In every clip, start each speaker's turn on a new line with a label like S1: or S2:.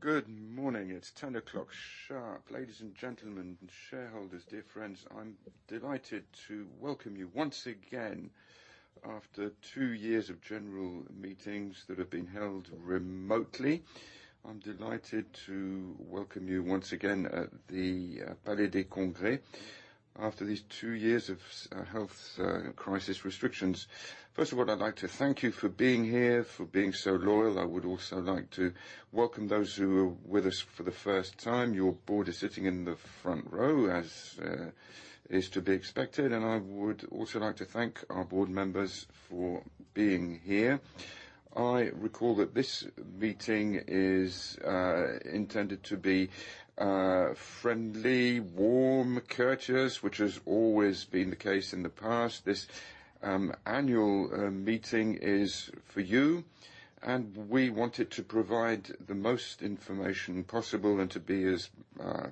S1: Good morning. It's 10:00 A.M. sharp. Ladies and gentlemen and shareholders, dear friends, I'm delighted to welcome you once again after two years of general meetings that have been held remotely. I'm delighted to welcome you once again at the Palais des Congrès after these two years of health crisis restrictions. First of all, I'd like to thank you for being here, for being so loyal. I would also like to welcome those who are with us for the first time. Your board is sitting in the front row, as is to be expected, and I would also like to thank our board members for being here. I recall that this meeting is intended to be friendly, warm, courteous, which has always been the case in the past. This annual meeting is for you, and we wanted to provide the most information possible and to be as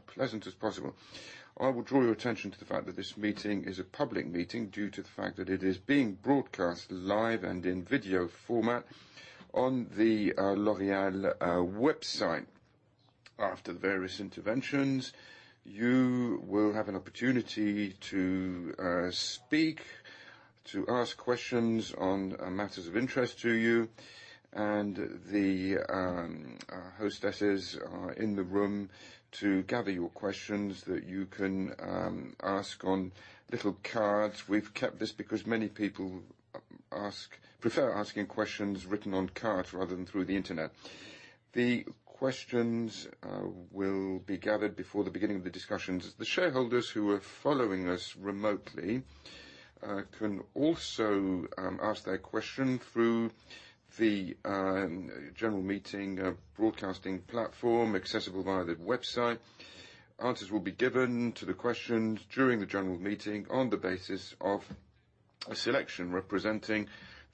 S1: pleasant as possible. I will draw your attention to the fact that this meeting is a public meeting due to the fact that it is being broadcast live and in video format on the L'Oréal website. After the various interventions, you will have an opportunity to speak, to ask questions on matters of interest to you, and the hostesses are in the room to gather your questions that you can ask on little cards. We've kept this because many people prefer asking questions written on cards rather than through the internet. The questions will be gathered before the beginning of the discussions. The shareholders who are following us remotely can also ask their question through the general meeting broadcasting platform accessible via the website. Answers will be given to the questions during the general meeting on the basis of a selection representing the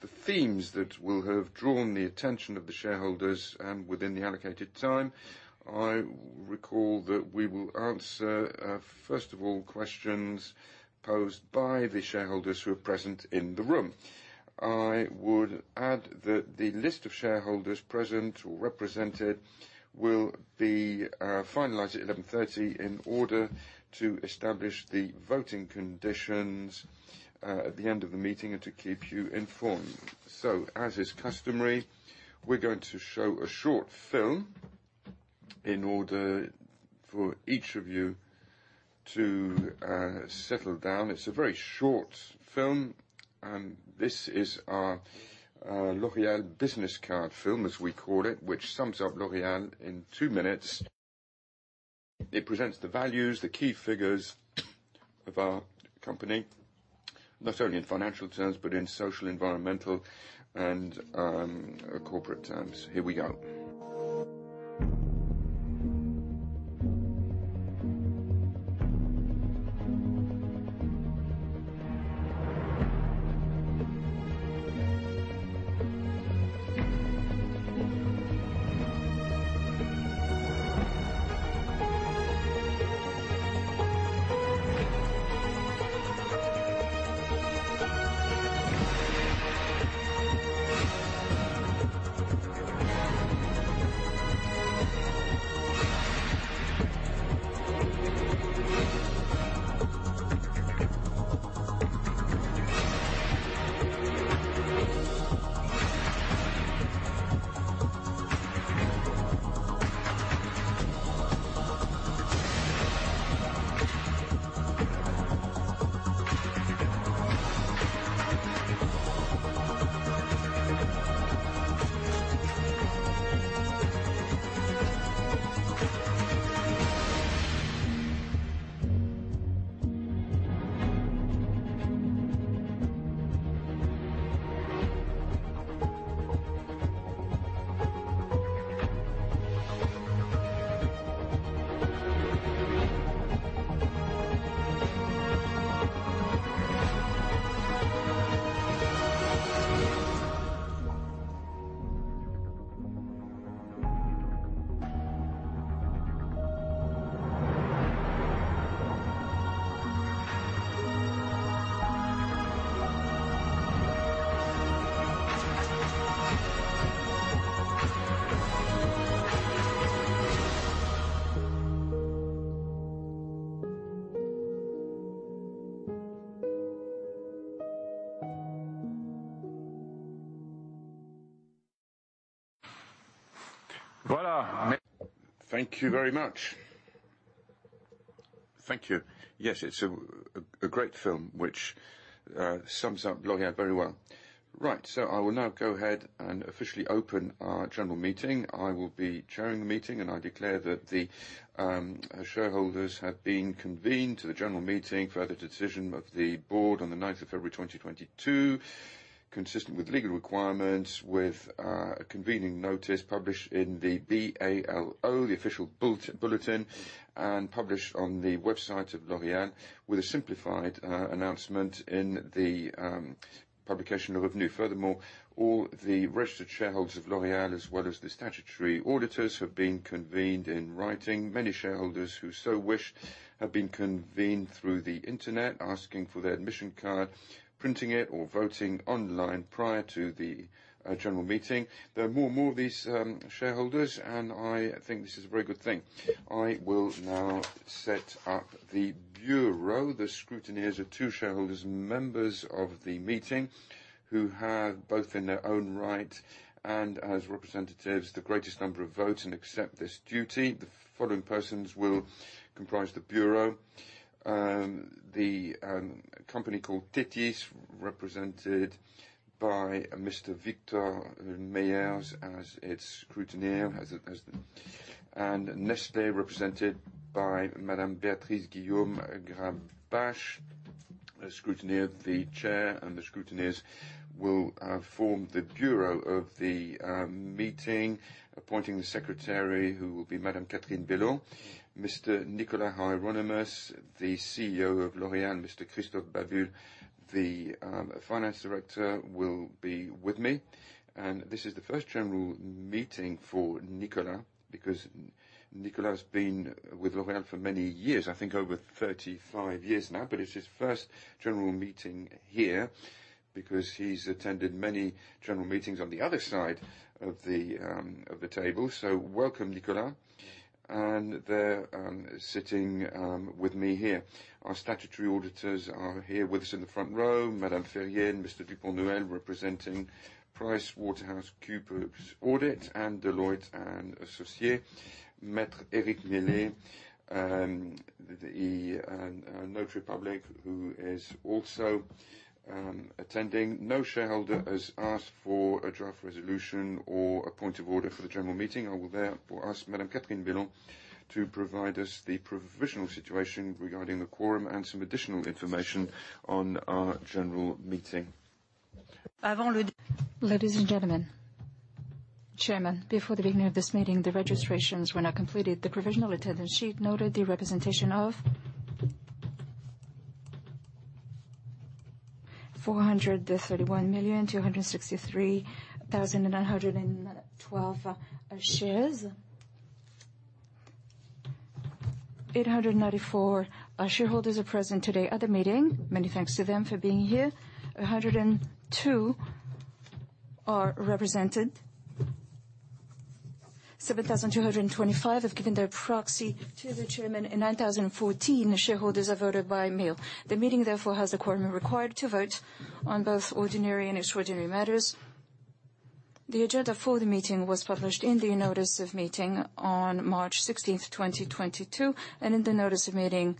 S1: themes that will have drawn the attention of the shareholders within the allocated time. I recall that we will answer first of all questions posed by the shareholders who are present in the room. I would add that the list of shareholders present or represented will be finalized at 11:30 A.M. in order to establish the voting conditions at the end of the meeting and to keep you informed. As is customary, we're going to show a short film in order for each of you to settle down. It's a very short film, and this is our L'Oréal business card film, as we call it, which sums up L'Oréal in two minutes. It presents the values, the key figures of our company, not only in financial terms, but in social, environmental, and corporate terms. Here we go. Voilà! Thank you very much. Thank you. Yes, it's a great film which sums up L'Oréal very well. Right, I will now go ahead and officially open our general meeting. I will be chairing the meeting, and I declare that the shareholders have been convened to the general meeting per the decision of the board on the ninth of February 2022, consistent with legal requirements, with a convening notice published in the BALO, the official bulletin, and published on the website of L'Oréal with a simplified announcement in the publication of OBNI. Furthermore, all the registered shareholders of L'Oréal, as well as the statutory auditors, have been convened in writing. Many shareholders who so wish have been convened through the internet, asking for their admission card, printing it, or voting online prior to the general meeting. There are more and more of these shareholders, and I think this is a very good thing. I will now set up the Bureau. The scrutineers are two shareholders, members of the meeting, who have both in their own right and as representatives, the greatest number of votes and accept this duty. The following persons will comprise the Bureau. The company called Téthys, represented by Mr. Jean-Victor Meyers as its scrutineer. Nestlé represented by Madame Béatrice Guillaume-Grabisch, the scrutineer. The chair and the scrutineers will form the Bureau of the meeting, appointing the secretary, who will be Madame Catherine Bellon. Mr. Nicolas Hieronimus, the CEO of L'Oréal, Mr. Christophe Babule, the finance director, will be with me. This is the first general meeting for Nicolas, because Nicolas has been with L'Oréal for many years, I think over 35 years now. It's his first general meeting here because he's attended many general meetings on the other side of the table. Welcome, Nicolas. They're sitting with me here. Our statutory auditors are here with us in the front row, Madame Ferrier and Mr. Dupont-Noël, representing PricewaterhouseCoopers Audit and Deloitte & Associés. Maître Eric Meillet, the notary public, who is also attending. No shareholder has asked for a draft resolution or a point of order for the general meeting. I will therefore ask Madame Catherine Bellon to provide us the provisional situation regarding the quorum and some additional information on our general meeting.
S2: Ladies and gentlemen, Chairman, before the beginning of this meeting, the registrations were now completed. The provisional attendance sheet noted the representation of 431,263,912 shares. 894 shareholders are present today at the meeting. Many thanks to them for being here. 102 are represented. 7,225 have given their proxy to the chairman, and 9,014 shareholders have voted by mail. The meeting, therefore, has the quorum required to vote on both ordinary and extraordinary matters. The agenda for the meeting was published in the notice of meeting on March 16, 2022, and in the notice of meeting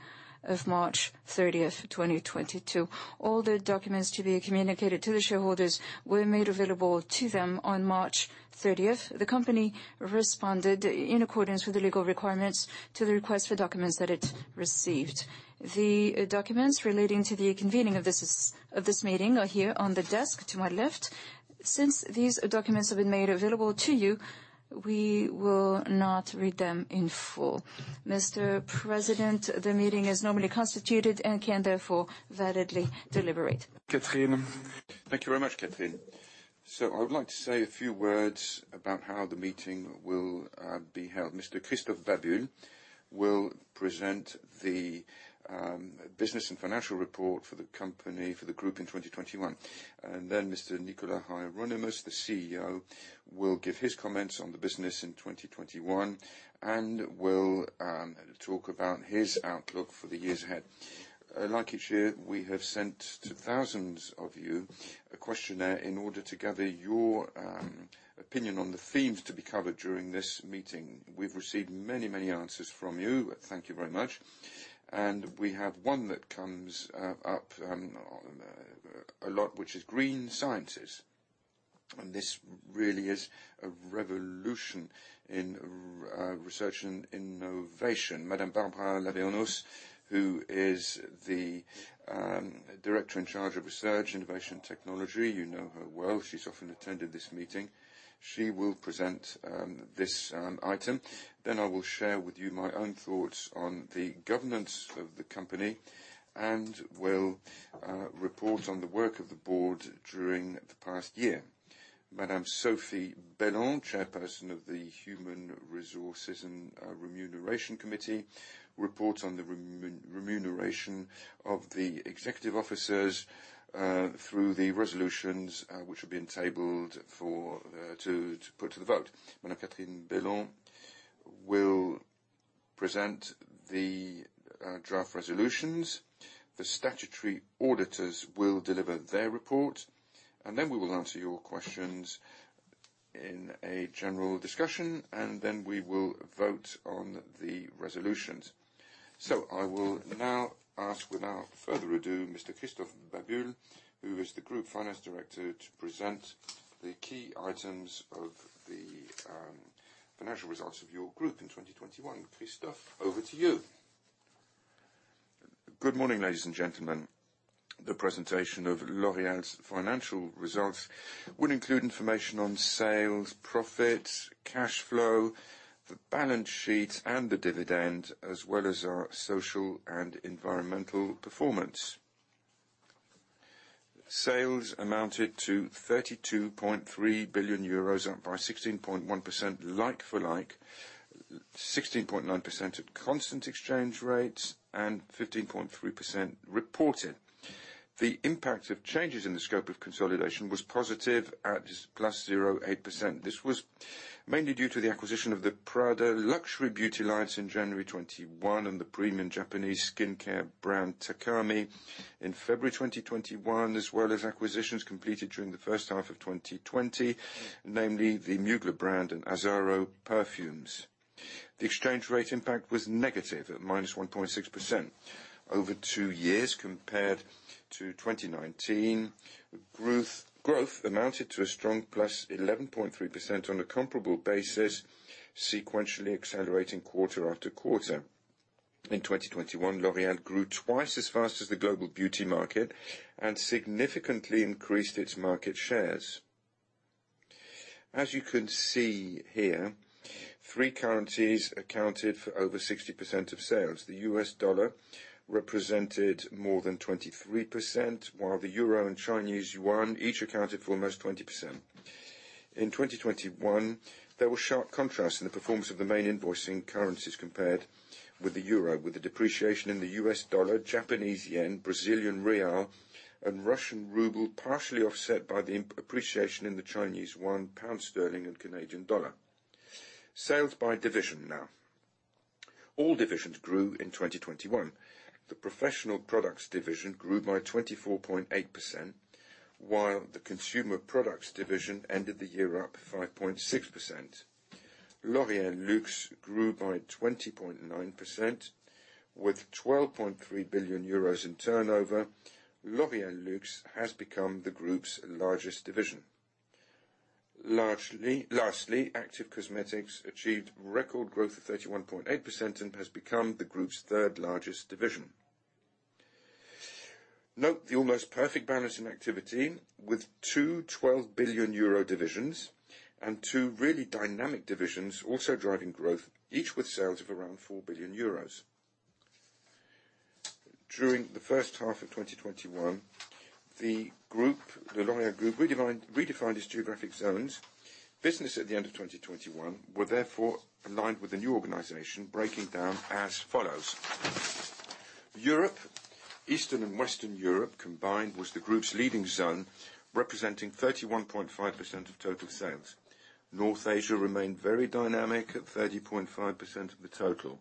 S2: of March 30, 2022. All the documents to be communicated to the shareholders were made available to them on March 30. The company responded in accordance with the legal requirements to the request for documents that it received. The documents relating to the convening of this meeting are here on the desk to my left. Since these documents have been made available to you, we will not read them in full. Mr. President, the meeting is normally constituted and can therefore validly deliberate.
S1: Catherine. Thank you very much, Catherine. I would like to say a few words about how the meeting will be held. Mr. Christophe Babule will present the business and financial report for the company, for the group in 2021. Mr. Nicolas Hieronimus, the CEO, will give his comments on the business in 2021 and will talk about his outlook for the years ahead. Like each year, we have sent to thousands of you a questionnaire in order to gather your opinion on the themes to be covered during this meeting. We've received many, many answers from you. Thank you very much. We have one that comes up a lot, which is green sciences, and this really is a revolution in research and innovation. Madame Barbara Lavernos, who is the director in charge of research, innovation, technology, you know her well, she has often attended this meeting. She will present this item. Then I will share with you my own thoughts on the governance of the company and will report on the work of the board during the past year. Madame Sophie Bellon, Chairperson of the Human Resources and Remuneration Committee, reports on the remuneration of the executive officers through the resolutions which have been tabled for to put to the vote. Madame Catherine Bellon will present the draft resolutions, the statutory auditors will deliver their report, and then we will answer your questions in a general discussion, and then we will vote on the resolutions. I will now ask, without further ado, Mr. Christophe Babule, who is the group finance director, to present the key items of the financial results of your group in 2021. Christophe, over to you.
S3: Good morning, ladies and gentlemen. The presentation of L'Oréal's financial results will include information on sales, profits, cash flow, the balance sheet and the dividend, as well as our social and environmental performance. Sales amounted to 32.3 billion euros, up by 16.1% like-for-like, 16.9% at constant exchange rates and 15.3% reported. The impact of changes in the scope of consolidation was positive at just +0.8%. This was mainly due to the acquisition of the Prada luxury beauty lines in January 2021 and the premium Japanese skincare brand Takami in February 2021, as well as acquisitions completed during the first half of 2020, namely the Mugler brand and Azzaro perfumes. The exchange rate impact was negative at -1.6%. Over two years compared to 2019, growth amounted to a strong +11.3% on a comparable basis, sequentially accelerating quarter after quarter. In 2021, L'Oréal grew twice as fast as the global beauty market and significantly increased its market shares. As you can see here, three currencies accounted for over 60% of sales. The U.S. dollar represented more than 23%, while the euro and Chinese yuan each accounted for almost 20%. In 2021, there was sharp contrast in the performance of the main invoicing currencies compared with the euro, with the depreciation in the U.S. dollar, Japanese yen, Brazilian real, and Russian ruble partially offset by the appreciation in the Chinese yuan, pound sterling and Canadian dollar. Sales by division now. All divisions grew in 2021. The Professional Products Division grew by 24.8%, while the Consumer Products Division ended the year up 5.6%. L'Oréal Luxe grew by 20.9%. With 12.3 billion euros in turnover, L'Oréal Luxe has become the group's largest division. Lastly, Active Cosmetics achieved record growth of 31.8% and has become the group's third-largest division. Note the almost perfect balance in activity with two 12 billion euro divisions and two really dynamic divisions also driving growth, each with sales of around 4 billion euros. During the first half of 2021, the group, the L'Oréal Group, redefined its geographic zones. Business at the end of 2021 were therefore aligned with the new organization, breaking down as follows. Europe, Eastern and Western Europe combined was the group's leading zone, representing 31.5% of total sales. North Asia remained very dynamic at 30.5% of the total.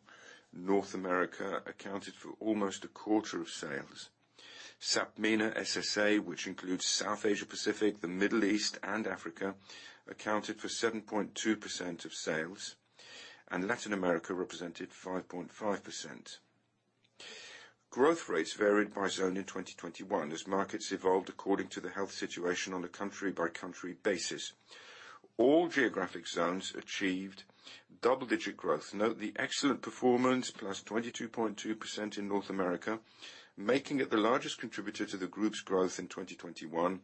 S3: North America accounted for almost a quarter of sales. SAPMENA-SSA, which includes South Asia Pacific, the Middle East and Africa, accounted for 7.2% of sales, and Latin America represented 5.5%. Growth rates varied by zone in 2021 as markets evolved according to the health situation on a country-by-country basis. All geographic zones achieved double-digit growth. Note the excellent performance, +22.2% in North America, making it the largest contributor to the group's growth in 2021,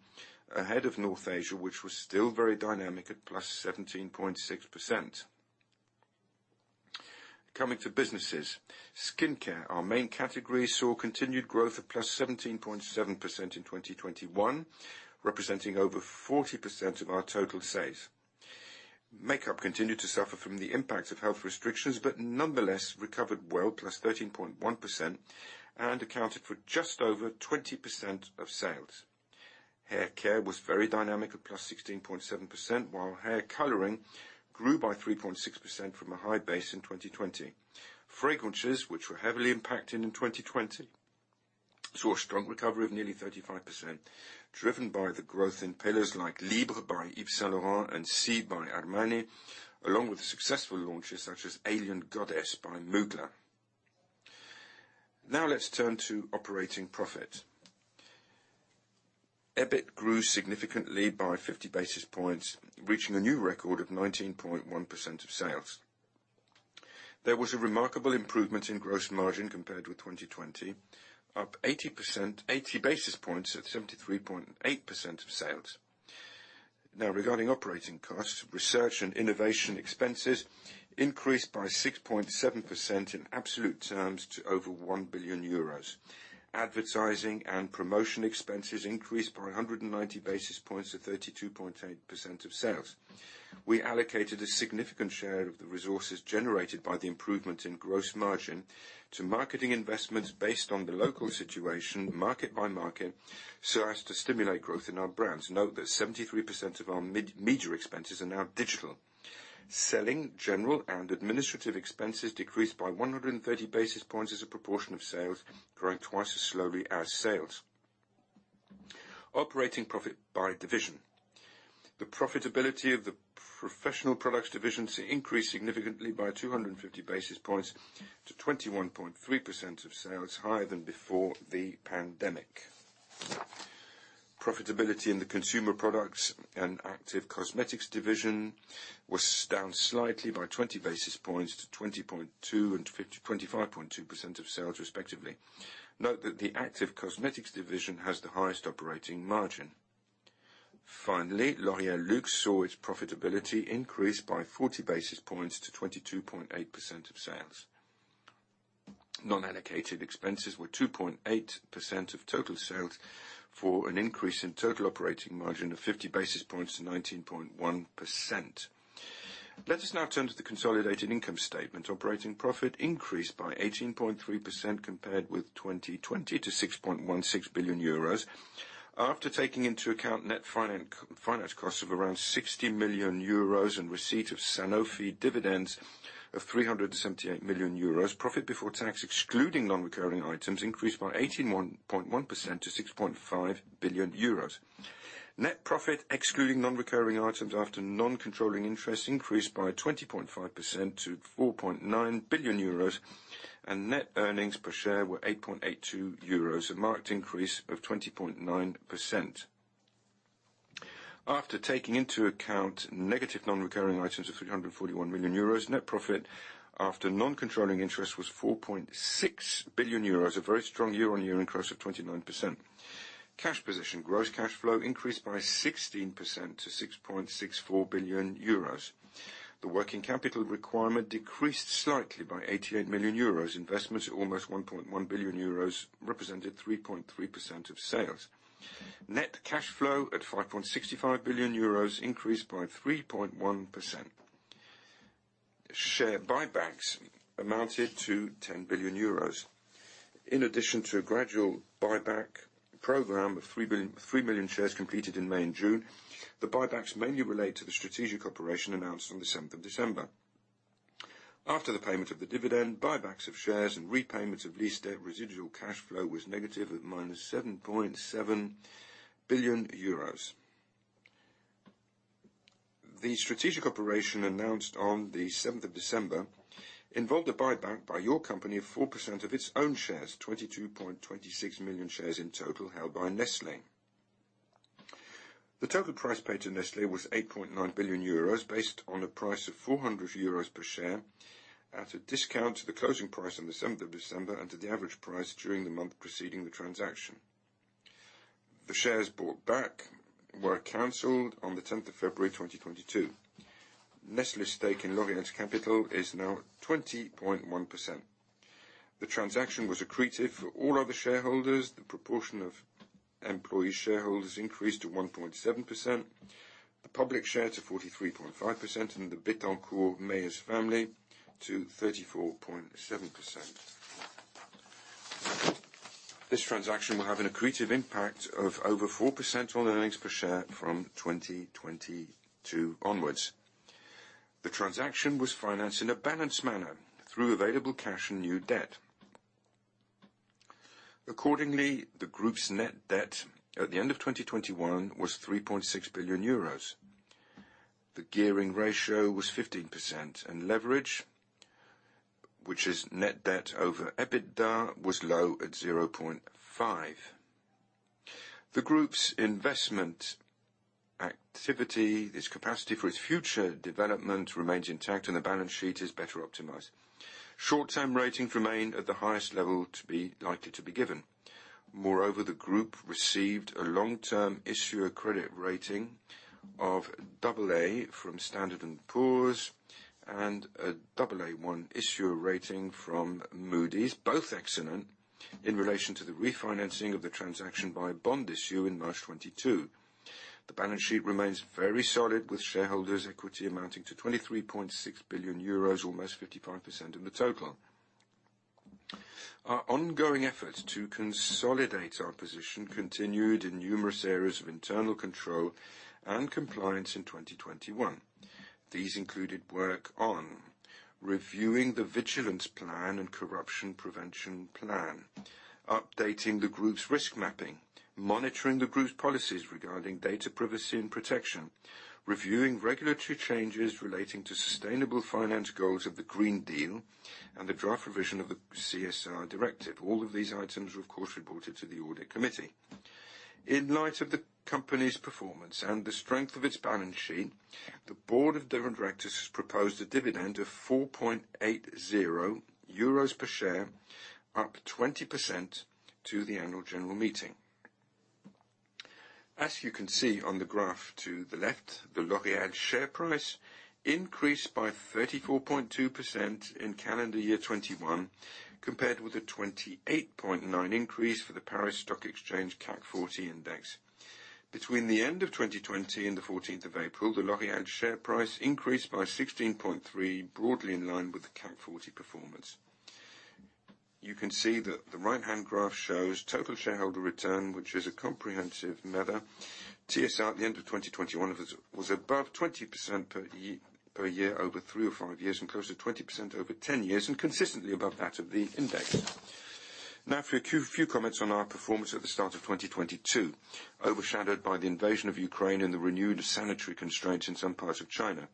S3: ahead of North Asia, which was still very dynamic at +17.6%. Coming to businesses. Skincare, our main category, saw continued growth of +17.7% in 2021, representing over 40% of our total sales. Makeup continued to suffer from the impacts of health restrictions, but nonetheless recovered well, +13.1%, and accounted for just over 20% of sales. Hair care was very dynamic at +16.7%, while hair coloring grew by 3.6% from a high base in 2020. Fragrances, which were heavily impacted in 2020, saw a strong recovery of nearly 35%, driven by the growth in pillars like Libre by Yves Saint Laurent and Sì by Armani, along with successful launches such as Alien Goddess by Mugler. Now let's turn to operating profit. EBIT grew significantly by 50 basis points, reaching a new record of 19.1% of sales. There was a remarkable improvement in gross margin compared with 2020, up 80 basis points at 73.8% of sales. Now regarding operating costs, research and innovation expenses increased by 6.7% in absolute terms to over 1 billion euros. Advertising and promotion expenses increased by 190 basis points to 32.8% of sales. We allocated a significant share of the resources generated by the improvement in gross margin to marketing investments based on the local situation, market by market, so as to stimulate growth in our brands. Note that 73% of our major expenses are now digital. Selling, general, and administrative expenses decreased by 130 basis points as a proportion of sales, growing twice as slowly as sales. Operating profit by division. The profitability of the Professional Products division increased significantly by 250 basis points to 21.3% of sales, higher than before the pandemic. Profitability in the Consumer Products and Active Cosmetics division was down slightly by 20 basis points to 20.2% and 25.2% of sales respectively. Note that the Active Cosmetics division has the highest operating margin. Finally, L'Oréal Luxe saw its profitability increase by 40 basis points to 22.8% of sales. Non-allocated expenses were 2.8% of total sales for an increase in total operating margin of 50 basis points to 19.1%. Let us now turn to the consolidated income statement. Operating profit increased by 18.3% compared with 2020 to 6.16 billion euros. After taking into account net finance costs of around 60 million euros and receipt of Sanofi dividends of 378 million euros. Profit before tax, excluding non-recurring items, increased by 18.1% to 6.5 billion euros. Net profit, excluding non-recurring items after non-controlling interest, increased by 20.5% to 4.9 billion euros. Net earnings per share were 8.82 euros, a marked increase of 20.9%. After taking into account negative non-recurring items of 341 million euros. Net profit after non-controlling interest was 4.6 billion euros, a very strong year-on-year increase of 29%. Cash position. Gross cash flow increased by 16% to 6.64 billion euros. The working capital requirement decreased slightly by 88 million euros. Investments are almost 1.1 billion euros, represented 3.3% of sales. Net cash flow at 5.65 billion euros increased by 3.1%. Share buybacks amounted to 10 billion euros. In addition to a gradual buyback program of 3 million shares completed in May and June. The buybacks mainly relate to the strategic operation announced on the 7th of December. After the payment of the dividend, buybacks of shares, and repayments of lease debt, residual cash flow was negative at -7.7 billion euros. The strategic operation announced on the seventh of December involved a buyback by your company of 4% of its own shares, 22.26 million shares in total held by Nestlé. The total price paid to Nestlé was 8.9 billion euros based on a price of 400 euros per share, at a discount to the closing price on the seventh of December and to the average price during the month preceding the transaction. The shares bought back were canceled on the tenth of February 2022. Nestlé's stake in L'Oréal's capital is now 20.1%. The transaction was accretive for all other shareholders. The proportion of employee shareholders increased to 1.7%, the public share to 43.5%, and the Bettencourt Meyers family to 34.7%. This transaction will have an accretive impact of over 4% on earnings per share from 2022 onwards. The transaction was financed in a balanced manner through available cash and new debt. Accordingly, the group's net debt at the end of 2021 was 3.6 billion euros. The gearing ratio was 15%, and leverage, which is net debt over EBITDA, was low at 0.5x. The group's investment activity, its capacity for its future development remains intact and the balance sheet is better optimized. Short-term ratings remain at the highest level likely to be given. Moreover, the group received a long-term issuer credit rating of AA from Standard & Poor's and an Aa1 issuer rating from Moody's. Both excellent in relation to the refinancing of the transaction by bond issue in March 2022. The balance sheet remains very solid with shareholders' equity amounting to 23.6 billion euros, almost 55% of the total. Our ongoing effort to consolidate our position continued in numerous areas of internal control and compliance in 2021. These included work on reviewing the vigilance plan and corruption prevention plan, updating the group's risk mapping, monitoring the group's policies regarding data privacy and protection, reviewing regulatory changes relating to sustainable finance goals of the Green Deal, and the draft revision of the CSR Directive. All of these items were of course reported to the audit committee. In light of the company's performance and the strength of its balance sheet, the Board of Directors proposed a dividend of 4.80 euros per share, up 20% to the annual general meeting. As you can see on the graph to the left, the L'Oréal share price increased by 34.2% in calendar year 2021, compared with a 28.9% increase for the Paris Stock Exchange CAC 40 index. Between the end of 2020 and the fourteenth of April, the L'Oréal share price increased by 16.3%, broadly in line with the CAC 40 performance. You can see that the right-hand graph shows total shareholder return, which is a comprehensive measure. TSR at the end of 2021 was above 20% per year over three or five years and close to 20% over 10 years and consistently above that of the index. Now for a few comments on our performance at the start of 2022. Overshadowed by the invasion of Ukraine and the renewed sanitary constraints in some parts of China.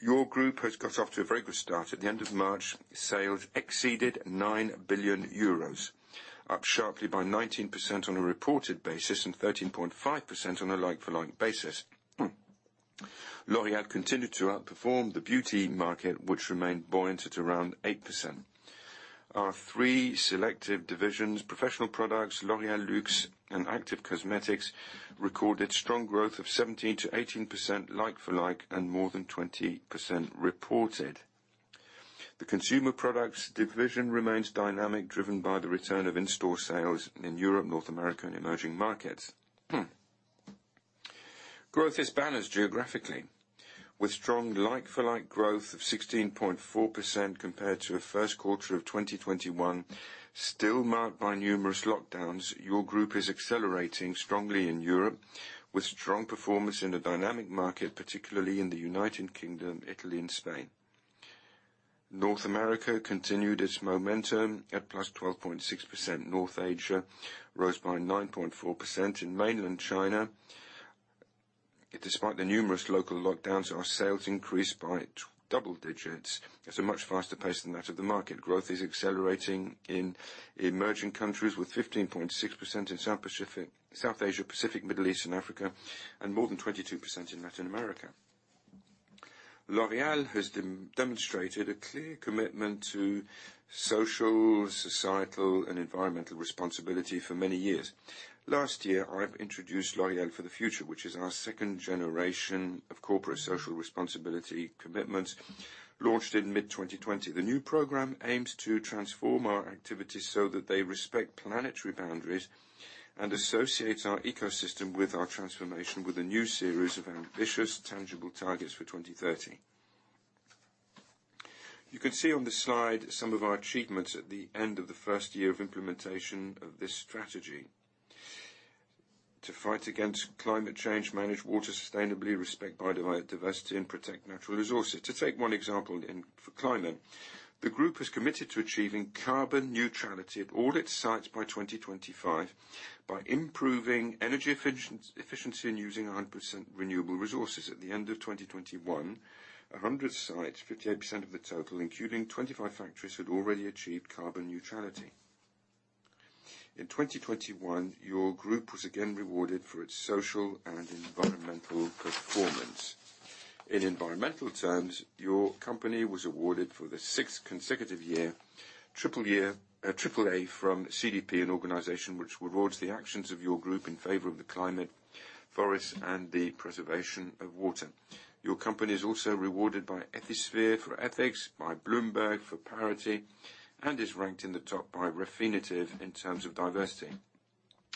S3: Your group has got off to a very good start. At the end of March, sales exceeded 9 billion euros, up sharply by 19% on a reported basis, and 13.5% on a like-for-like basis. L'Oréal continued to outperform the beauty market, which remained buoyant at around 8%. Our three selective divisions, Professional Products, L'Oréal Luxe, and Active Cosmetics, recorded strong growth of 17%-18% like for like and more than 20% reported. The Consumer Products division remains dynamic, driven by the return of in-store sales in Europe, North America, and emerging markets. Growth is balanced geographically with strong like for like growth of 16.4% compared to a first quarter of 2021 still marked by numerous lockdowns. Your group is accelerating strongly in Europe with strong performance in a dynamic market, particularly in the United Kingdom, Italy, and Spain. North America continued its momentum at +12.6%. North Asia rose by 9.4%. In mainland China, despite the numerous local lockdowns, our sales increased by double digits. It's a much faster pace than that of the market. Growth is accelerating in emerging countries with 15.6% in South Asia, Pacific, Middle East, and Africa, and more than 22% in Latin America. L'Oréal has demonstrated a clear commitment to social, societal, and environmental responsibility for many years. Last year, I've introduced L'Oréal for the Future, which is our second generation of corporate social responsibility commitments launched in mid-2020. The new program aims to transform our activities so that they respect planetary boundaries and associate our ecosystem with our transformation with a new series of ambitious tangible targets for 2030. You can see on the slide some of our achievements at the end of the first year of implementation of this strategy to fight against climate change, manage water sustainably, respect biodiversity, and protect natural resources. To take one example for climate, the group has committed to achieving carbon neutrality at all its sites by 2025 by improving energy efficiency and using 100% renewable resources. At the end of 2021, 100 sites, 58% of the total, including 25 factories, had already achieved carbon neutrality. In 2021, your group was again rewarded for its social and environmental performance. In environmental terms, your company was awarded for the sixth consecutive year, AAA from CDP, an organization which rewards the actions of your group in favor of the climate, forests, and the preservation of water. Your company is also rewarded by Ethisphere for ethics, by Bloomberg for parity, and is ranked in the top by Refinitiv in terms of diversity.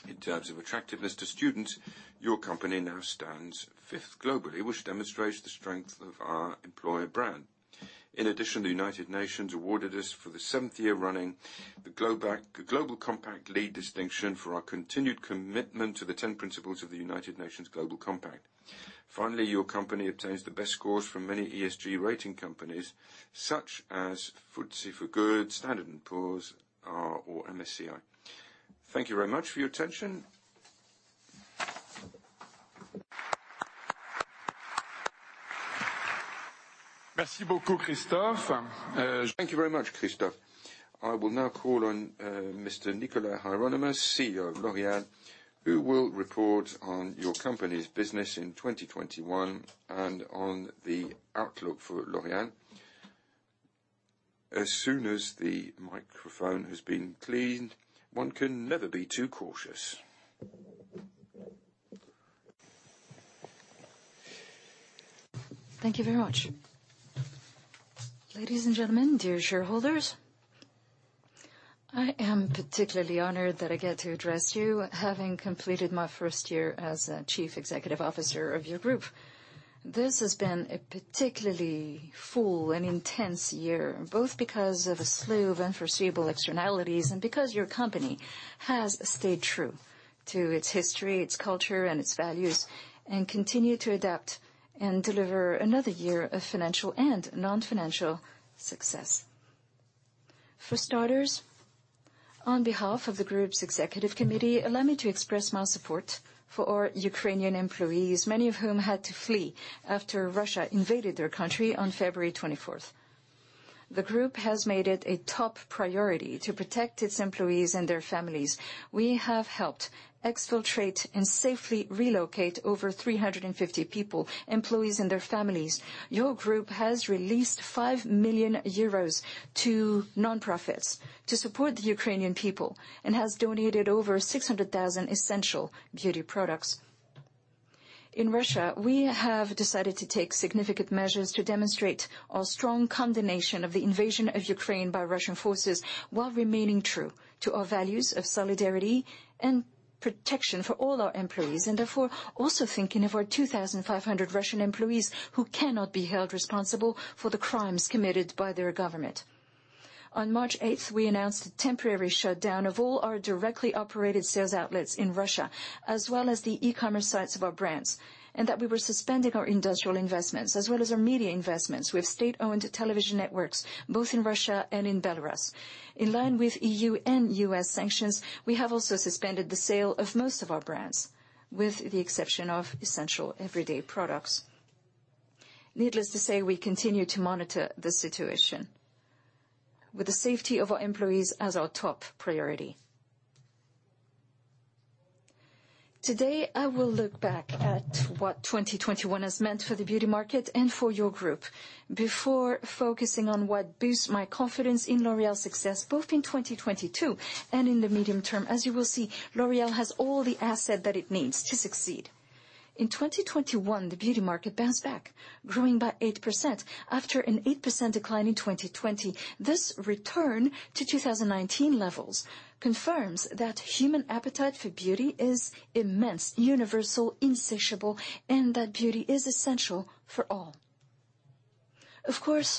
S3: In terms of attractiveness to students, your company now stands fifth globally, which demonstrates the strength of our employer brand. In addition, the United Nations awarded us for the seventh year running the Global Compact Lead distinction for our continued commitment to the ten principles of the United Nations Global Compact. Finally, your company obtains the best scores from many ESG rating companies such as FTSE4Good, Standard & Poor's, or MSCI. Thank you very much for your attention.
S1: Thank you very much, Christophe. I will now call on Mr. Nicolas Hieronimus, CEO of L'Oréal, who will report on your company's business in 2021 and on the outlook for L'Oréal. As soon as the microphone has been cleaned, one can never be too cautious.
S4: Thank you very much. Ladies and gentlemen, dear shareholders, I am particularly honored that I get to address you having completed my first year as Chief Executive Officer of your group. This has been a particularly full and intense year, both because of a slew of unforeseeable externalities and because your company has stayed true to its history, its culture, and its values, and continue to adapt and deliver another year of financial and non-financial success. For starters, on behalf of the group's executive committee, allow me to express my support for our Ukrainian employees, many of whom had to flee after Russia invaded their country on February twenty-fourth. The group has made it a top priority to protect its employees and their families. We have helped exfiltrate and safely relocate over 350 people, employees and their families. Your group has released 5 million euros to nonprofits to support the Ukrainian people and has donated over 600,000 essential beauty products. In Russia, we have decided to take significant measures to demonstrate our strong condemnation of the invasion of Ukraine by Russian forces while remaining true to our values of solidarity and protection for all our employees, and therefore also thinking of our 2,500 Russian employees who cannot be held responsible for the crimes committed by their government. On March 8th, we announced a temporary shutdown of all our directly operated sales outlets in Russia, as well as the e-commerce sites of our brands, and that we were suspending our industrial investments as well as our media investments with state-owned television networks both in Russia and in Belarus. In line with EU and U.S. sanctions, we have also suspended the sale of most of our brands, with the exception of essential everyday products. Needless to say, we continue to monitor the situation with the safety of our employees as our top priority. Today, I will look back at what 2021 has meant for the beauty market and for your group before focusing on what boosts my confidence in L'Oréal's success, both in 2022 and in the medium term. As you will see, L'Oréal has all the assets that it needs to succeed. In 2021, the beauty market bounced back, growing by 8% after an 8% decline in 2020. This return to 2019 levels confirms that human appetite for beauty is immense, universal, insatiable, and that beauty is essential for all. Of course,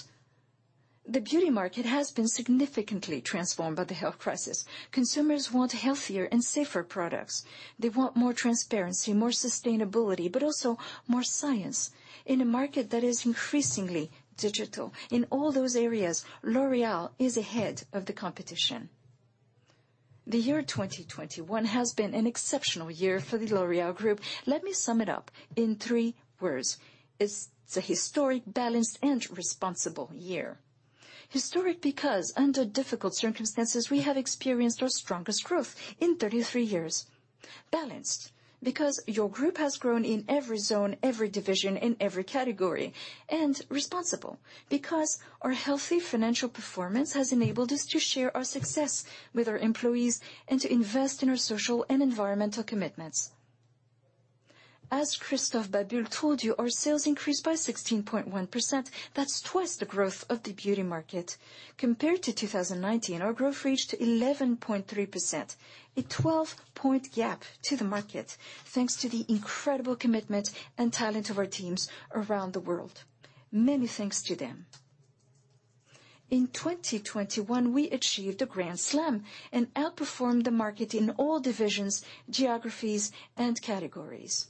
S4: the beauty market has been significantly transformed by the health crisis. Consumers want healthier and safer products. They want more transparency, more sustainability, but also more science in a market that is increasingly digital. In all those areas, L'Oréal is ahead of the competition. The year 2021 has been an exceptional year for the L'Oréal Group. Let me sum it up in three words. It's a historic, balanced, and responsible year. Historic, because under difficult circumstances, we have experienced our strongest growth in 33 years. Balanced, because your group has grown in every zone, every division, in every category. Responsible, because our healthy financial performance has enabled us to share our success with our employees and to invest in our social and environmental commitments. As Christophe Babule told you, our sales increased by 16.1%. That's twice the growth of the beauty market. Compared to 2019, our growth reached 11.3%, a 12-point gap to the market, thanks to the incredible commitment and talent of our teams around the world. Many thanks to them. In 2021, we achieved a grand slam and outperformed the market in all divisions, geographies, and categories.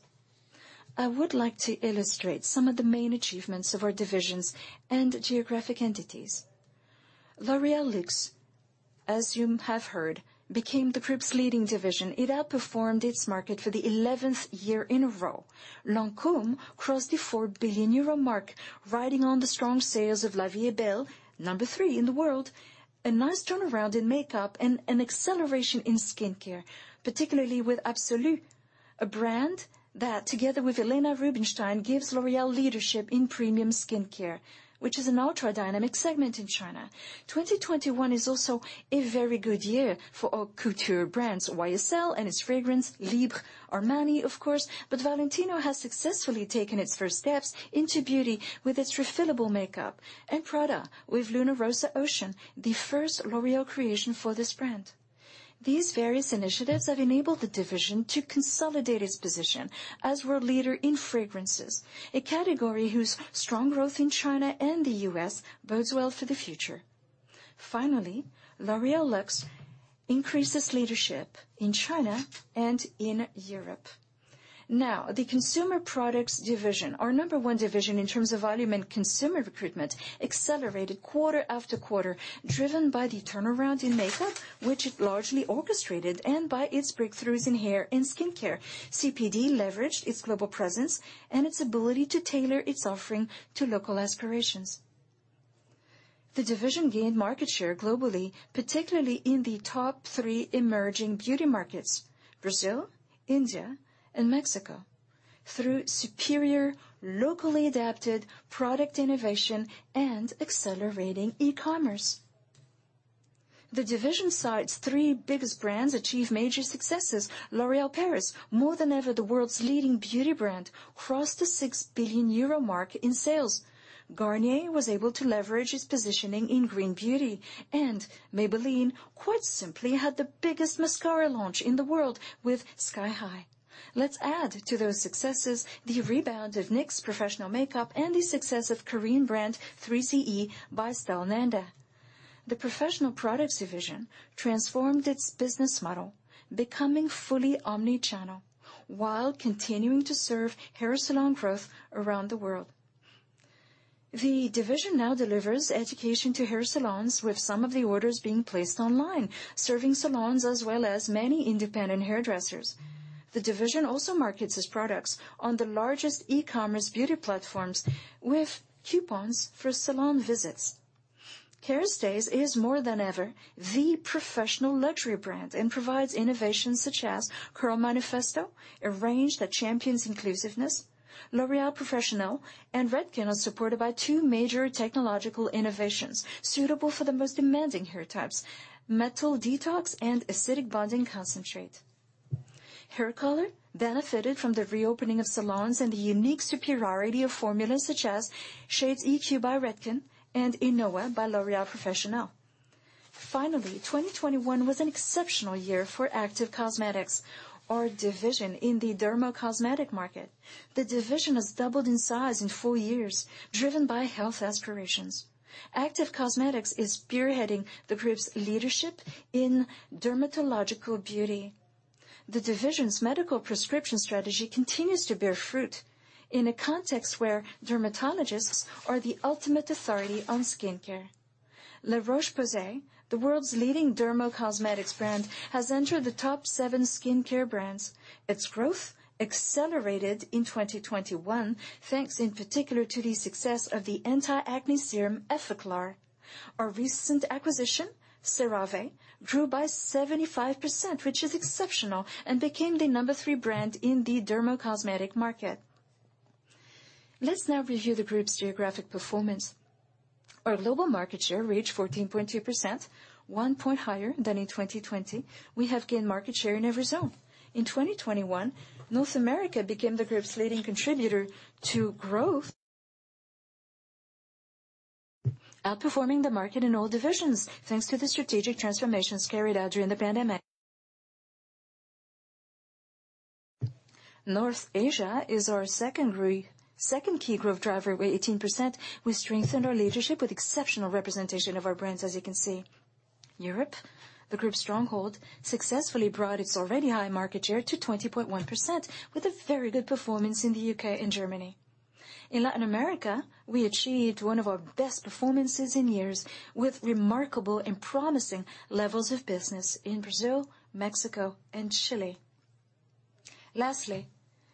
S4: I would like to illustrate some of the main achievements of our divisions and geographic entities. L'Oréal Luxe, as you have heard, became the group's leading division. It outperformed its market for the 11th year in a row. Lancôme crossed the 4 billion euro mark, riding on the strong sales of La Vie est Belle, number 3 in the world, a nice turnaround in makeup, and an acceleration in skincare, particularly with Absolue, a brand that together with Helena Rubinstein, gives L'Oréal leadership in premium skincare, which is an ultra-dynamic segment in China. 2021 is also a very good year for our couture brands, YSL and its fragrance, Libre, Armani, of course, but Valentino has successfully taken its first steps into beauty with its refillable makeup, and Prada with Luna Rossa Ocean, the first L'Oréal creation for this brand. These various initiatives have enabled the division to consolidate its position as world leader in fragrances, a category whose strong growth in China and the US bodes well for the future. Finally, L'Oréal Luxe increases leadership in China and in Europe. Now, the Consumer Products Division, our number one division in terms of volume and consumer recruitment, accelerated quarter after quarter, driven by the turnaround in makeup, which it largely orchestrated, and by its breakthroughs in hair and skincare. CPD leveraged its global presence and its ability to tailor its offering to local aspirations. The division gained market share globally, particularly in the top three emerging beauty markets, Brazil, India, and Mexico, through superior, locally adapted product innovation and accelerating e-commerce. The division saw its three biggest brands achieve major successes. L'Oréal Paris, more than ever, the world's leading beauty brand, crossed the 6 billion euro mark in sales. Garnier was able to leverage its positioning in green beauty, and Maybelline quite simply had the biggest mascara launch in the world with Sky High. Let's add to those successes the rebound of NYX Professional Makeup and the success of Korean brand 3CE by Stylenanda. The Professional Products Division transformed its business model, becoming fully omni-channel while continuing to serve hair salon growth around the world. The division now delivers education to hair salons, with some of the orders being placed online, serving salons as well as many independent hairdressers. The division also markets its products on the largest e-commerce beauty platforms with coupons for salon visits. Kérastase is more than ever the professional luxury brand and provides innovations such as Curl Manifesto, a range that champions inclusiveness. L'Oréal Professionnel and Redken are supported by two major technological innovations suitable for the most demanding hair types, Metal Detox and Acidic Bonding Concentrate. Hair color benefited from the reopening of salons and the unique superiority of formulas such as Shades EQ by Redken and iNOA by L'Oréal Professionnel. Finally, 2021 was an exceptional year for Active Cosmetics, our division in the dermacosmetic market. The division has doubled in size in four years, driven by health aspirations. Active Cosmetics is spearheading the group's leadership in dermatological beauty. The division's medical prescription strategy continues to bear fruit in a context where dermatologists are the ultimate authority on skincare. La Roche-Posay, the world's leading dermacosmetics brand, has entered the top 7 skincare brands. Its growth accelerated in 2021, thanks in particular to the success of the anti-acne serum, Effaclar. Our recent acquisition, CeraVe, grew by 75%, which is exceptional, and became the number 3 brand in the dermacosmetic market. Let's now review the group's geographic performance. Our global market share reached 14.2%, 1 point higher than in 2020. We have gained market share in every zone. In 2021, North America became the group's leading contributor to growth, outperforming the market in all divisions, thanks to the strategic transformations carried out during the pandemic. North Asia is our second key growth driver with 18%. We strengthened our leadership with exceptional representation of our brands, as you can see. Europe, the group's stronghold, successfully brought its already high market share to 20.1% with a very good performance in the U.K. and Germany. In Latin America, we achieved one of our best performances in years, with remarkable and promising levels of business in Brazil, Mexico, and Chile. Lastly,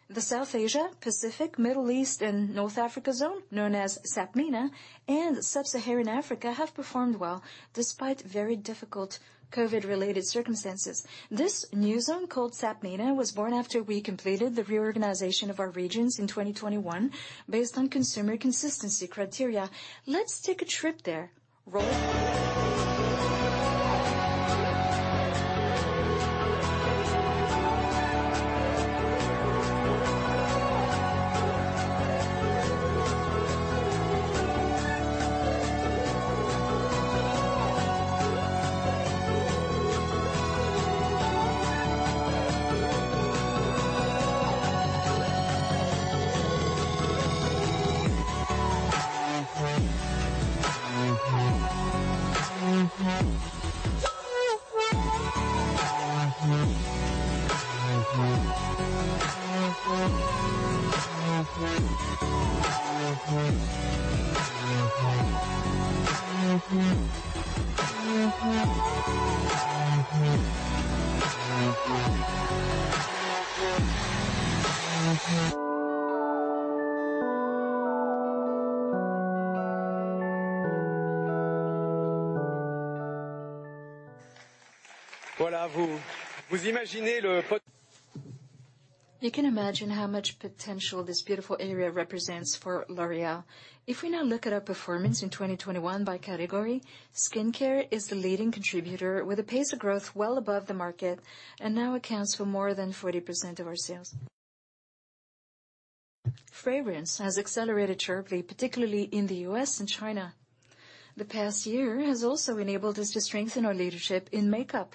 S4: the South Asia, Pacific, Middle East, and North Africa zone, known as SAPMENA, and Sub-Saharan Africa, have performed well despite very difficult COVID-related circumstances. This new zone called SAPMENA was born after we completed the reorganization of our regions in 2021 based on consumer consistency criteria. Let's take a trip there. You can imagine how much potential this beautiful area represents for L'Oréal. If we now look at our performance in 2021 by category, skincare is the leading contributor with a pace of growth well above the market, and now accounts for more than 40% of our sales. Fragrance has accelerated sharply, particularly in the U.S. and China. The past year has also enabled us to strengthen our leadership in makeup.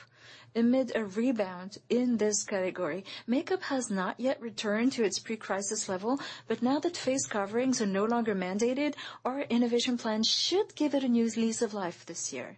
S4: Amid a rebound in this category, makeup has not yet returned to its pre-crisis level, but now that face coverings are no longer mandated, our innovation plan should give it a new lease of life this year.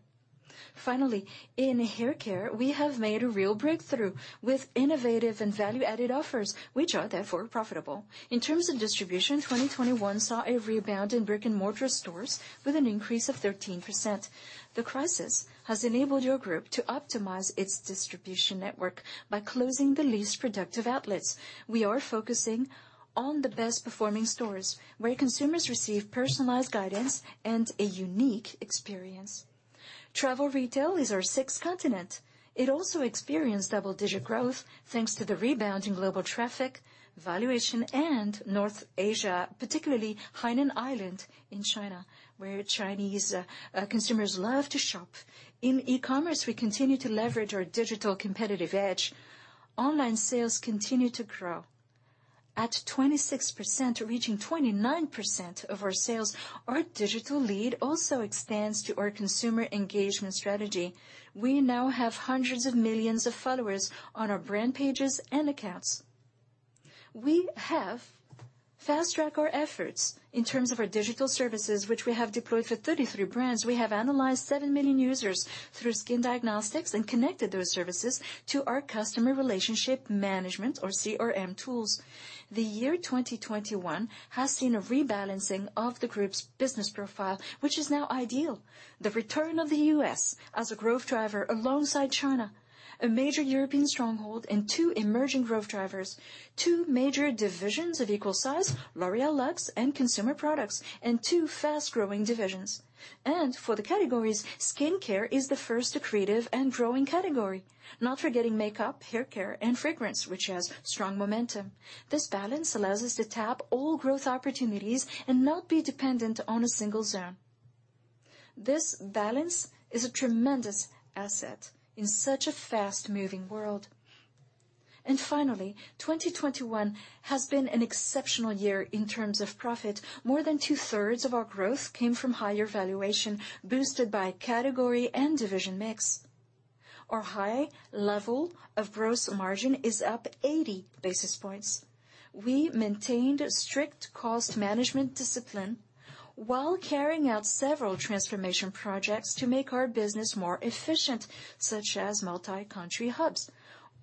S4: Finally, in haircare, we have made a real breakthrough with innovative and value-added offers, which are therefore profitable. In terms of distribution, 2021 saw a rebound in brick-and-mortar stores with an increase of 13%. The crisis has enabled your group to optimize its distribution network by closing the least productive outlets. We are focusing on the best performing stores, where consumers receive personalized guidance and a unique experience. Travel retail is our sixth continent. It also experienced double-digit growth thanks to the rebound in global traffic, valuation, and North Asia, particularly Hainan Island in China, where Chinese consumers love to shop. In e-commerce, we continue to leverage our digital competitive edge. Online sales continue to grow at 26%, reaching 29% of our sales. Our digital lead also extends to our consumer engagement strategy. We now have hundreds of millions of followers on our brand pages and accounts. We have fast-tracked our efforts in terms of our digital services, which we have deployed for 33 brands. We have analyzed 7 million users through skin diagnostics and connected those services to our customer relationship management or CRM tools. The year 2021 has seen a rebalancing of the group's business profile, which is now ideal. The return of the U.S. as a growth driver alongside China, a major European stronghold and two emerging growth drivers, two major divisions of equal size, L'Oréal Luxe and Consumer Products, and two fast-growing divisions. For the categories, skincare is the first accretive and growing category, not forgetting makeup, haircare, and fragrance, which has strong momentum. This balance allows us to tap all growth opportunities and not be dependent on a single zone. This balance is a tremendous asset in such a fast-moving world. Finally, 2021 has been an exceptional year in terms of profit. More than 2/3 of our growth came from higher valuation, boosted by category and division mix. Our high level of gross margin is up 80 basis points. We maintained strict cost management discipline while carrying out several transformation projects to make our business more efficient, such as multi-country hubs.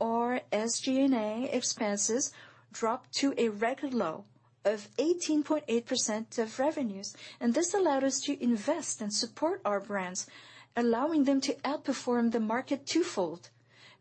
S4: Our SG&A expenses dropped to a record low of 18.8% of revenues, and this allowed us to invest and support our brands, allowing them to outperform the market twofold.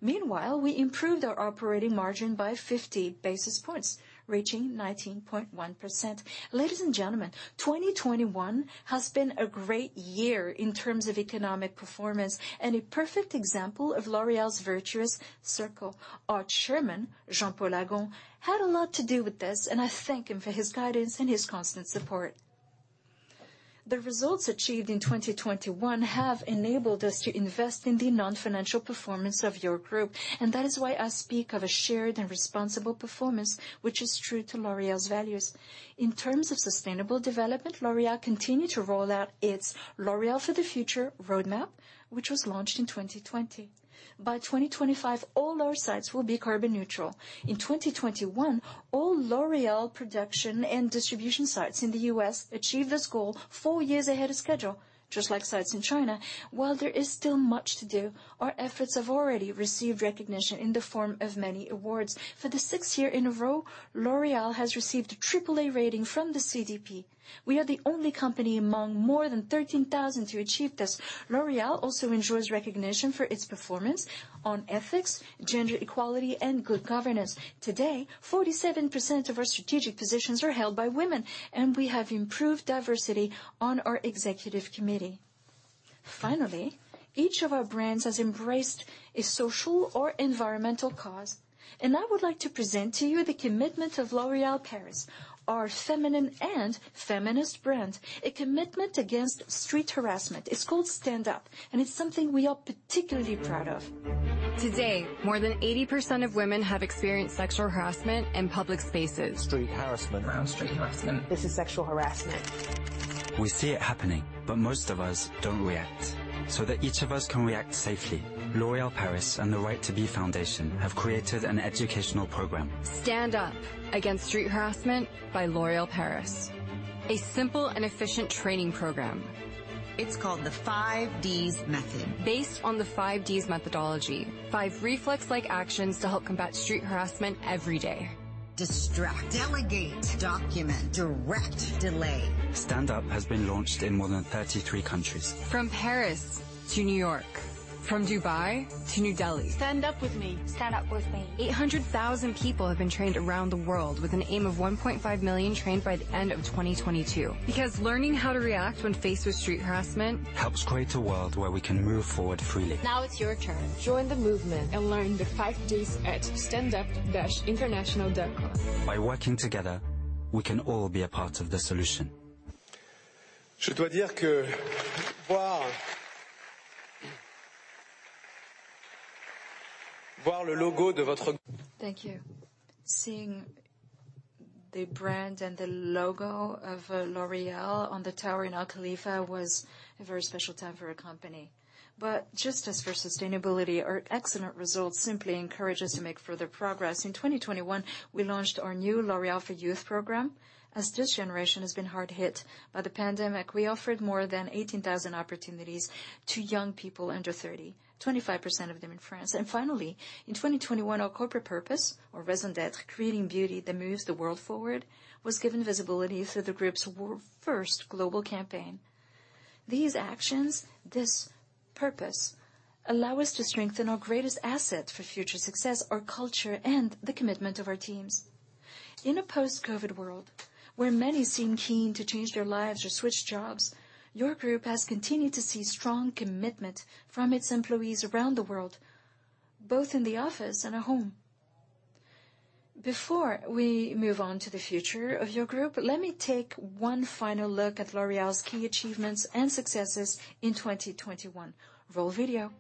S4: Meanwhile, we improved our operating margin by 50 basis points, reaching 19.1%. Ladies and gentlemen, 2021 has been a great year in terms of economic performance and a perfect example of L'Oréal's virtuous circle. Our Chairman, Jean-Paul Agon, had a lot to do with this, and I thank him for his guidance and his constant support. The results achieved in 2021 have enabled us to invest in the non-financial performance of your group, and that is why I speak of a shared and responsible performance which is true to L'Oréal's values. In terms of sustainable development, L'Oréal continued to roll out its L'Oréal for the Future roadmap, which was launched in 2020. By 2025, all our sites will be carbon neutral. In 2021, all L'Oréal production and distribution sites in the U.S. achieved this goal four years ahead of schedule, just like sites in China. While there is still much to do, our efforts have already received recognition in the form of many awards. For the sixth year in a row, L'Oréal has received a triple A rating from the CDP. We are the only company among more than 13,000 to achieve this. L'Oréal also enjoys recognition for its performance on ethics, gender equality, and good governance. Today, 47% of our strategic positions are held by women, and we have improved diversity on our executive committee. Finally, each of our brands has embraced a social or environmental cause, and I would like to present to you the commitment of L'Oréal Paris, our feminine and feminist brand, a commitment against street harassment. It's called Stand Up, and it's something we are particularly proud of.
S5: Today, more than 80% of women have experienced sexual harassment in public spaces. Street harassment. This is sexual harassment. We see it happening, but most of us don't react. That each of us can react safely, L'Oréal Paris and the Right To Be Foundation have created an educational program. Stand Up Against Street Harassment by L'Oréal Paris, a simple and efficient training program. It's called the Five Ds method. Based on the Five Ds methodology, five reflex-like actions to help combat street harassment every day. Distract, Delegate, Document, Direct. Delay. Stand Up has been launched in more than 33 countries. From Paris to New York, from Dubai to New Delhi. Stand Up with me. Stand Up with me. 800,000 people have been trained around the world with an aim of 1.5 million trained by the end of 2022, because learning how to react when faced with street harassment. Helps create a world where we can move forward freely. Now it's your turn. Join the movement. Learn the five Ds at standup-international.com. By working together, we can all be a part of the solution.
S4: Thank you. Seeing the brand and the logo of L'Oréal on the tower in Burj Khalifa was a very special time for our company. Just as for sustainability, our excellent results simply encourage us to make further progress. In 2021, we launched our new L'Oréal For Youth program, as this generation has been hard hit by the pandemic. We offered more than 18,000 opportunities to young people under 30, 25% of them in France. Finally, in 2021, our corporate purpose, our raison d'être, creating beauty that moves the world forward, was given visibility through the group's world-first global campaign. These actions, this purpose, allow us to strengthen our greatest asset for future success, our culture, and the commitment of our teams. In a post-COVID world, where many seem keen to change their lives or switch jobs, your group has continued to see strong commitment from its employees around the world, both in the office and at home. Before we move on to the future of your group, let me take one final look at L'Oréal's key achievements and successes in 2021. Roll video.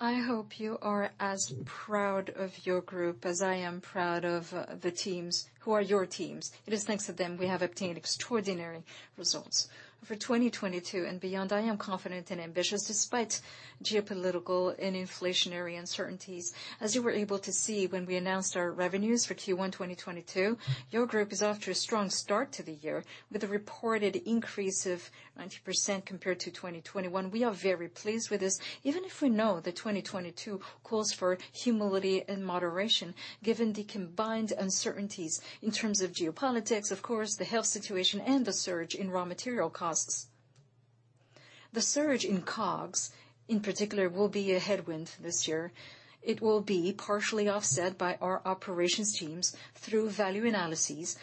S4: I hope you are as proud of your group as I am proud of the teams, who are your teams. It is thanks to them we have obtained extraordinary results. For 2022 and beyond, I am confident and ambitious despite geopolitical and inflationary uncertainties. As you were able to see when we announced our revenues for Q1 2022, your group is off to a strong start to the year with a reported increase of 90% compared to 2021. We are very pleased with this, even if we know that 2022 calls for humility and moderation, given the combined uncertainties in terms of geopolitics, of course, the health situation, and the surge in raw material costs. The surge in COGS, in particular, will be a headwind this year. It will be partially offset by our operations teams through value analyses,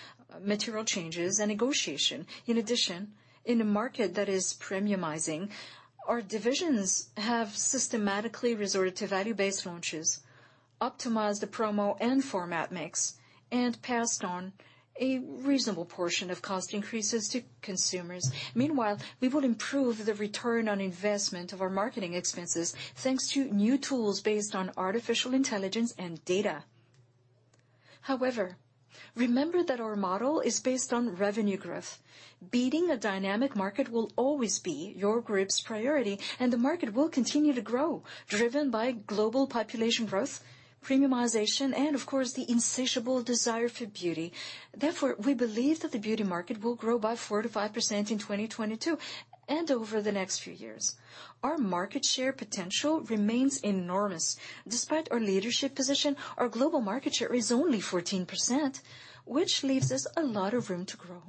S4: material changes, and negotiation. In addition, in a market that is premiumizing, our divisions have systematically resorted to value-based launches, optimized the promo and format mix, and passed on a reasonable portion of cost increases to consumers. Meanwhile, we will improve the return on investment of our marketing expenses thanks to new tools based on artificial intelligence and data. However, remember that our model is based on revenue growth. Beating a dynamic market will always be your group's priority, and the market will continue to grow, driven by global population growth, premiumization, and of course, the insatiable desire for beauty. Therefore, we believe that the beauty market will grow by 4%-5% in 2022 and over the next few years. Our market share potential remains enormous. Despite our leadership position, our global market share is only 14%, which leaves us a lot of room to grow.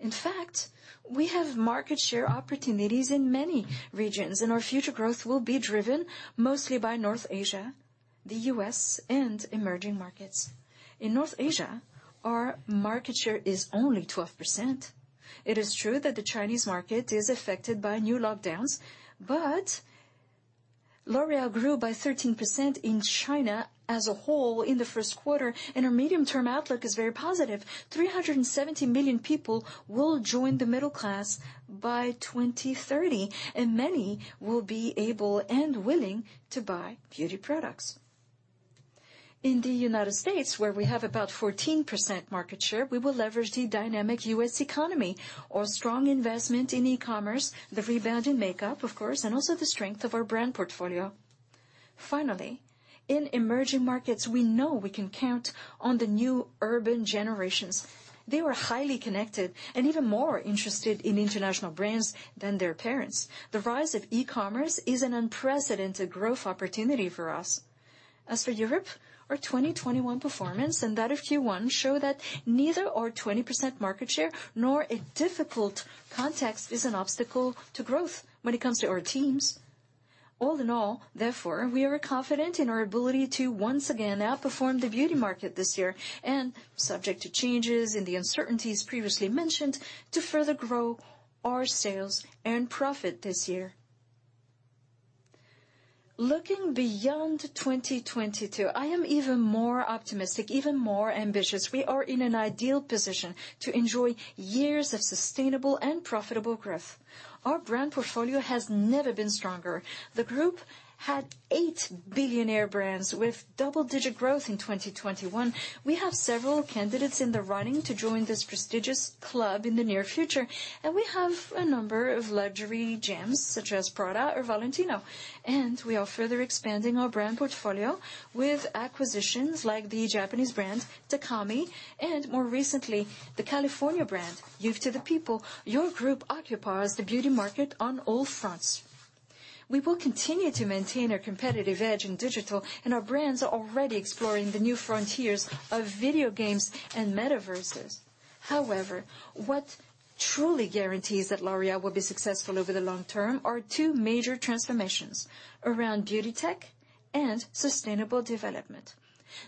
S4: In fact, we have market share opportunities in many regions, and our future growth will be driven mostly by North Asia, the U.S., and emerging markets. In North Asia, our market share is only 12%. It is true that the Chinese market is affected by new lockdowns, but L'Oréal grew by 13% in China as a whole in the first quarter, and our medium-term outlook is very positive. 370 million people will join the middle class by 2030, and many will be able and willing to buy beauty products. In the United States, where we have about 14% market share, we will leverage the dynamic U.S. economy, our strong investment in e-commerce, the rebound in makeup, of course, and also the strength of our brand portfolio. Finally, in emerging markets, we know we can count on the new urban generations. They were highly connected and even more interested in international brands than their parents. The rise of e-commerce is an unprecedented growth opportunity for us. As for Europe, our 2021 performance and that of Q1 show that neither our 20% market share nor a difficult context is an obstacle to growth when it comes to our teams. All in all, therefore, we are confident in our ability to once again outperform the beauty market this year and, subject to changes in the uncertainties previously mentioned, to further grow our sales and profit this year. Looking beyond 2022, I am even more optimistic, even more ambitious. We are in an ideal position to enjoy years of sustainable and profitable growth. Our brand portfolio has never been stronger. The group had eight billionaire brands with double-digit growth in 2021. We have several candidates in the running to join this prestigious club in the near future, and we have a number of luxury gems such as Prada or Valentino. We are further expanding our brand portfolio with acquisitions like the Japanese brand Takami and more recently, the California brand Youth to the People. Your group occupies the beauty market on all fronts. We will continue to maintain our competitive edge in digital, and our brands are already exploring the new frontiers of video games and metaverses. However, what truly guarantees that L'Oréal will be successful over the long term are two major transformations around beauty tech and sustainable development.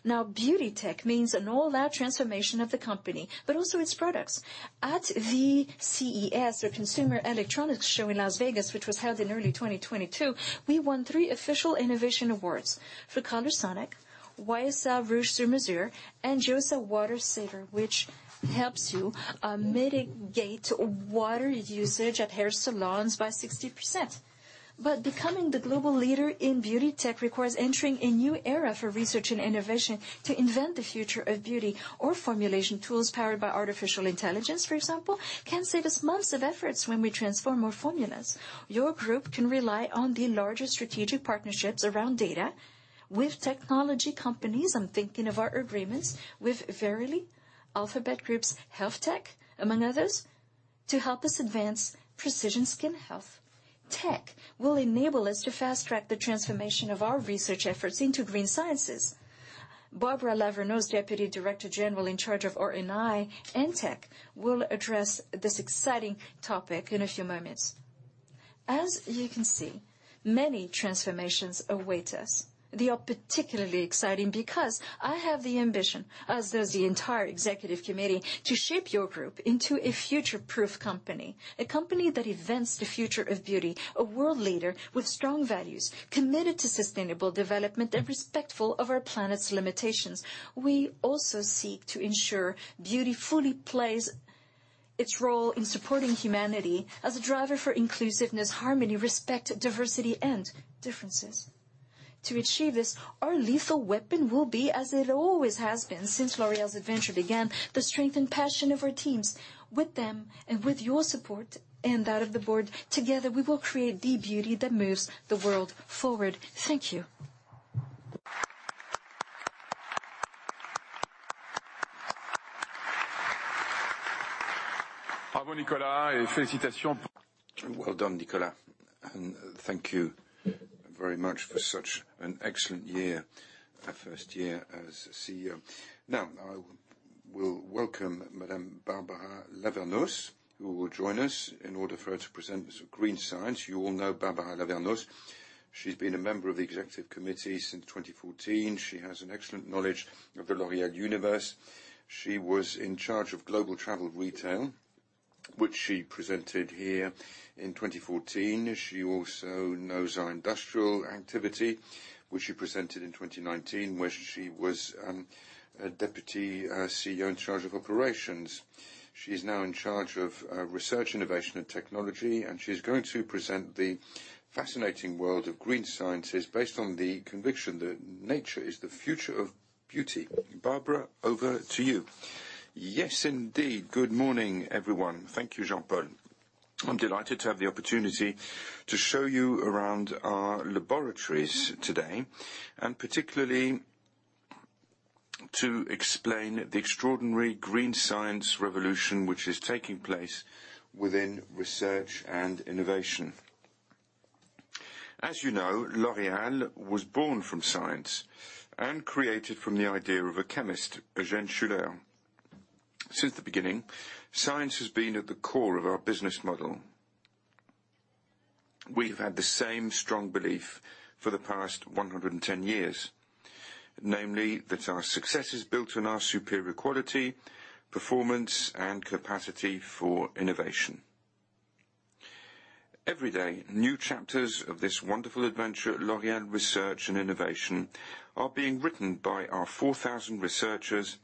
S4: Now, beauty tech means an all-out transformation of the company, but also its products. At the CES or Consumer Electronics Show in Las Vegas, which was held in early 2022, we won three official innovation awards for Colorsonic, YSL Rouge Sur Mesure, and L'Oréal Water Saver, which helps you mitigate water usage at hair salons by 60%. Becoming the global leader in beauty tech requires entering a new era for research and innovation to invent the future of beauty. Our formulation tools powered by artificial intelligence, for example, can save us months of efforts when we transform our formulas. Your group can rely on the largest strategic partnerships around data with technology companies. I'm thinking of our agreements with Verily, Alphabet Group's Health Tech, among others, to help us advance precision skin health. Tech will enable us to fast-track the transformation of our research efforts into green sciences. Barbara Lavernos, Deputy Director General in charge of R&I and tech, will address this exciting topic in a few moments. As you can see, many transformations await us. They are particularly exciting because I have the ambition, as does the entire executive committee, to shape your group into a future-proof company, a company that invents the future of beauty, a world leader with strong values, committed to sustainable development, and respectful of our planet's limitations. We also seek to ensure beauty fully plays its role in supporting humanity as a driver for inclusiveness, harmony, respect, diversity, and differences. To achieve this, our lethal weapon will be, as it always has been since L'Oréal's adventure began, the strength and passion of our teams. With them and with your support and that of the board, together we will create the beauty that moves the world forward. Thank you.
S1: Well done, Nicolas, and thank you very much for such an excellent year, your first year as CEO. Now, I will welcome Madame Barbara Lavernos, who will join us in order for her to present us with green science. You all know Barbara Lavernos. She's been a member of the Executive Committee since 2014. She has an excellent knowledge of the L'Oréal universe. She was in charge of global travel retail, which she presented here in 2014. She also knows our industrial activity, which she presented in 2019, where she was a Deputy CEO in charge of operations. She is now in charge of research, innovation, and technology, and she's going to present the fascinating world of green sciences based on the conviction that nature is the future of beauty. Barbara, over to you.
S6: Yes, indeed. Good morning, everyone. Thank you, Jean-Paul. I'm delighted to have the opportunity to show you around our laboratories today, and particularly to explain the extraordinary green science revolution which is taking place within research and innovation. As you know, L'Oréal was born from science and created from the idea of a chemist, Eugène Schueller. Since the beginning, science has been at the core of our business model. We've had the same strong belief for the past 110 years, namely that our success is built on our superior quality, performance, and capacity for innovation. Every day, new chapters of this wonderful adventure at L'Oréal Research and Innovation are being written by our 4,000 researchers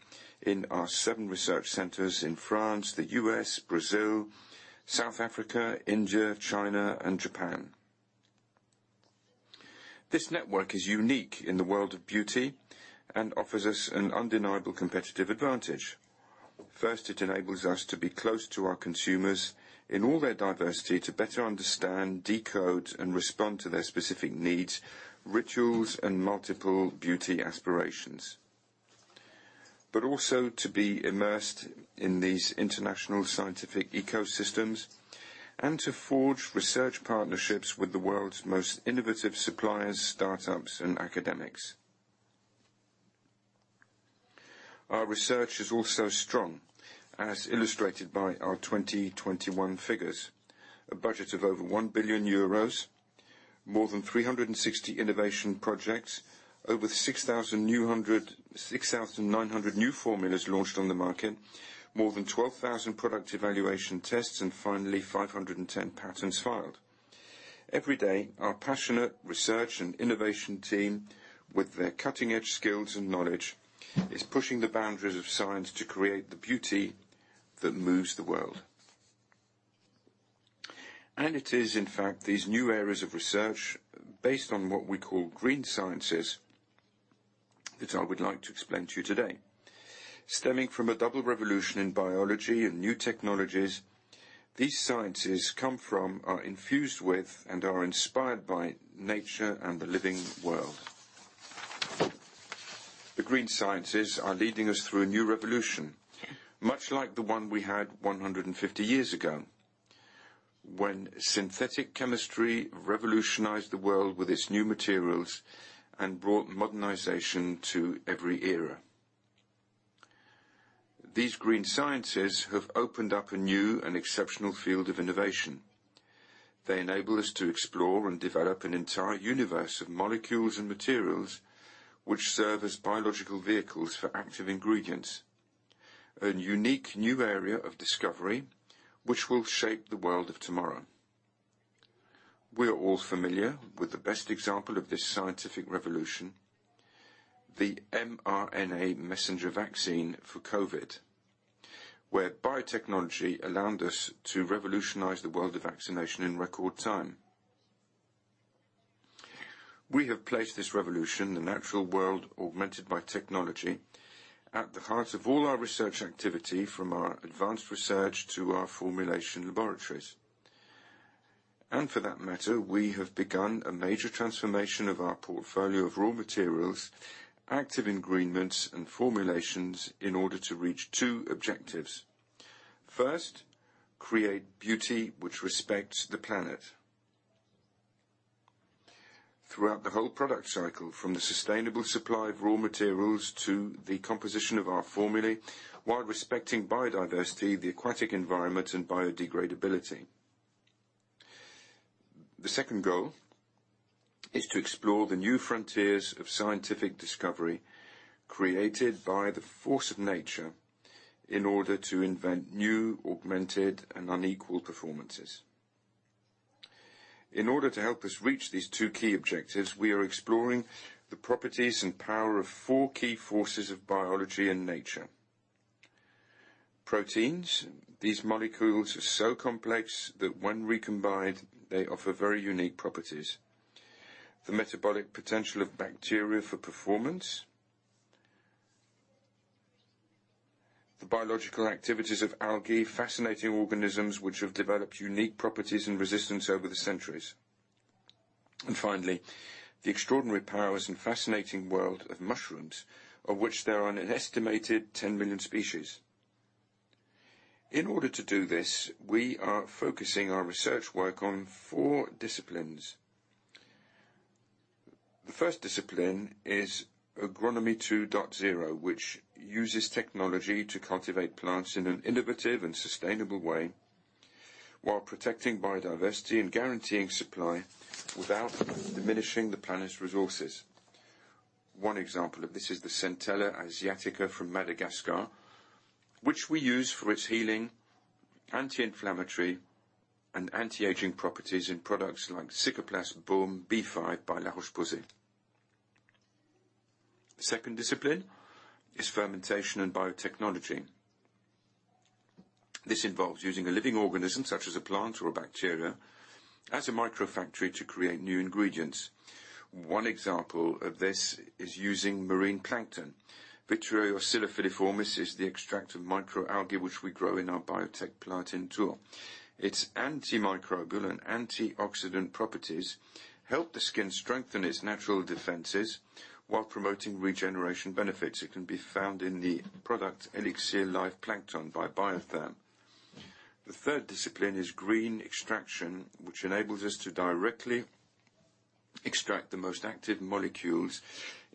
S6: in our seven research centers in France, the U.S., Brazil, South Africa, India, China, and Japan. This network is unique in the world of beauty and offers us an undeniable competitive advantage. First, it enables us to be close to our consumers in all their diversity to better understand, decode, and respond to their specific needs, rituals, and multiple beauty aspirations. Also to be immersed in these international scientific ecosystems and to forge research partnerships with the world's most innovative suppliers, startups, and academics. Our research is also strong, as illustrated by our 2021 figures. A budget of over 1 billion euros, more than 360 innovation projects, over 6,900 new formulas launched on the market, more than 12,000 product evaluation tests, and finally, 510 patents filed. Every day, our passionate research and innovation team with their cutting-edge skills and knowledge is pushing the boundaries of science to create the beauty that moves the world. It is, in fact, these new areas of research based on what we call green sciences that I would like to explain to you today. Stemming from a double revolution in biology and new technologies, these sciences come from, are infused with, and are inspired by nature and the living world. The green sciences are leading us through a new revolution, much like the one we had 150 years ago, when synthetic chemistry revolutionized the world with its new materials and brought modernization to every era. These green sciences have opened up a new and exceptional field of innovation. They enable us to explore and develop an entire universe of molecules and materials which serve as biological vehicles for active ingredients, a unique new area of discovery which will shape the world of tomorrow. We're all familiar with the best example of this scientific revolution, the mRNA messenger vaccine for COVID, where biotechnology allowed us to revolutionize the world of vaccination in record time. We have placed this revolution, the natural world augmented by technology, at the heart of all our research activity from our advanced research to our formulation laboratories. For that matter, we have begun a major transformation of our portfolio of raw materials, active ingredients, and formulations in order to reach two objectives. First, create beauty which respects the planet throughout the whole product cycle, from the sustainable supply of raw materials to the composition of our formulas, while respecting biodiversity, the aquatic environment, and biodegradability. The second goal is to explore the new frontiers of scientific discovery created by the force of nature in order to invent new, augmented, and unparalleled performances. In order to help us reach these two key objectives, we are exploring the properties and power of four key forces of biology and nature. Proteins, these molecules are so complex that when recombined, they offer very unique properties. The metabolic potential of bacteria for performance. The biological activities of algae, fascinating organisms which have developed unique properties and resistance over the centuries. And finally, the extraordinary powers and fascinating world of mushrooms, of which there are an estimated 10 million species. In order to do this, we are focusing our research work on four disciplines. The first discipline is Agronomy 2.0, which uses technology to cultivate plants in an innovative and sustainable way while protecting biodiversity and guaranteeing supply without diminishing the planet's resources. One example of this is the Centella asiatica from Madagascar, which we use for its healing, anti-inflammatory, and anti-aging properties in products like Cicaplast Baume B5 by La Roche-Posay. The second discipline is fermentation and biotechnology. This involves using a living organism, such as a plant or a bacteria, as a microfactory to create new ingredients. One example of this is using marine plankton. Vitreoscilla filiformis is the extract of microalgae, which we grow in our biotech plant in Tours. Its antimicrobial and antioxidant properties help the skin strengthen its natural defenses while promoting regeneration benefits. It can be found in the product Life Plankton Elixir by Biotherm. The third discipline is green extraction, which enables us to directly extract the most active molecules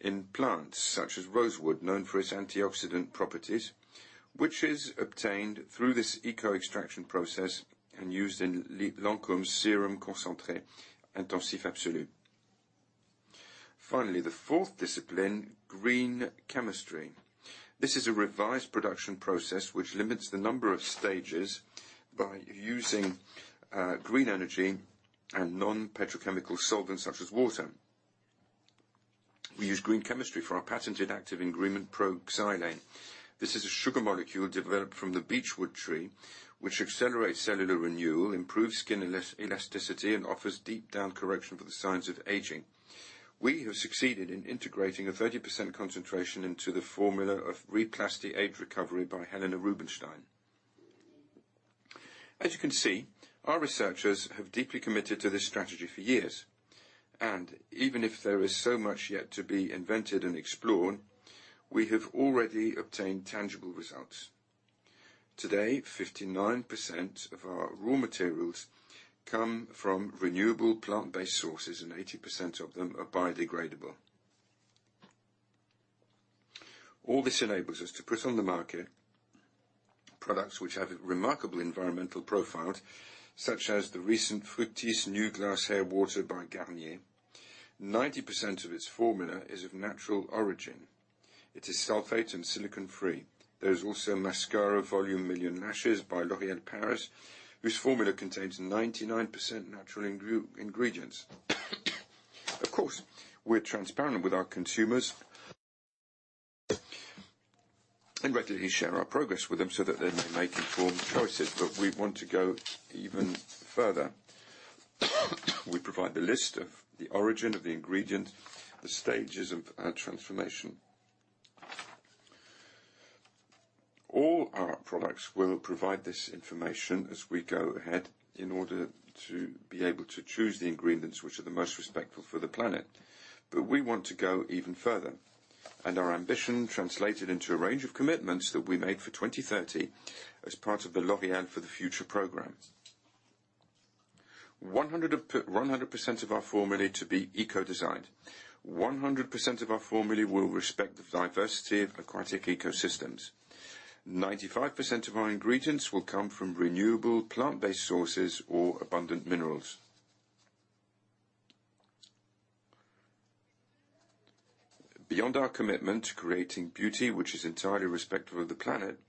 S6: in plants, such as rosewood, known for its antioxidant properties, which is obtained through this eco-extraction process and used in Lancôme's Absolue The Serum. Finally, the fourth discipline, green chemistry. This is a revised production process which limits the number of stages by using green energy and non-petrochemical solvents, such as water. We use green chemistry for our patented active ingredient Pro-Xylane. This is a sugar molecule developed from the beechwood tree, which accelerates cellular renewal, improves skin elasticity, and offers deep down correction for the signs of aging. We have succeeded in integrating a 30% concentration into the formula of Re-Plasty Age Recovery by Helena Rubinstein. As you can see, our researchers have deeply committed to this strategy for years, and even if there is so much yet to be invented and explored, we have already obtained tangible results. Today, 59% of our raw materials come from renewable plant-based sources, and 80% of them are biodegradable. All this enables us to put on the market products which have remarkable environmental profiles, such as the recent Fructis Sleek & Shine Glass Hair Water by Garnier. 90% of its formula is of natural origin. It is sulfate and silicon-free. There is also Volume Million Lashes Mascara by L'Oréal Paris, whose formula contains 99% natural ingredients. Of course, we're transparent with our consumers and regularly share our progress with them so that they may make informed choices, but we want to go even further. We provide the list of the origin of the ingredient, the stages of transformation. All our products will provide this information as we go ahead in order to be able to choose the ingredients which are the most respectful for the planet. We want to go even further, and our ambition translated into a range of commitments that we made for 2030 as part of the L'Oréal for the Future program. 100% of our formulae to be eco-designed. 100% of our formulae will respect the diversity of aquatic ecosystems. 95% of our ingredients will come from renewable plant-based sources or abundant minerals. Beyond our commitment to creating beauty which is entirely respectful of the planet,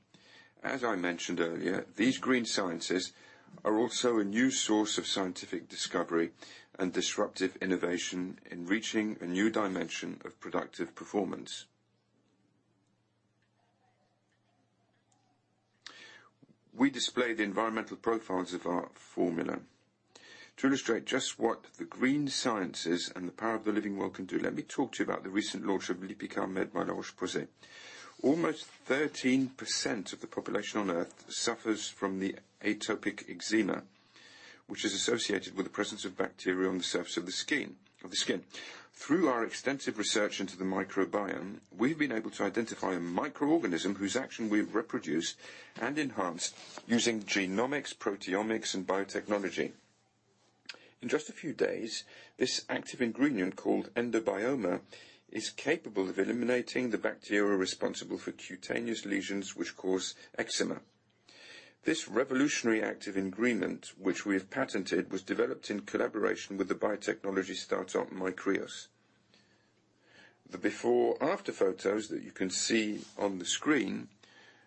S6: as I mentioned earlier, these green sciences are also a new source of scientific discovery and disruptive innovation in reaching a new dimension of productive performance. We display the environmental profiles of our formula. To illustrate just what the green sciences and the power of the living world can do, let me talk to you about the recent launch of Lipikar Baume by La Roche-Posay. Almost 13% of the population on Earth suffers from the atopic eczema, which is associated with the presence of bacteria on the surface of the skin. Through our extensive research into the microbiome, we've been able to identify a microorganism whose action we've reproduced and enhanced using genomics, proteomics, and biotechnology. In just a few days, this active ingredient called Endobioma is capable of eliminating the bacteria responsible for cutaneous lesions which cause eczema. This revolutionary active ingredient, which we have patented, was developed in collaboration with the biotechnology startup, Micreos. The before/after photos that you can see on the screen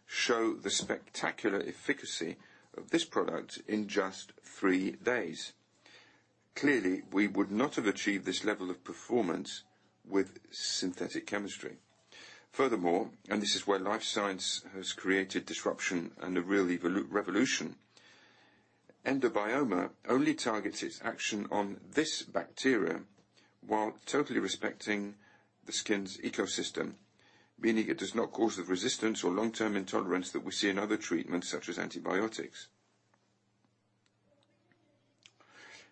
S6: show the spectacular efficacy of this product in just three days. Clearly, we would not have achieved this level of performance with synthetic chemistry. Furthermore, this is where life science has created disruption and a real revolution, Endobioma only targets its action on this bacteria while totally respecting the skin's ecosystem, meaning it does not cause the resistance or long-term intolerance that we see in other treatments, such as antibiotics.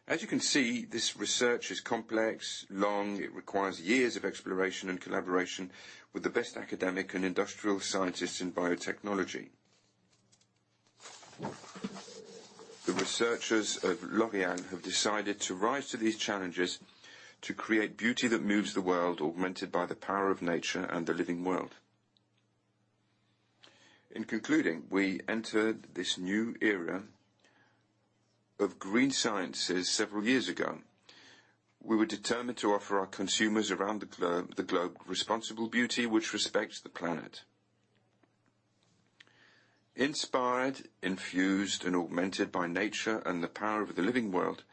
S6: As you can see, this research is complex, long. It requires years of exploration and collaboration with the best academic and industrial scientists in biotechnology. The researchers of L'Oréal have decided to rise to these challenges to create beauty that moves the world, augmented by the power of nature and the living world. In concluding, we entered this new era of green sciences several years ago. We were determined to offer our consumers around the globe responsible beauty which respects the planet. Inspired, infused, and augmented by nature and the power of the living world,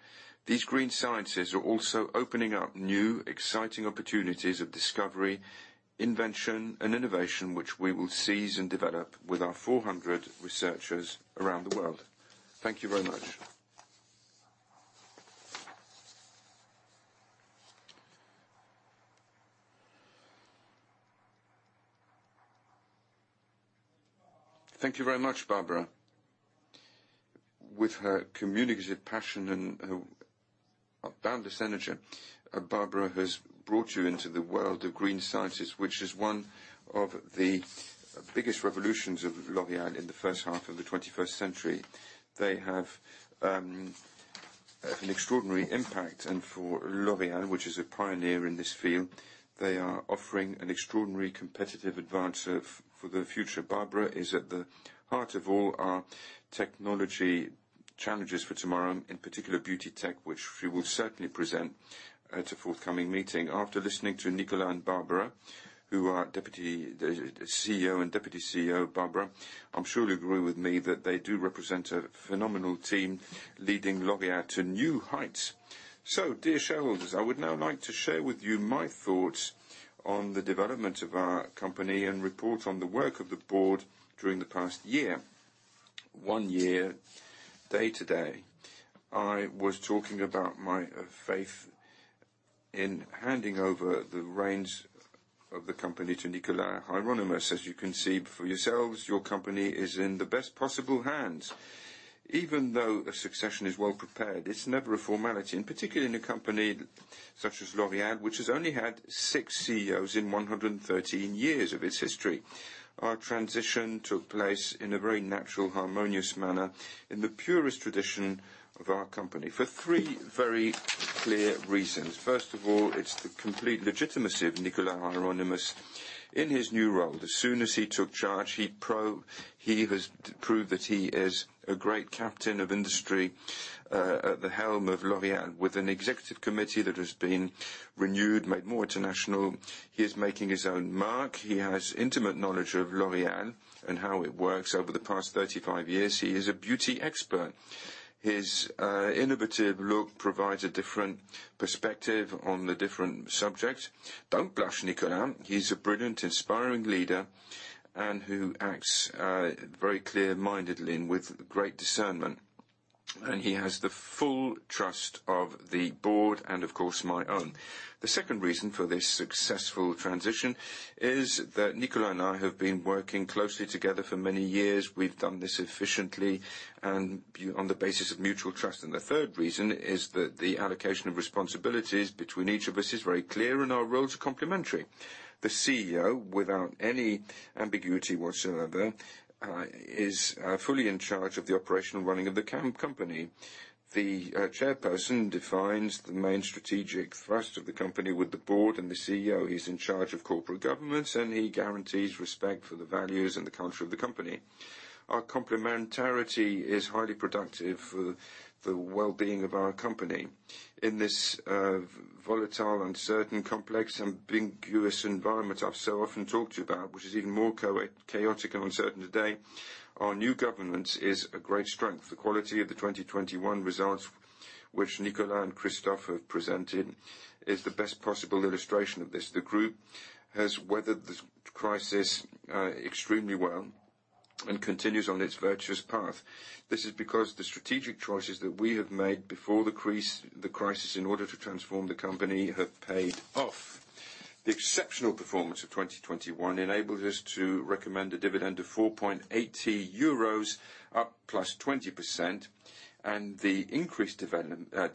S6: these green sciences are also opening up new, exciting opportunities of discovery, invention, and innovation, which we will seize and develop with our 400 researchers around the world. Thank you very much.
S1: Thank you very much, Barbara. With her communicative passion and her abundant energy, Barbara has brought you into the world of green sciences, which is one of the biggest revolutions of L'Oréal in the first half of the 21st century. They have an extraordinary impact. For L'Oréal, which is a pioneer in this field, they are offering an extraordinary competitive advantage for the future. Barbara is at the heart of all our technology challenges for tomorrow, in particular beauty tech, which she will certainly present at a forthcoming meeting. After listening to Nicolas and Barbara, who are CEO and Deputy CEO, Barbara, I'm sure you agree with me that they do represent a phenomenal team leading L'Oréal to new heights. Dear shareholders, I would now like to share with you my thoughts on the development of our company and report on the work of the board during the past year. One year, day-to-day, I was talking about my faith in handing over the reins of the company to Nicolas Hieronimus. As you can see for yourselves, your company is in the best possible hands. Even though a succession is well prepared, it's never a formality, and particularly in a company such as L'Oréal, which has only had six CEOs in 113 years of its history. Our transition took place in a very natural, harmonious manner in the purest tradition of our company for three very clear reasons. First of all, it's the complete legitimacy of Nicolas Hieronimus in his new role. As soon as he took charge, he has proved that he is a great captain of industry at the helm of L'Oréal. With an executive committee that has been renewed, made more international, he is making his own mark. He has intimate knowledge of L'Oréal and how it works over the past 35 years. He is a beauty expert. His innovative look provides a different perspective on the different subjects. Don't blush, Nicolas. He's a brilliant, inspiring leader and who acts very clear-mindedly and with great discernment. He has the full trust of the board and of course my own. The second reason for this successful transition is that Nicolas and I have been working closely together for many years. We've done this efficiently on the basis of mutual trust. The third reason is that the allocation of responsibilities between each of us is very clear, and our roles are complementary. The CEO, without any ambiguity whatsoever, is fully in charge of the operational running of the company. The chairperson defines the main strategic thrust of the company with the board and the CEO. He's in charge of corporate governance, and he guarantees respect for the values and the culture of the company. Our complementarity is highly productive for the well-being of our company. In this volatile, uncertain, complex, ambiguous environment I've so often talked about, which is even more chaotic and uncertain today, our new governance is a great strength. The quality of the 2021 results, which Nicolas and Christophe have presented, is the best possible illustration of this. The group has weathered this crisis extremely well and continues on its virtuous path. This is because the strategic choices that we have made before the crisis in order to transform the company have paid off. The exceptional performance of 2021 enabled us to recommend a dividend of 4.80 euros, up +20%, and the increased dividend of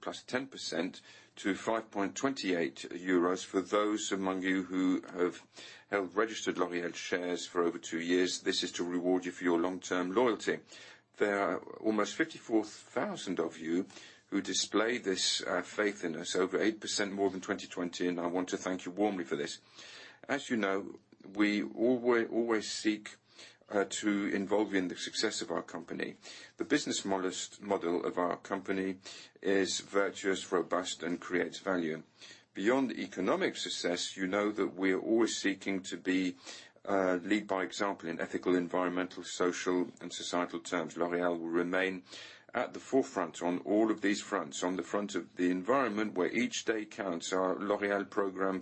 S1: +10% to 5.28 euros. For those among you who have held registered L'Oréal shares for over two years, this is to reward you for your long-term loyalty. There are almost 54,000 of you who display this faith in us, over 8% more than 2020, and I want to thank you warmly for this. As you know, we always seek to involve you in the success of our company. The business model of our company is virtuous, robust, and creates value. Beyond economic success, you know that we're always seeking to be lead by example in ethical, environmental, social, and societal terms. L'Oréal will remain at the forefront on all of these fronts. On the front of the environment where each day counts, our L'Oréal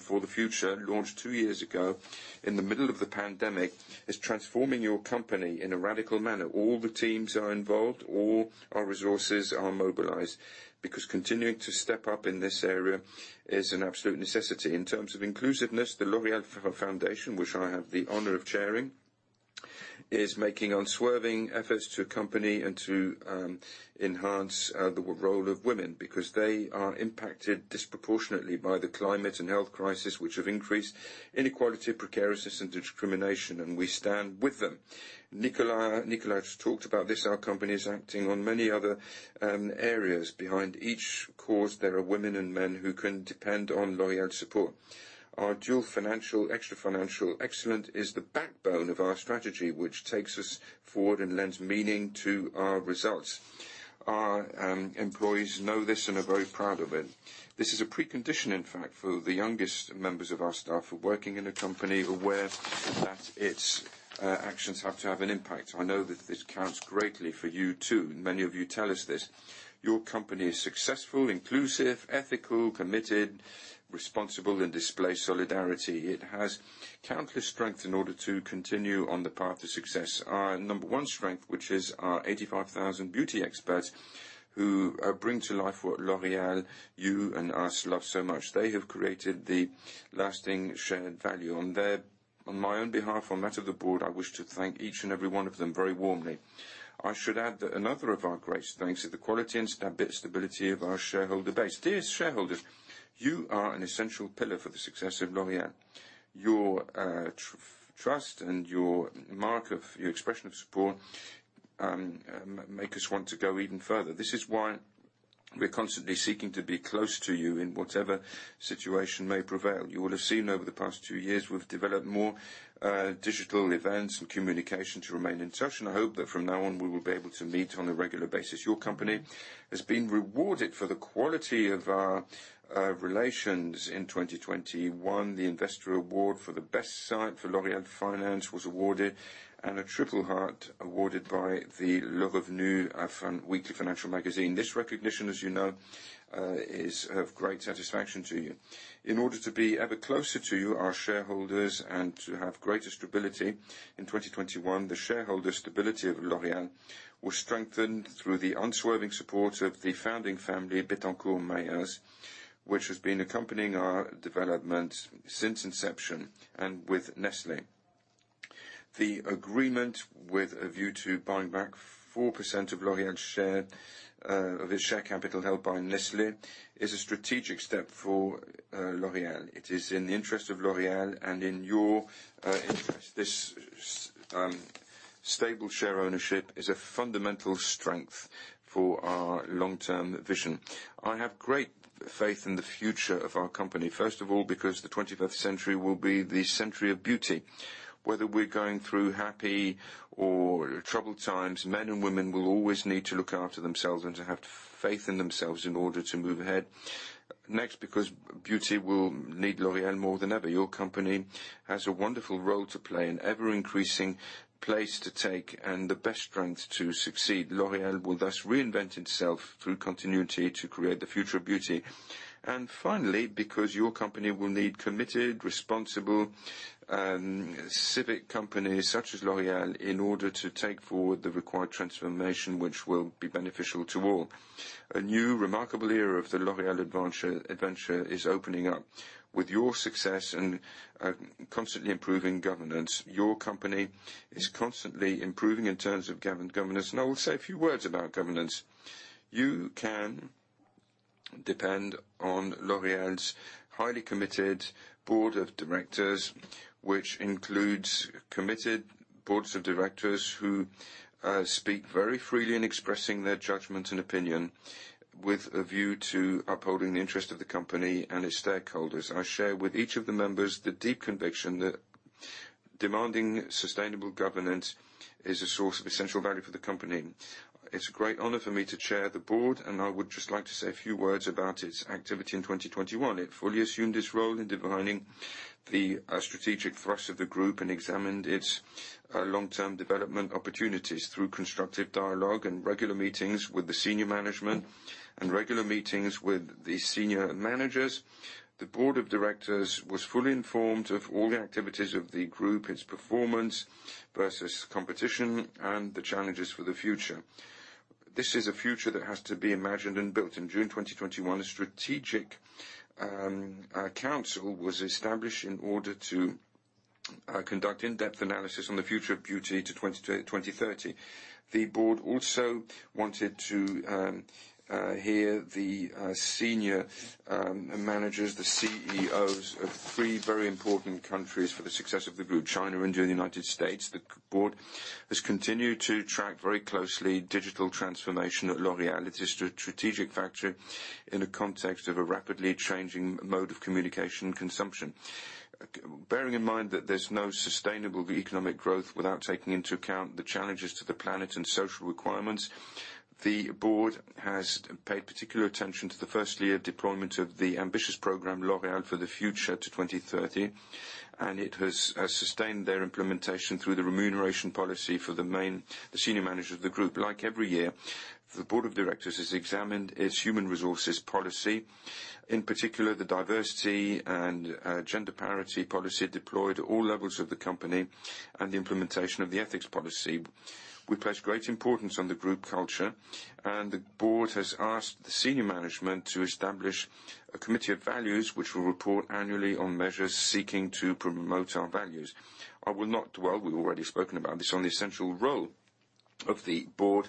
S1: for the Future program, launched two years ago in the middle of the pandemic, is transforming your company in a radical manner. All the teams are involved, all our resources are mobilized, because continuing to step up in this area is an absolute necessity. In terms of inclusiveness, the L'Oréal Foundation, which I have the honor of chairing, is making unswerving efforts to accompany and to enhance the role of women because they are impacted disproportionately by the climate and health crisis, which have increased inequality, precariousness, and discrimination, and we stand with them. Nicolas talked about this. Our company is acting on many other areas. Behind each cause, there are women and men who can depend on L'Oréal support. Our dual financial, extra financial excellence is the backbone of our strategy, which takes us forward and lends meaning to our results. Our employees know this and are very proud of it. This is a precondition, in fact, for the youngest members of our staff working in a company aware that its actions have to have an impact. I know that this counts greatly for you too. Many of you tell us this. Your company is successful, inclusive, ethical, committed, responsible, and displays solidarity. It has countless strength in order to continue on the path to success. Our number one strength, which is our 85,000 beauty experts who bring to life what L'Oréal, you and us love so much. They have created the lasting shared value. On my own behalf, on that of the board, I wish to thank each and every one of them very warmly. I should add that another of our great strengths is the quality and stability of our shareholder base. Dearest shareholders, you are an essential pillar for the success of L'Oréal. Your trust and your expression of support make us want to go even further. This is why we're constantly seeking to be close to you in whatever situation may prevail. You will have seen over the past two years, we've developed more digital events and communication to remain in touch, and I hope that from now on, we will be able to meet on a regular basis. Your company has been rewarded for the quality of our relations in 2021. The investor award for the best site for L'Oréal Finance was awarded and a triple heart awarded by the Le Revenu weekly financial magazine. This recognition, as you know, is of great satisfaction to you. In order to be ever closer to you, our shareholders, and to have greater stability, in 2021, the shareholder stability of L'Oréal was strengthened through the unswerving support of the founding family, Bettencourt Meyers, which has been accompanying our development since inception and with Nestlé. The agreement with a view to buying back 4% of L'Oréal share, of its share capital held by Nestlé is a strategic step for L'Oréal. It is in the interest of L'Oréal and in your interest. This stable share ownership is a fundamental strength for our long-term vision. I have great faith in the future of our company. First of all, because the twenty-first century will be the century of beauty. Whether we're going through happy or troubled times, men and women will always need to look after themselves and to have faith in themselves in order to move ahead. Next, because beauty will need L'Oréal more than ever. Your company has a wonderful role to play, an ever-increasing place to take, and the best strength to succeed. L'Oréal will thus reinvent itself through continuity to create the future of beauty. Finally, because your company will need committed, responsible, civic companies such as L'Oréal in order to take forward the required transformation, which will be beneficial to all. A new remarkable era of the L'Oréal adventure is opening up. With your success and constantly improving governance, your company is constantly improving in terms of governance, and I will say a few words about governance. You can depend on L'Oréal's highly committed board of directors, which includes committed boards of directors who speak very freely in expressing their judgment and opinion with a view to upholding the interest of the company and its stakeholders. I share with each of the members the deep conviction that demanding sustainable governance is a source of essential value for the company. It's a great honor for me to chair the board, and I would just like to say a few words about its activity in 2021. It fully assumed its role in defining the strategic thrust of the group and examined its long-term development opportunities through constructive dialogue and regular meetings with the senior management and regular meetings with the senior managers. The board of directors was fully informed of all the activities of the group, its performance versus competition, and the challenges for the future. This is a future that has to be imagined and built. In June 2021, a strategic council was established in order to conduct in-depth analysis on the future of beauty to 2030. The board also wanted to hear the senior managers, the CEOs of three very important countries for the success of the group, China, India, and United States. The board has continued to track very closely digital transformation at L'Oréal. It is a strategic factor in the context of a rapidly changing mode of communication and consumption. Bearing in mind that there's no sustainable economic growth without taking into account the challenges to the planet and social requirements, the board has paid particular attention to the first year deployment of the ambitious program, L'Oréal for the Future to 2030, and it has sustained their implementation through the remuneration policy for the senior managers of the group. Like every year, the board of directors has examined its human resources policy, in particular, the diversity and gender parity policy deployed at all levels of the company and the implementation of the ethics policy. We place great importance on the group culture, and the board has asked the senior management to establish a committee of values, which will report annually on measures seeking to promote our values. I will not dwell, we've already spoken about this, on the essential role of the board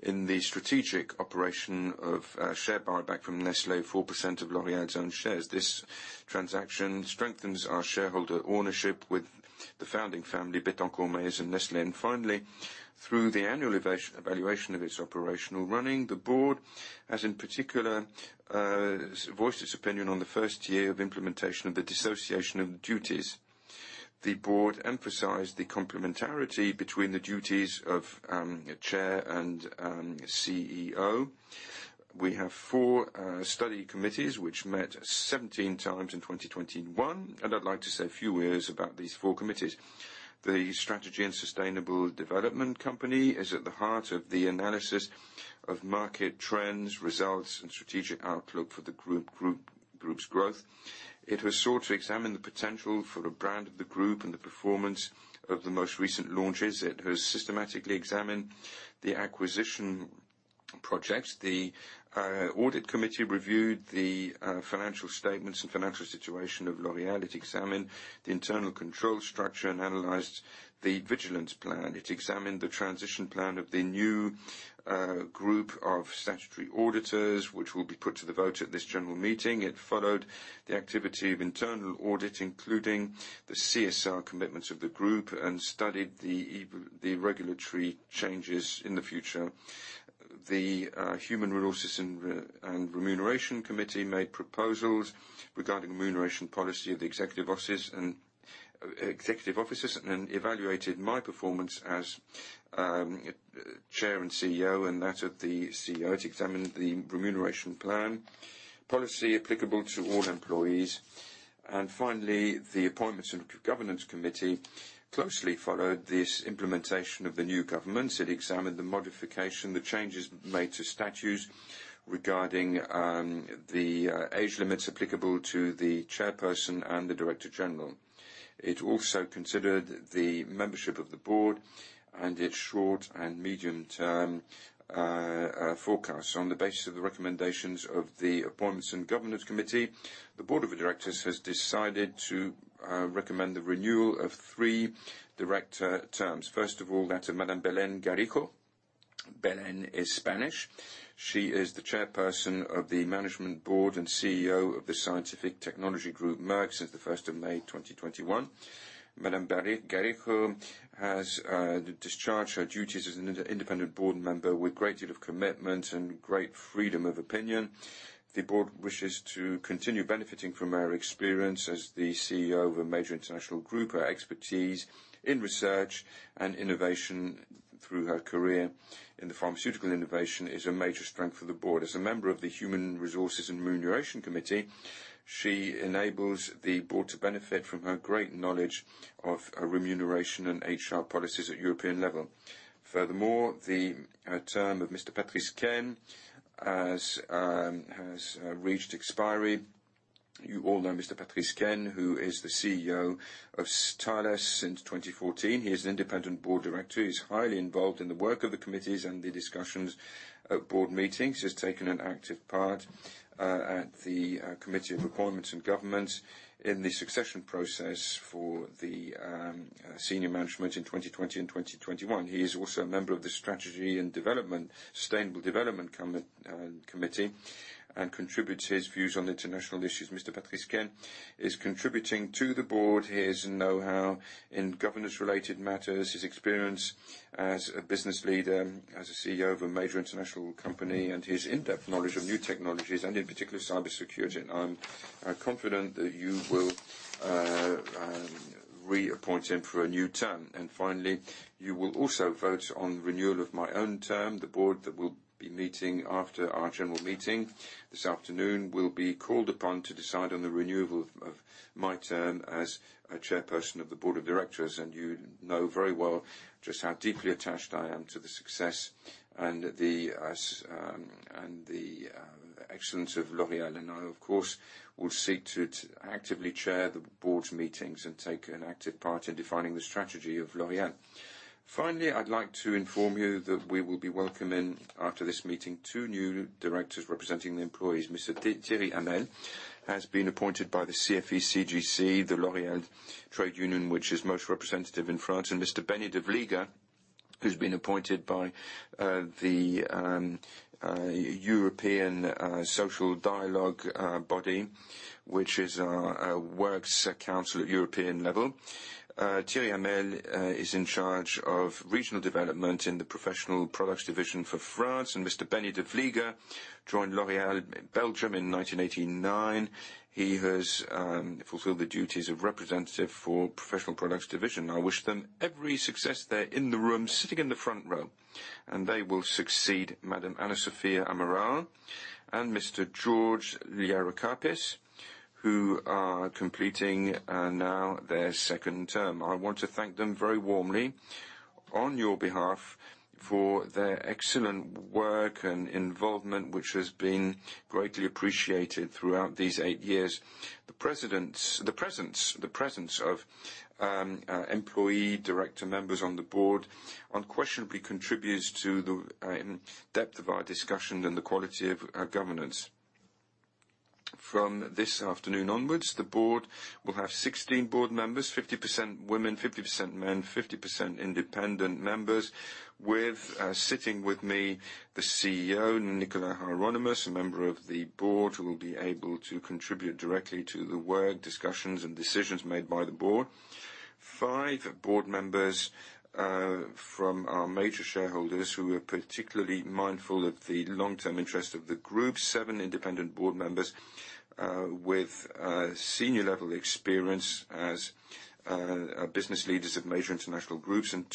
S1: in the strategic operation of a share buyback from Nestlé, 4% of L'Oréal's own shares. This transaction strengthens our shareholder ownership with the founding family, Bettencourt Meyers and Nestlé. Finally, through the annual evaluation of its operational running, the board has, in particular, voiced its opinion on the first year of implementation of the dissociation of duties. The board emphasized the complementarity between the duties of a chair and CEO. We have four study committees which met 17 times in 2021, and I'd like to say a few words about these four committees. The strategy and sustainable development committee is at the heart of the analysis of market trends, results, and strategic outlook for the group's growth. It has sought to examine the potential for the brand of the group and the performance of the most recent launches. It has systematically examined the acquisition projects. The audit committee reviewed the financial statements and financial situation of L'Oréal. It examined the internal control structure and analyzed the vigilance plan. It examined the transition plan of the new group of statutory auditors, which will be put to the vote at this general meeting. It followed the activity of internal audit, including the CSR commitments of the group, and studied the regulatory changes in the future. The Human Resources and Remuneration Committee made proposals regarding remuneration policy of the executive officers and executive officers, and then evaluated my performance as Chair and CEO and that of the CEO to examine the remuneration plan, policy applicable to all employees. Finally, the Appointments and Governance Committee closely followed the implementation of the new governance. It examined the modifications, the changes made to statutes regarding the age limits applicable to the chairperson and the director general. It also considered the membership of the board and its short- and medium-term forecast. On the basis of the recommendations of the appointments and governance committee, the board of directors has decided to recommend the renewal of three director terms. First of all, that of Madame Belén Garijo. Belén is Spanish. She is the chairperson of the management board and CEO of the science and technology group, Merck, since the first of May, 2021. Madame Belén Garijo has discharged her duties as an independent board member with a great deal of commitment and great freedom of opinion. The board wishes to continue benefiting from her experience as the CEO of a major international group. Her expertise in research and innovation through her career in the pharmaceutical innovation is a major strength for the board. As a member of the Human Resources and Remuneration Committee, she enables the board to benefit from her great knowledge of remuneration and HR policies at European level. Furthermore, the term of Mr. Patrice Caine has reached expiry. You all know Mr. Patrice Caine, who is the CEO of Thales since 2014. He is an independent board director. He's highly involved in the work of the committees and the discussions at board meetings. He's taken an active part at the committee of appointments and governance in the succession process for the senior management in 2020 and 2021. He is also a member of the Strategy and Development, Sustainable Development committee, and contributes his views on international issues. Mr. Patrice Caine is contributing to the board his knowhow in governance related matters, his experience as a business leader, as a CEO of a major international company, and his in-depth knowledge of new technologies, and in particular, cybersecurity. I'm confident that you will reappoint him for a new term. Finally, you will also vote on renewal of my own term. The board that will be meeting after our general meeting this afternoon will be called upon to decide on the renewal of my term as chairperson of the board of directors, and you know very well just how deeply attached I am to the success and the excellence of L'Oréal, and I, of course, will seek to actively chair the board meetings and take an active part in defining the strategy of L'Oréal. Finally, I'd like to inform you that we will be welcoming, after this meeting, two new directors representing the employees. Mr. Thierry Hamel has been appointed by the CFE-CGC, the L'Oréal trade union, which is most representative in France, and Mr. Benny De Vlieger, who's been appointed by the European social dialogue body, which is our works council at European level. Thierry Hamel is in charge of regional development in the Professional Products division for France, and Mr. Benny De Vlieger joined L'Oréal Belgium in 1989. He has fulfilled the duties of representative for Professional Products division. I wish them every success. They're in the room, sitting in the front row, and they will succeed Madame Ana Sofia Amaral and Mr. Georges Liarokapis, who are completing now their second term. I want to thank them very warmly on your behalf for their excellent work and involvement, which has been greatly appreciated throughout these eight years. The presence of employee director members on the board unquestionably contributes to the in-depth of our discussion and the quality of our governance. From this afternoon onwards, the board will have 16 board members, 50% women, 50% men, 50% independent members, with sitting with me, the CEO, Nicolas Hieronimus, a member of the board, who will be able to contribute directly to the work, discussions, and decisions made by the board. Five board members from our major shareholders, who are particularly mindful of the long-term interest of the group. Seven independent board members with senior-level experience as business leaders of major international groups, and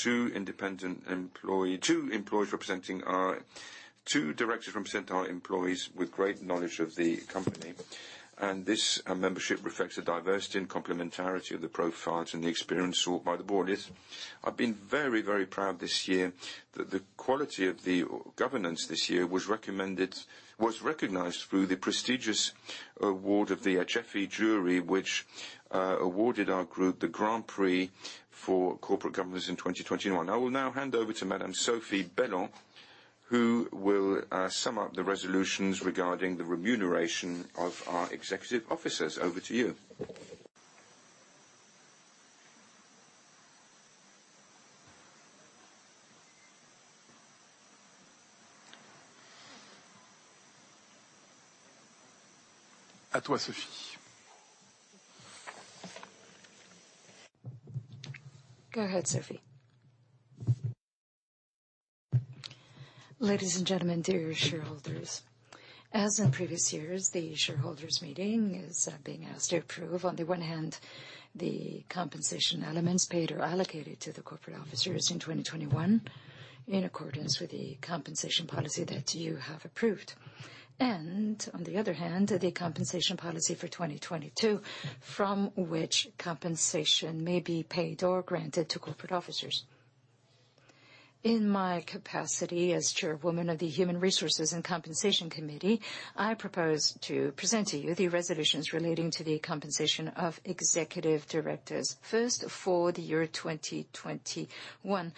S1: two directors representing our employees with great knowledge of the company. This membership reflects the diversity and complementarity of the profiles and the experience sought by the board. I've been very proud this year that the quality of the governance this year was recognized through the prestigious award of the AGEFI jury, which awarded our group the Grand Prix for corporate governance in 2021. I will now hand over to Madame Sophie Bellon, who will sum up the resolutions regarding the remuneration of our executive officers. Over to you.
S2: Go ahead, Sophie.
S7: Ladies and gentlemen, dear shareholders, as in previous years, the shareholders meeting is being asked to approve, on the one hand, the compensation elements paid or allocated to the corporate officers in 2021 in accordance with the compensation policy that you have approved, and on the other hand, the compensation policy for 2022, from which compensation may be paid or granted to corporate officers. In my capacity as chairwoman of the Human Resources and Compensation Committee, I propose to present to you the resolutions relating to the compensation of executive directors. First, for the year 2021,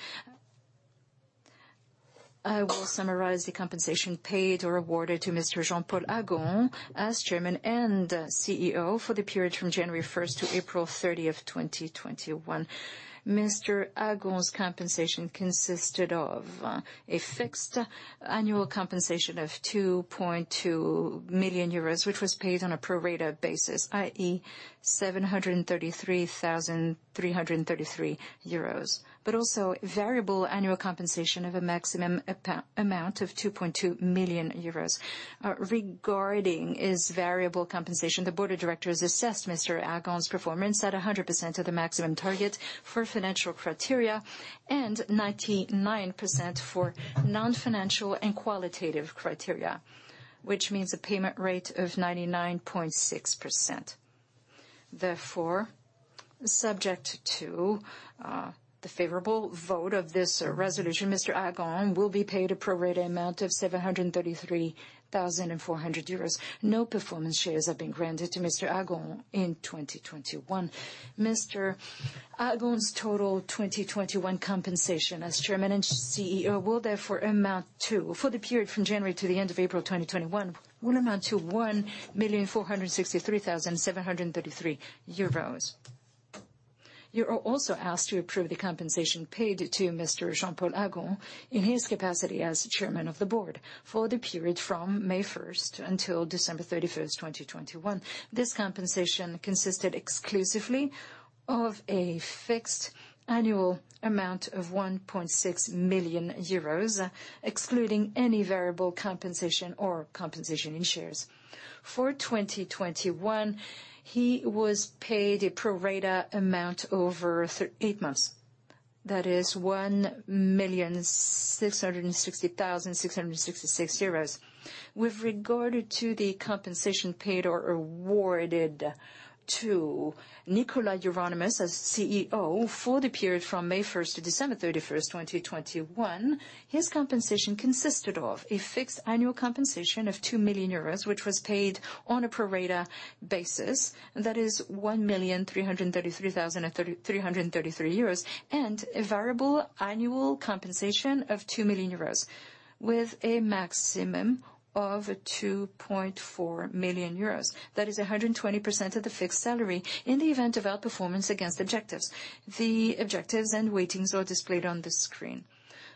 S7: I will summarize the compensation paid or awarded to Mr. Jean-Paul Agon as Chairman and CEO for the period from January 1 to April 30, 2021. Mr. Agon's compensation consisted of a fixed annual compensation of 2.2 million euros, which was paid on a pro rata basis, i.e., 733,333 euros, but also variable annual compensation of a maximum amount of 2.2 million euros. Regarding his variable compensation, the board of directors assessed Mr. Jean-Paul Agon's performance at 100% of the maximum target for financial criteria and 99% for non-financial and qualitative criteria, which means a payment rate of 99.6%. Therefore, subject to the favorable vote of this resolution, Mr. Jean-Paul Agon will be paid a pro rata amount of 733,400 euros. No performance shares have been granted to Mr. Jean-Paul Agon in 2021. Mr. Agon's total 2021 compensation as Chairman and CEO will therefore amount to, for the period from January to the end of April 2021, 1,463,733 euros. You are also asked to approve the compensation paid to Mr. Jean-Paul Agon in his capacity as Chairman of the Board for the period from May 1 until December 31, 2021. This compensation consisted exclusively of a fixed annual amount of 1.6 million euros, excluding any variable compensation or compensation in shares. For 2021, he was paid a pro rata amount over eight months. That is 1,660,666 euros. With regard to the compensation paid or awarded to Nicolas Hieronimus as CEO for the period from May 1 to December 31, 2021, his compensation consisted of a fixed annual compensation of 2 million euros, which was paid on a pro-rata basis, that is 1,333,333 euros, and a variable annual compensation of 2 million euros with a maximum of 2.4 million euros. That is 120% of the fixed salary in the event of outperformance against objectives. The objectives and weightings are displayed on the screen.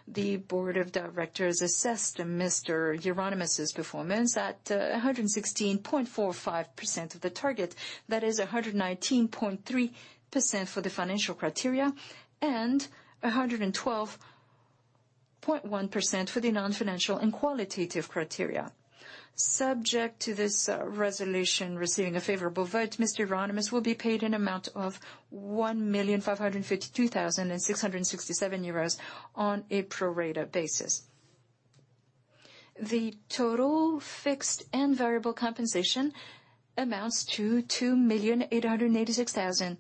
S7: The board of directors assessed Mr. Hieronimus' performance at 116.45% of the target. That is 119.3% for the financial criteria and 112.1% for the non-financial and qualitative criteria. Subject to this resolution receiving a favorable vote, Mr. Hieronimus will be paid an amount of 1,552,667 euros on a pro-rata basis. The total fixed and variable compensation amounts to 2,886,000 euros.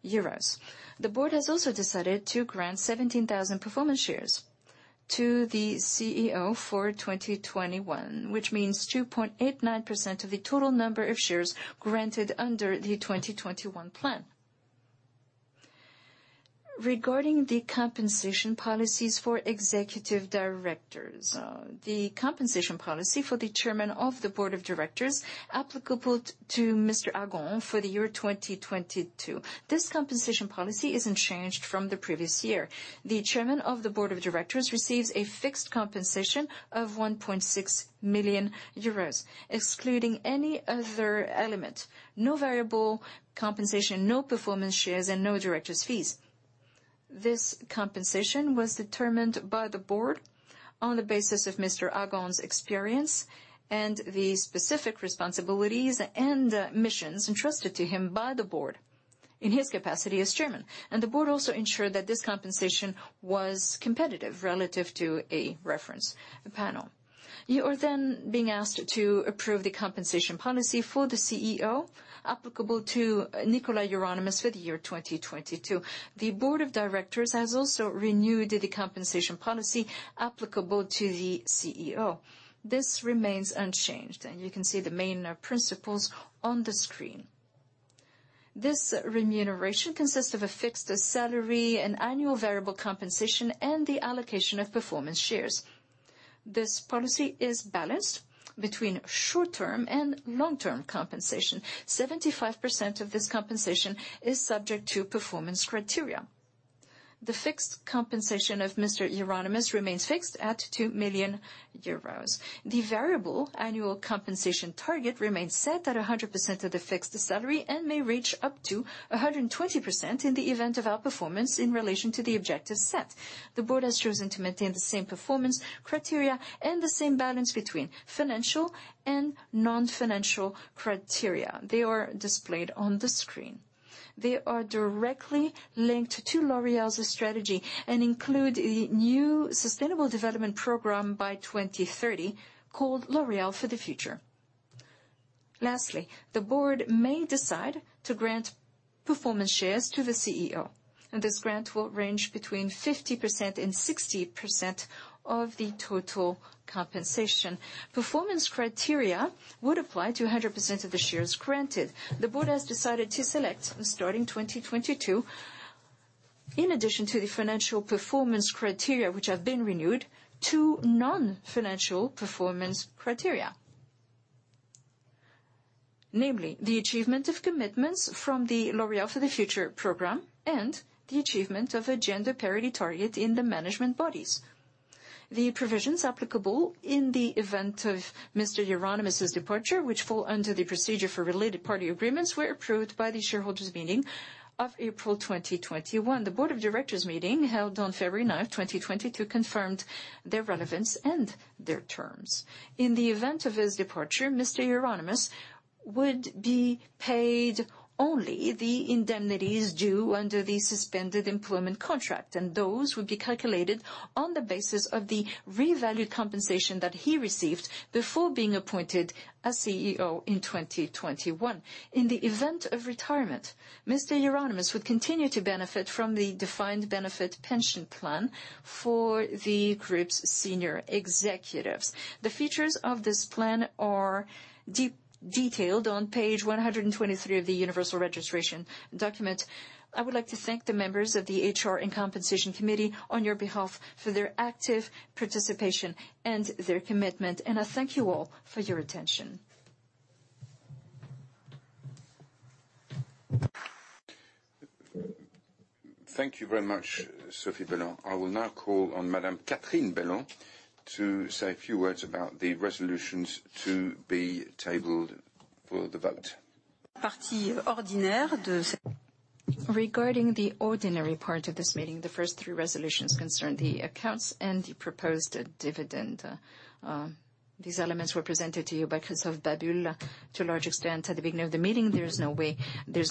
S7: The board has also decided to grant 17,000 performance shares to the CEO for 2021, which means 2.89% of the total number of shares granted under the 2021 plan. Regarding the compensation policies for executive directors, the compensation policy for the Chairman of the Board of Directors applicable to Mr. Agon for the year 2022, this compensation policy isn't changed from the previous year. The Chairman of the Board of Directors receives a fixed compensation of 1.6 million euros, excluding any other element, no variable compensation, no performance shares, and no director's fees. This compensation was determined by the board on the basis of Mr. Jean-Paul Agon's experience and the specific responsibilities and missions entrusted to him by the board in his capacity as Chairman. The board also ensured that this compensation was competitive relative to a reference panel. You are then being asked to approve the compensation policy for the CEO applicable to Nicolas Hieronimus for the year 2022. The board of directors has also renewed the compensation policy applicable to the CEO. This remains unchanged, and you can see the main principles on the screen. This remuneration consists of a fixed salary, an annual variable compensation, and the allocation of performance shares. This policy is balanced between short-term and long-term compensation. 75% of this compensation is subject to performance criteria. The fixed compensation of Mr. Hieronimus remains fixed at 2 million euros. The variable annual compensation target remains set at 100% of the fixed salary and may reach up to 120% in the event of outperformance in relation to the objectives set. The board has chosen to maintain the same performance criteria and the same balance between financial and non-financial criteria. They are displayed on the screen. They are directly linked to L'Oréal's strategy and include a new sustainable development program by 2030 called L'Oréal for the Future. Lastly, the board may decide to grant performance shares to the CEO, and this grant will range between 50% and 60% of the total compensation. Performance criteria would apply to 100% of the shares granted. The Board has decided to select, starting 2022, in addition to the financial performance criteria, which have been renewed, two non-financial performance criteria. Namely, the achievement of commitments from the L'Oréal for the Future program and the achievement of a gender parity target in the management bodies. The provisions applicable in the event of Mr. Hieronimus' departure, which fall under the procedure for related party agreements, were approved by the shareholders' meeting of April 2021. The Board of Directors meeting, held on February 9, 2022, confirmed their relevance and their terms. In the event of his departure, Mr. Hieronimus would be paid only the indemnities due under the suspended employment contract, and those would be calculated on the basis of the revalued compensation that he received before being appointed as CEO in 2021. In the event of retirement, Mr. Hieronimus would continue to benefit from the defined benefit pension plan for the group's senior executives. The features of this plan are detailed on page 123 of the Universal Registration Document. I would like to thank the members of the HR and Compensation Committee on your behalf for their active participation and their commitment, and I thank you all for your attention.
S1: Thank you very much, Sophie Bellon. I will now call on Madame Catherine Bellon to say a few words about the resolutions to be tabled for the vote.
S2: Regarding the ordinary part of this meeting, the first three resolutions concern the accounts and the proposed dividend. These elements were presented to you by Christophe Babule to a large extent at the beginning of the meeting. There's no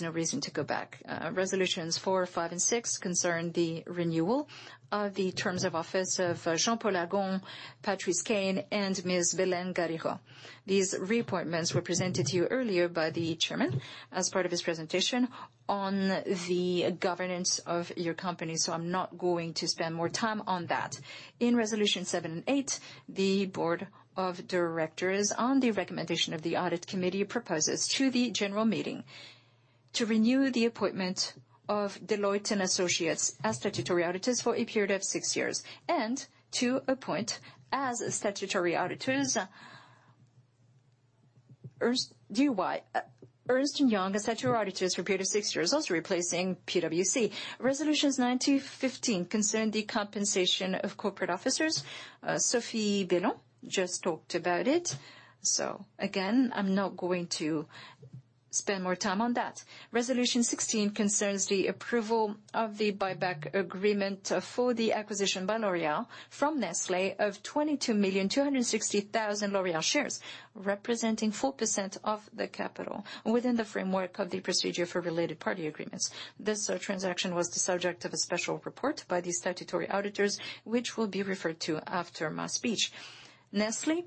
S2: reason to go back. Resolutions four, five, and six concern the renewal of the terms of office of Jean-Paul Agon, Patrice Caine, and Ms. Belén Garijo. These reappointments were presented to you earlier by the chairman as part of his presentation on the governance of your company, so I'm not going to spend more time on that. In resolutions seven and eight, the board of directors, on the recommendation of the audit committee, proposes to the general meeting to renew the appointment of Deloitte & Associés as statutory auditors for a period of six years, and to appoint as statutory auditors Ernst & Young as statutory auditors for a period of six years, also replacing PwC. Resolutions 9-15 concern the compensation of corporate officers. Sophie Bellon just talked about it, so again, I'm not going to spend more time on that. Resolution 16 concerns the approval of the buyback agreement for the acquisition by L'Oréal from Nestlé of 22,260,000 L'Oréal shares, representing 4% of the capital within the framework of the procedure for related party agreements. This transaction was the subject of a special report by the statutory auditors, which will be referred to after my speech. Nestlé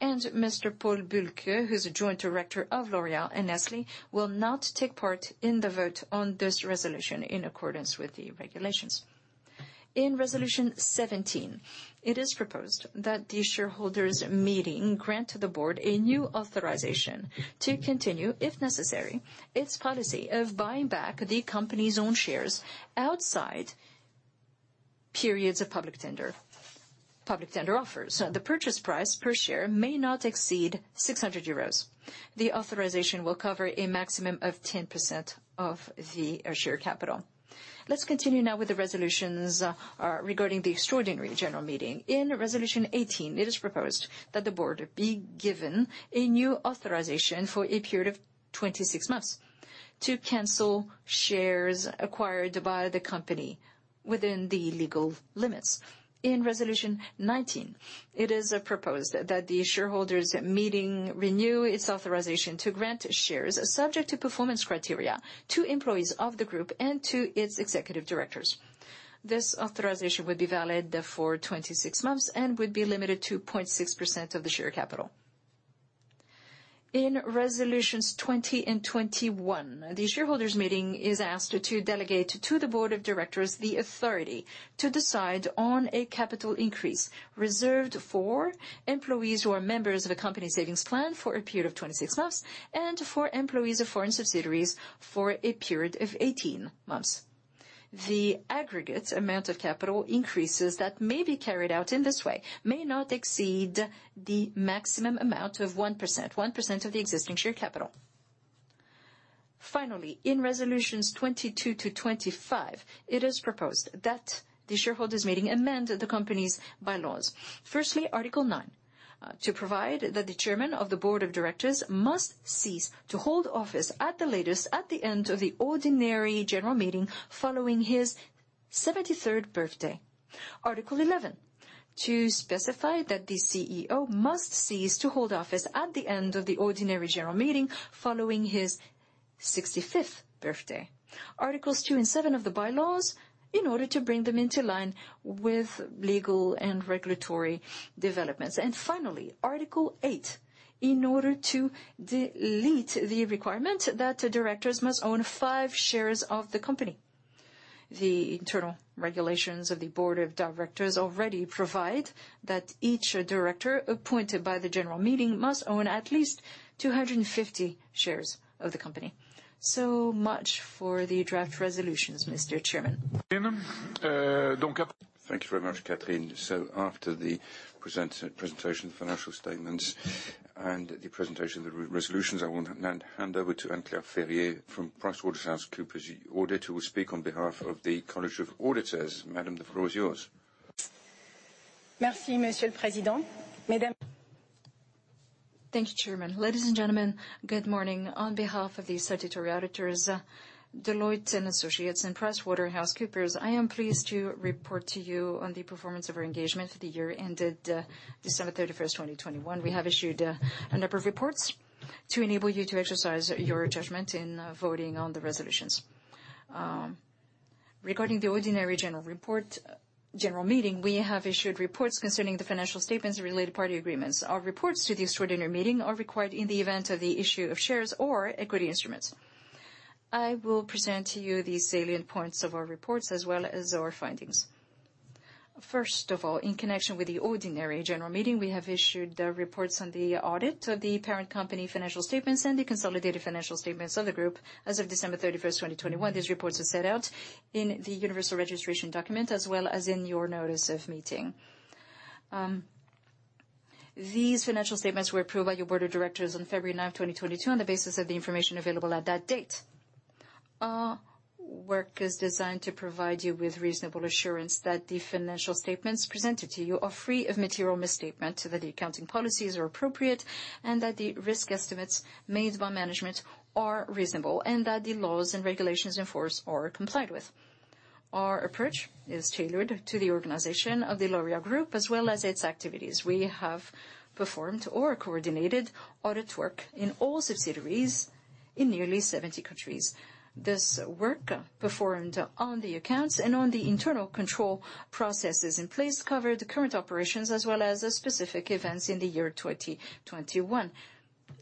S2: and Mr. Paul Bulcke, who's joint director of L'Oréal and Nestlé, will not take part in the vote on this resolution in accordance with the regulations. In resolution 17, it is proposed that the shareholders' meeting grant the board a new authorization to continue, if necessary, its policy of buying back the company's own shares outside periods of public tender, public tender offers. The purchase price per share may not exceed 600 euros. The authorization will cover a maximum of 10% of the share capital. Let's continue now with the resolutions regarding the extraordinary general meeting. In resolution 18, it is proposed that the board be given a new authorization for a period of 26 months to cancel shares acquired by the company within the legal limits. In resolution 19, it is proposed that the shareholders' meeting renew its authorization to grant shares subject to performance criteria to employees of the group and to its executive directors. This authorization would be valid for 26 months and would be limited to 0.6% of the share capital. In resolutions 20 and 21, the shareholders' meeting is asked to delegate to the board of directors the authority to decide on a capital increase reserved for employees who are members of a company savings plan for a period of 26 months, and for employees of foreign subsidiaries for a period of 18 months. The aggregate amount of capital increases that may be carried out in this way may not exceed the maximum amount of 1% of the existing share capital. Finally, in resolutions 22-25, it is proposed that the shareholders' meeting amend the company's bylaws. Firstly, Article 9 to provide that the Chairman of the Board of Directors must cease to hold office at the latest at the end of the ordinary general meeting following his 73rd birthday. Article 11 to specify that the CEO must cease to hold office at the end of the ordinary general meeting following his 65th birthday. Articles 2 and 7 of the bylaws, in order to bring them into line with legal and regulatory developments. Finally, Article 8, in order to delete the requirement that directors must own five shares of the company. The internal regulations of the Board of Directors already provide that each director appointed by the general meeting must own at least 250 shares of the company. So much for the draft resolutions, Mr. Chairman.
S1: Thank you very much, Catherine. After the presentation of financial statements and the presentation of the resolutions, I will now hand over to Anne-Claire Ferrié from PricewaterhouseCoopers, the auditor who will speak on behalf of the College of Auditors. Madame, the floor is yours.
S8: Merci, Monsieur le Président. Thank you, Chairman. Ladies and gentlemen, good morning. On behalf of the statutory auditors, Deloitte & Associés and PricewaterhouseCoopers, I am pleased to report to you on the performance of our engagement for the year ended December 31st, 2021. We have issued a number of reports to enable you to exercise your judgment in voting on the resolutions. Regarding the ordinary general meeting, we have issued reports concerning the financial statements and related party agreements. Our reports to the extraordinary meeting are required in the event of the issue of shares or equity instruments. I will present to you the salient points of our reports as well as our findings. First of all, in connection with the ordinary general meeting, we have issued the reports on the audit of the parent company financial statements and the consolidated financial statements of the group as of December 31st, 2021. These reports are set out in the universal registration document as well as in your notice of meeting. These financial statements were approved by your board of directors on February 9th, 2022, on the basis of the information available at that date. Our work is designed to provide you with reasonable assurance that the financial statements presented to you are free of material misstatement, that the accounting policies are appropriate, and that the risk estimates made by management are reasonable, and that the laws and regulations in force are complied with. Our approach is tailored to the organization of the L'Oréal Group, as well as its activities. We have performed or coordinated audit work in all subsidiaries in nearly 70 countries. This work performed on the accounts and on the internal control processes in place cover the current operations, as well as the specific events in the year 2021.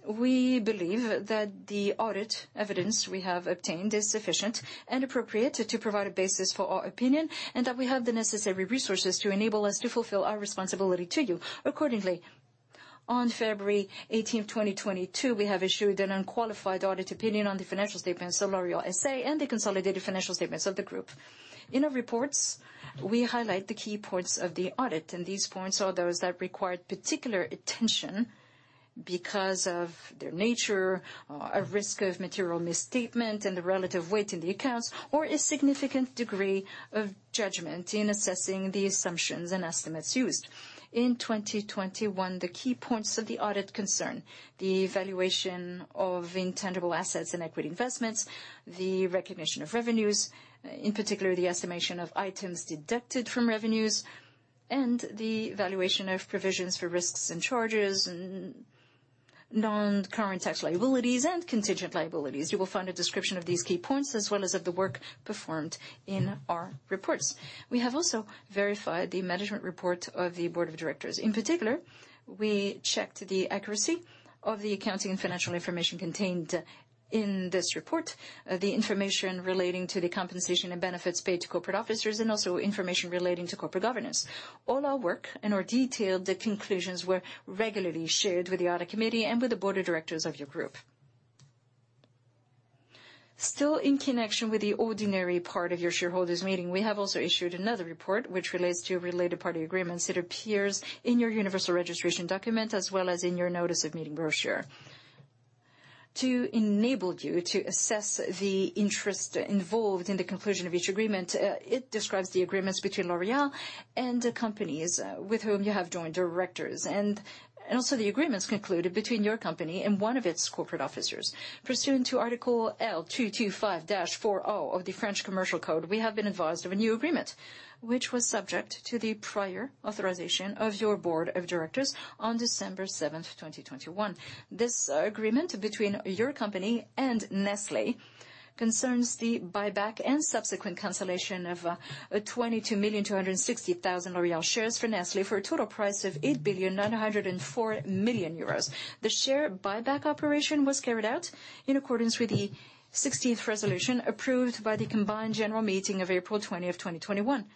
S8: We believe that the audit evidence we have obtained is sufficient and appropriate to provide a basis for our opinion, and that we have the necessary resources to enable us to fulfill our responsibility to you. Accordingly, on February 18, 2022, we have issued an unqualified audit opinion on the financial statements of L'Oréal S.A. and the consolidated financial statements of the group. In our reports, we highlight the key points of the audit, and these points are those that required particular attention because of their nature, or a risk of material misstatement and the relative weight in the accounts, or a significant degree of judgment in assessing the assumptions and estimates used. In 2021, the key points of the audit concern the valuation of intangible assets and equity investments, the recognition of revenues, in particular, the estimation of items deducted from revenues, and the valuation of provisions for risks and charges, and non-current tax liabilities and contingent liabilities. You will find a description of these key points, as well as of the work performed in our reports. We have also verified the management report of the board of directors. In particular, we checked the accuracy of the accounting and financial information contained in this report, the information relating to the compensation and benefits paid to corporate officers, and also information relating to corporate governance. All our work and our detailed conclusions were regularly shared with the audit committee and with the board of directors of your group. Still in connection with the ordinary part of your shareholders' meeting, we have also issued another report which relates to related party agreements. It appears in your universal registration document, as well as in your notice of meeting brochure. To enable you to assess the interest involved in the conclusion of each agreement, it describes the agreements between L'Oréal and the companies with whom you have joint directors and also the agreements concluded between your company and one of its corporate officers. Pursuant to Article L225-40 of the French Commercial Code, we have been advised of a new agreement, which was subject to the prior authorization of your board of directors on December 7, 2021. This agreement between your company and Nestlé concerns the buyback and subsequent cancellation of 22,260,000 L'Oréal shares from Nestlé for a total price of 8.904 billion euros. The share buyback operation was carried out in accordance with the 16th resolution approved by the Combined General Meeting of April 20, 2021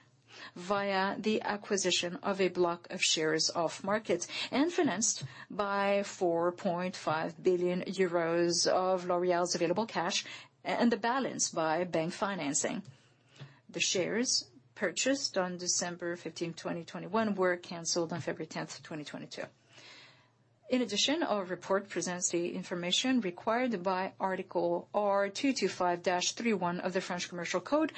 S8: via the acquisition of a block of shares off market and financed by 4.5 billion euros of L'Oréal's available cash and the balance by bank financing. The shares purchased on December 15th, 2021 were canceled on February 10th, 2022. In addition, our report presents the information required by Article R.225-31 of the French Commercial Code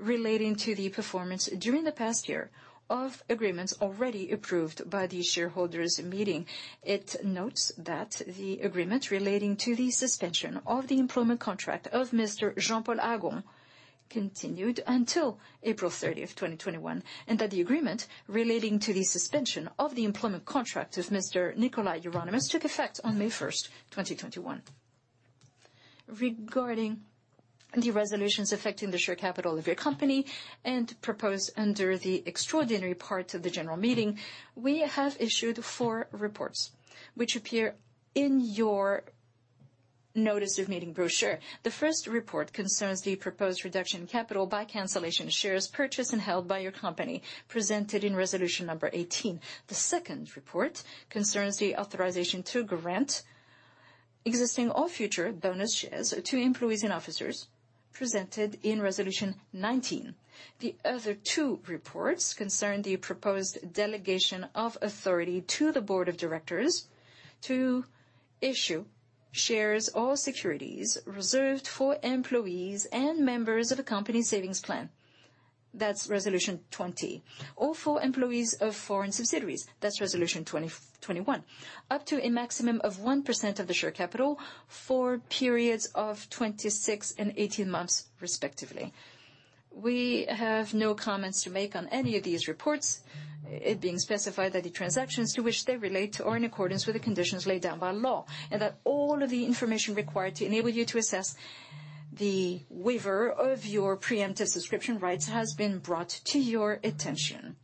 S8: relating to the performance during the past year of agreements already approved by the shareholders' meeting. It notes that the agreement relating to the suspension of the employment contract of Mr. Jean-Paul Agon continued until April 30th, 2021, and that the agreement relating to the suspension of the employment contract of Mr. Nicolas Hieronimus took effect on May 1st, 2021. Regarding the resolutions affecting the share capital of your company and proposed under the extraordinary part of the general meeting, we have issued four reports which appear in your notice of meeting brochure. The first report concerns the proposed reduction in capital by cancellation of shares purchased and held by your company, presented in resolution number 18. The second report concerns the authorization to grant existing or future bonus shares to employees and officers presented in resolution 19. The other two reports concern the proposed delegation of authority to the Board of Directors to issue shares or securities reserved for employees and members of a company savings plan. That's resolution 20. Or for employees of foreign subsidiaries. That's resolution 21. Up to a maximum of 1% of the share capital for periods of 26 and 18 months, respectively. We have no comments to make on any of these reports. It being specified that the transactions to which they relate are in accordance with the conditions laid down by law, and that all of the information required to enable you to assess the waiver of your preemptive subscription rights has been brought to your attention.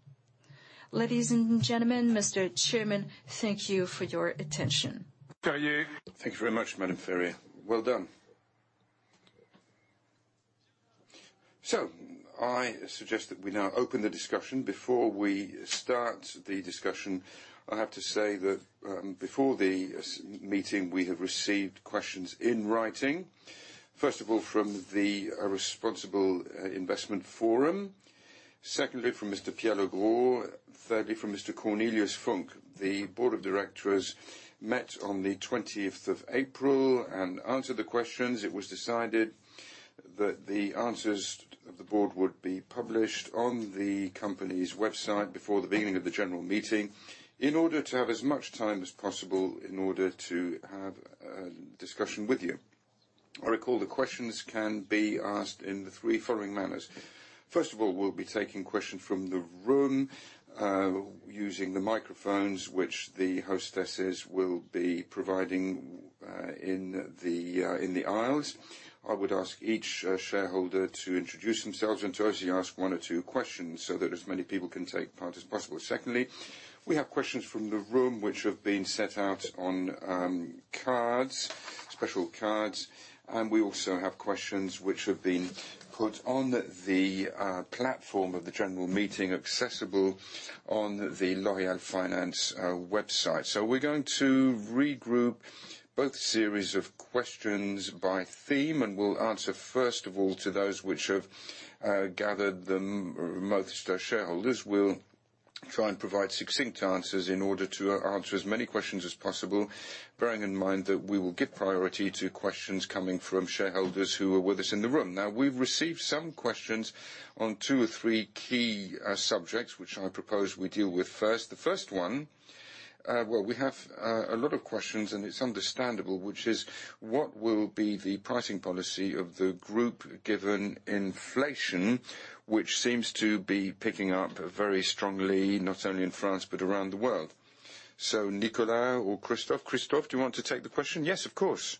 S8: Ladies and gentlemen, Mr. Chairman, thank you for your attention.
S1: Thank you very much, Madame Ferrié. Well done. I suggest that we now open the discussion. Before we start the discussion, I have to say that before the meeting, we have received questions in writing. First of all, from the Forum pour l'Investissement Responsable. Secondly, from Mr. Pierre Legros. Thirdly, from Mr. Cornelia Funke. The board of directors met on the 20th of April and answered the questions. It was decided that the answers of the board would be published on the company's website before the beginning of the general meeting in order to have as much time as possible in order to have a discussion with you. I recall the questions can be asked in the three following manners. First of all, we'll be taking questions from the room using the microphones, which the hostesses will be providing in the aisles. I would ask each shareholder to introduce themselves and to actually ask one or two questions so that as many people can take part as possible. Secondly, we have questions from the room which have been set out on cards, special cards, and we also have questions which have been put on the platform of the general meeting, accessible on the loreal-finance.com website. We're going to regroup both series of questions by theme, and we'll answer first of all to those which have gathered the most shareholders. We'll try and provide succinct answers in order to answer as many questions as possible, bearing in mind that we will give priority to questions coming from shareholders who are with us in the room. Now, we've received some questions on two or three key subjects, which I propose we deal with first. The first one, well, we have a lot of questions, and it's understandable, which is what will be the pricing policy of the group, given inflation, which seems to be picking up very strongly, not only in France, but around the world. Nicolas or Christophe. Christophe, do you want to take the question?
S3: Yes, of course.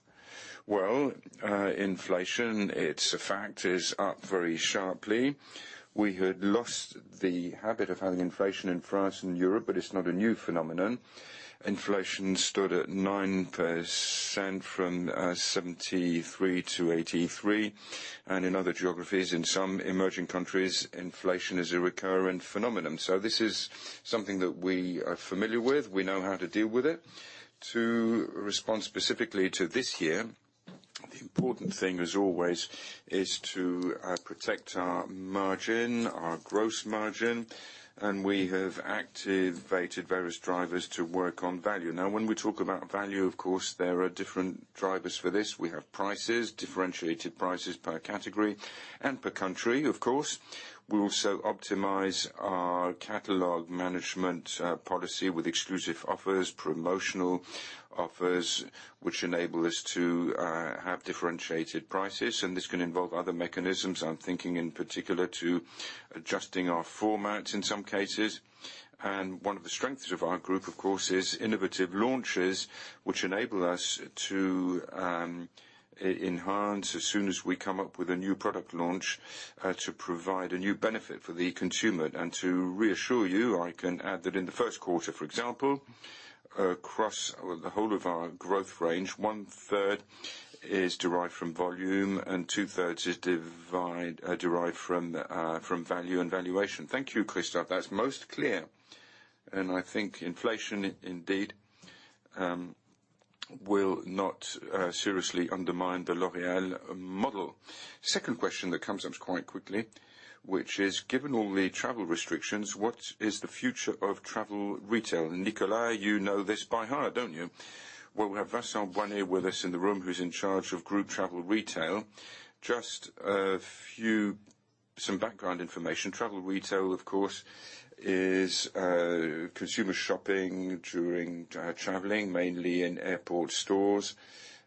S3: Well, inflation, it's a fact, is up very sharply. We had lost the habit of having inflation in France and Europe, but it's not a new phenomenon. Inflation stood at 9% from 1973 to 1983. In other geographies, in some emerging countries, inflation is a recurring phenomenon, so this is something that we are familiar with. We know how to deal with it. To respond specifically to this year, the important thing, as always, is to protect our margin, our gross margin, and we have activated various drivers to work on value. Now, when we talk about value, of course there are different drivers for this. We have prices, differentiated prices per category and per country, of course. We also optimize our catalog management policy with exclusive offers, promotional offers, which enable us to have differentiated prices, and this can involve other mechanisms. I'm thinking in particular to adjusting our formats in some cases. One of the strengths of our group, of course, is innovative launches, which enable us to enhance as soon as we come up with a new product launch to provide a new benefit for the consumer. To reassure you, I can add that in the first quarter, for example, across the whole of our growth range, one-third is derived from volume, and two-thirds is derived from value and valuation.
S1: Thank you, Christophe. That's most clear, and I think inflation indeed will not seriously undermine the L'Oréal model. Second question that comes up quite quickly, which is, given all the travel restrictions, what is the future of travel retail? Nicolas, you know this by heart, don't you?
S4: Well, we have Vincent Boinay with us in the room who's in charge of group travel retail. Just a few some background information. Travel retail, of course, is consumer shopping during traveling, mainly in airport stores,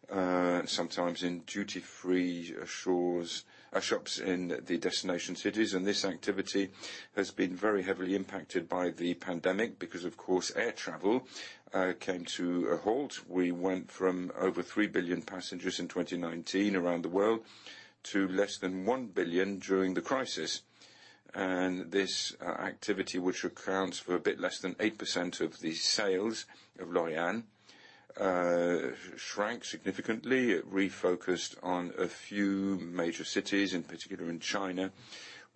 S4: sometimes in duty-free shops in the destination cities, and this activity has been very heavily impacted by the pandemic because, of course, air travel came to a halt. We went from over 3 billion passengers in 2019 around the world to less than 1 billion during the crisis. This activity, which accounts for a bit less than 8% of the sales of L'Oréal, shrank significantly. It refocused on a few major cities, in particular in China,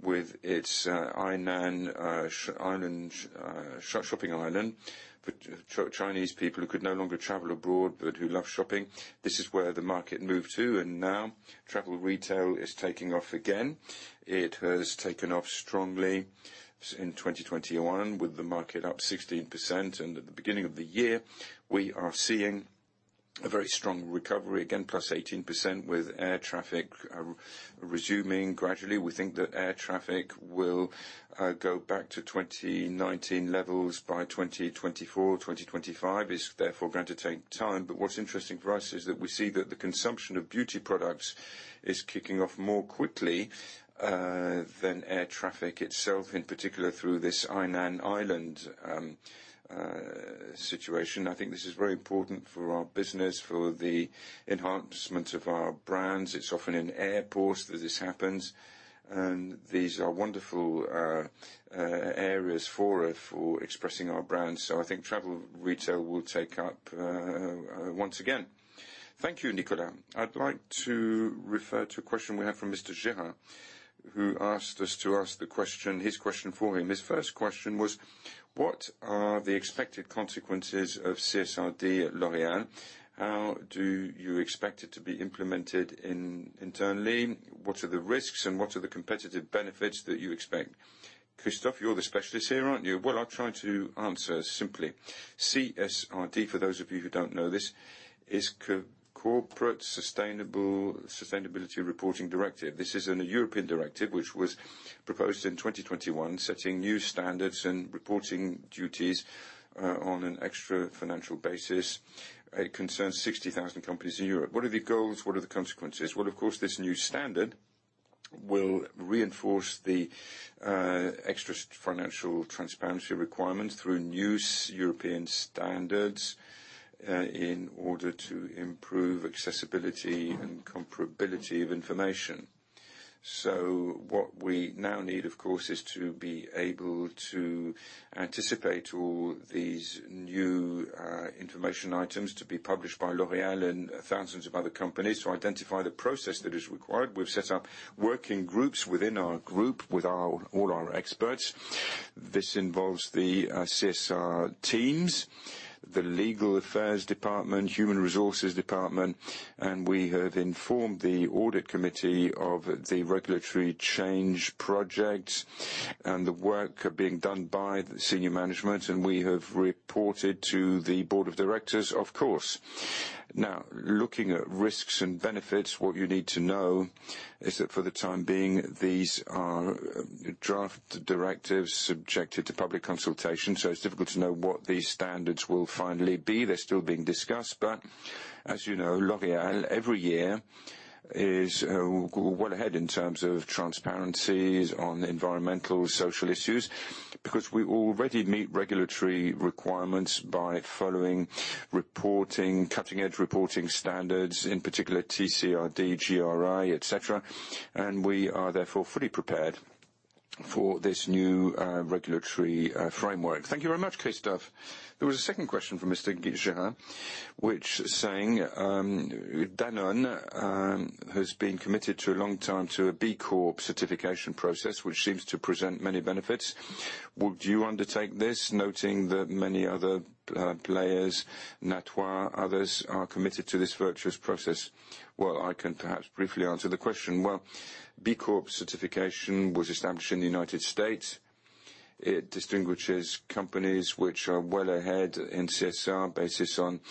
S4: with its Hainan island, shopping island. For Chinese people who could no longer travel abroad but who love shopping, this is where the market moved to, and now travel retail is taking off again. It has taken off strongly in 2021, with the market up 16%, and at the beginning of the year, we are seeing a very strong recovery, again plus 18%, with air traffic resuming gradually. We think that air traffic will go back to 2019 levels by 2024, 2025. It's therefore going to take time. What's interesting for us is that we see that the consumption of beauty products is kicking off more quickly than air traffic itself, in particular through this Hainan Island situation. I think this is very important for our business, for the enhancement of our brands. It's often in airports that this happens, and these are wonderful areas for expressing our brands. I think travel retail will take up once again.
S1: Thank you, Nicolas. I'd like to refer to a question we have from Mr. [Girerd], who asked us to ask the question, his question for him. His first question was, what are the expected consequences of CSRD at L'Oréal? How do you expect it to be implemented internally? What are the risks, and what are the competitive benefits that you expect? Christophe, you're the specialist here, aren't you?
S3: Well, I'll try to answer simply. CSRD, for those of you who don't know this, is Corporate Sustainability Reporting Directive. This is a European directive, which was proposed in 2021, setting new standards and reporting duties on an extra-financial basis. It concerns 60,000 companies in Europe. What are the goals? What are the consequences? Well, of course, this new standard will reinforce the extra-financial transparency requirements through new European standards in order to improve accessibility and comparability of information. What we now need, of course, is to be able to anticipate all these new information items to be published by L'Oréal and thousands of other companies to identify the process that is required. We've set up working groups within our group with our, all our experts. This involves the CSR teams, the legal affairs department, human resources department, and we have informed the Audit Committee of the regulatory change project and the work being done by the Senior Management, and we have reported to the Board of Directors, of course. Now looking at risks and benefits, what you need to know is that for the time being, these are draft directives subjected to public consultation, so it's difficult to know what these standards will finally be. They're still being discussed. As you know, L'Oréal every year is well ahead in terms of transparency on environmental social issues because we already meet regulatory requirements by following cutting-edge reporting standards, in particular CSRD, GRI, et cetera. We are therefore fully prepared for this new regulatory framework.
S1: Thank you very much, Christophe. There was a second question from Mr. [Girerd], which says Danone has been committed for a long time to a B Corp certification process, which seems to present many benefits. Would you undertake this, noting that many other players, Natura, others are committed to this virtuous process? I can perhaps briefly answer the question. B Corp certification was established in the United States. It distinguishes companies which are well ahead in CSR based on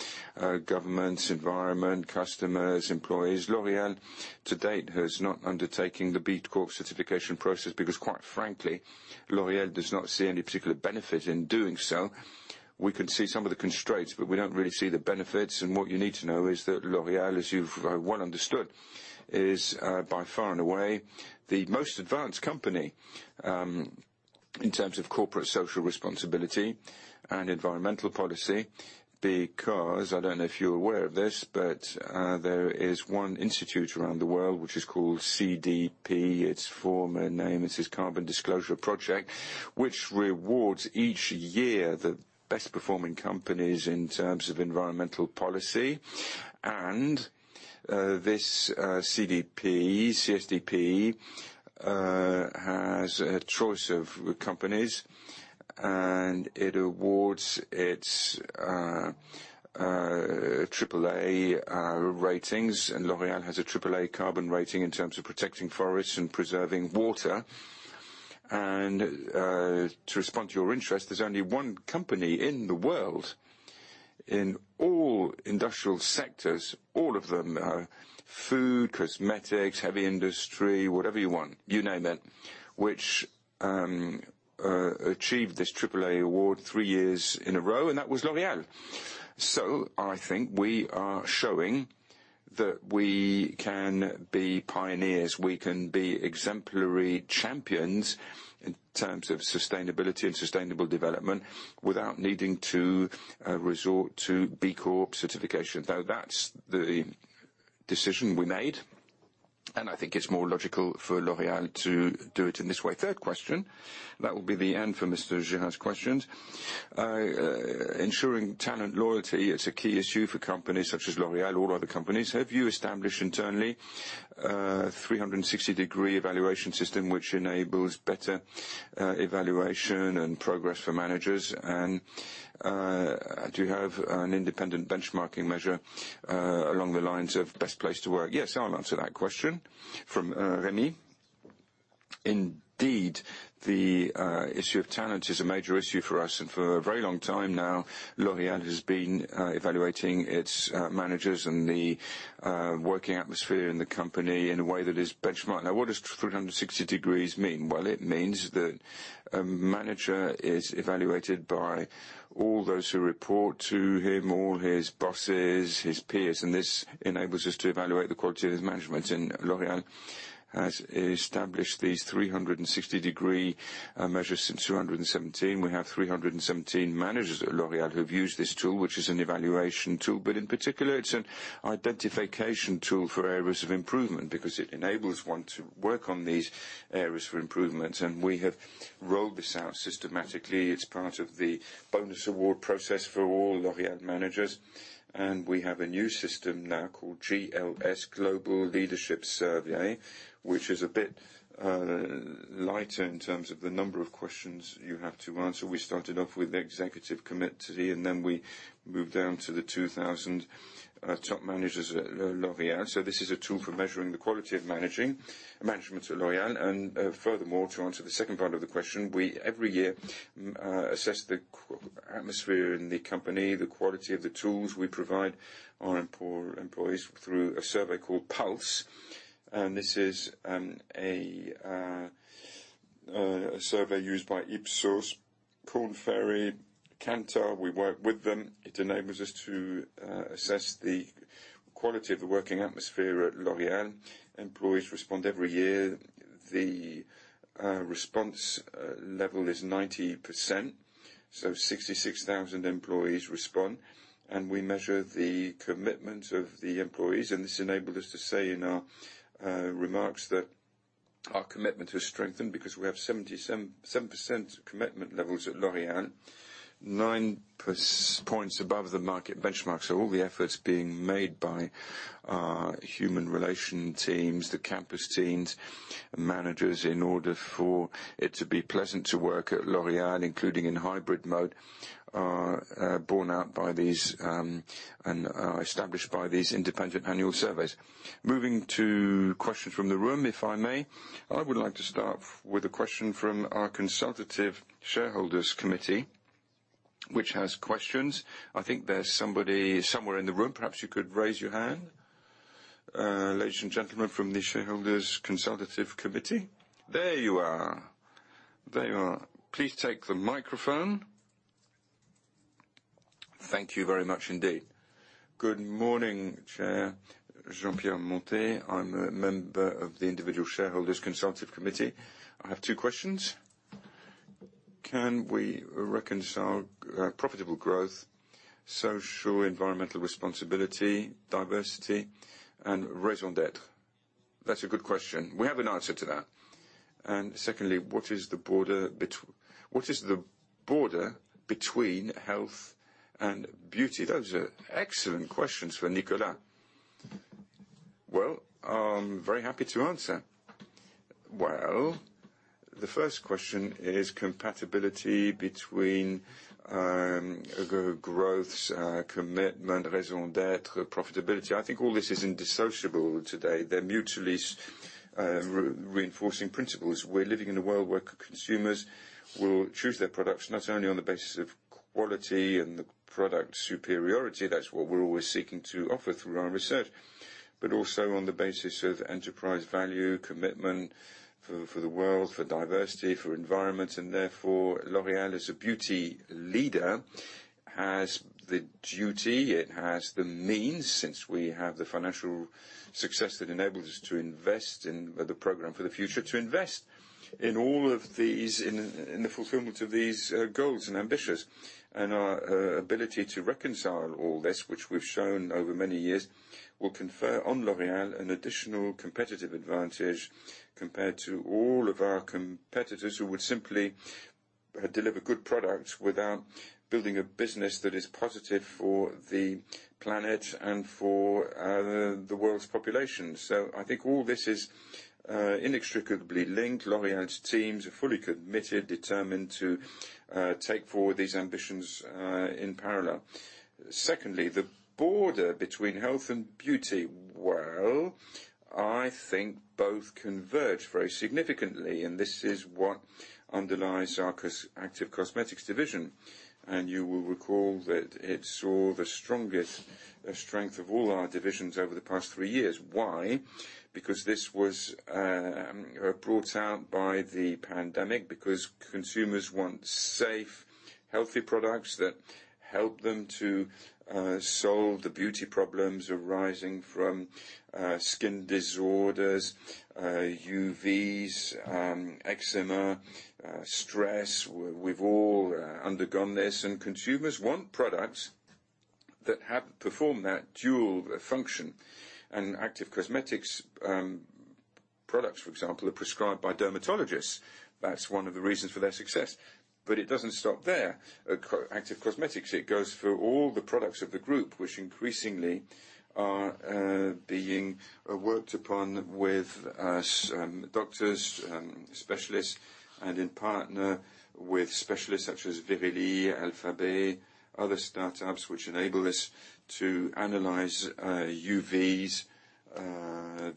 S1: governance, environment, customers, employees. L'Oréal to date has not undertaken the B Corp certification process because quite frankly, L'Oréal does not see any particular benefit in doing so. We can see some of the constraints, but we don't really see the benefits. What you need to know is that L'Oréal, as you've well understood, is by far and away the most advanced company in terms of corporate social responsibility and environmental policy. Because I don't know if you're aware of this, but there is one institute around the world which is called CDP, its former name. It is Carbon Disclosure Project, which rewards each year the best performing companies in terms of environmental policy. This CDP has a choice of companies, and it awards its triple A ratings, and L'Oréal has a triple A carbon rating in terms of protecting forests and preserving water. To respond to your interest, there's only one company in the world in all industrial sectors, all of them, food, cosmetics, heavy industry, whatever you want, you name it, which achieved this triple A award three years in a row, and that was L'Oréal. I think we are showing that we can be pioneers, we can be exemplary champions in terms of sustainability and sustainable development without needing to resort to B Corp certification, though that's the decision we made, and I think it's more logical for L'Oréal to do it in this way. Third question, that will be the end for Mr. [Girerd]'s questions. Ensuring talent loyalty, it's a key issue for companies such as L'Oréal or other companies. Have you established internally a 360-degree evaluation system which enables better evaluation and progress for managers? Do you have an independent benchmarking measure along the lines of best place to work? Yes, I'll answer that question from Remy. Indeed, the issue of talent is a major issue for us. For a very long time now, L'Oréal has been evaluating its managers and the working atmosphere in the company in a way that is benchmark. Now, what does 360 degrees mean? Well, it means that a manager is evaluated by all those who report to him, all his bosses, his peers, and this enables us to evaluate the quality of his management. L'Oréal has established these 360-degree measures since 2017. We have 317 managers at L'Oréal who have used this tool, which is an evaluation tool, but in particular, it's an identification tool for areas of improvement because it enables one to work on these areas for improvements. We have rolled this out systematically. It's part of the bonus award process for all L'Oréal managers. We have a new system now called GLS, Global Leadership Survey, which is a bit lighter in terms of the number of questions you have to answer. We started off with the executive committee, and then we moved down to the 2,000 top managers at L'Oréal. This is a tool for measuring the quality of management at L'Oréal. Furthermore, to answer the second part of the question, we every year assess the atmosphere in the company, the quality of the tools we provide our employees through a survey called Pulse. This is a survey used by Ipsos, Korn Ferry, Kantar, we work with them. It enables us to assess the quality of the working atmosphere at L'Oréal. Employees respond every year. The response level is 90%, so 66,000 employees respond, and we measure the commitment of the employees. This enabled us to say in our remarks that our commitment has strengthened because we have 77% commitment levels at L'Oréal, nine points above the market benchmark. All the efforts being made by our human relations teams, the campus teams, managers, in order for it to be pleasant to work at L'Oréal, including in hybrid mode, are borne out by these and are established by these independent annual surveys. Moving to questions from the room, if I may. I would like to start with a question from our Consultative Shareholders Committee, which has questions. I think there's somebody somewhere in the room. Perhaps you could raise your hand. Ladies and gentlemen from the Shareholders Consultative Committee. There you are. Please take the microphone.
S9: Thank you very much indeed. Good morning, Chair. [Jean-Pierre Monte], I'm a member of the Individual Shareholders Consultative Committee. I have two questions. Can we reconcile profitable growth, social, environmental responsibility, diversity, and raison d'être?
S1: That's a good question. We have an answer to that.
S9: Secondly, what is the border between health and beauty?
S1: Those are excellent questions for Nicolas.
S4: Well, I'm very happy to answer. Well, the first question is compatibility between growth, commitment, raison d'être, profitability. I think all this is indissociable today. They're mutually reinforcing principles. We're living in a world where consumers will choose their products not only on the basis of quality and the product superiority, that's what we're always seeking to offer through our research, but also on the basis of enterprise value, commitment for the world, for diversity, for environment, and therefore, L'Oréal as a beauty leader has the duty, it has the means, since we have the financial success that enables us to invest in the program for the future, to invest in all of these, in the fulfillment of these goals and ambitions. Our ability to reconcile all this, which we've shown over many years, will confer on L'Oréal an additional competitive advantage compared to all of our competitors who would simply deliver good products without building a business that is positive for the planet and for the world's population. I think all this is inextricably linked. L'Oréal's teams are fully committed, determined to take forward these ambitions in parallel. Secondly, the border between health and beauty. Well, I think both converge very significantly, and this is what underlies our Active Cosmetics division. You will recall that it saw the strongest strength of all our divisions over the past three years. Why? Because this was brought out by the pandemic, because consumers want safe, healthy products that help them to solve the beauty problems arising from skin disorders, UVs, eczema, stress. We've all undergone this, and consumers want products that perform that dual function. Active Cosmetics products, for example, are prescribed by dermatologists. That's one of the reasons for their success. It doesn't stop there. Active Cosmetics, it goes through all the products of the group, which increasingly are being worked upon with some doctors, specialists, and in partnership with specialists such as Verily, Alphabet, other startups which enable us to analyze UVs,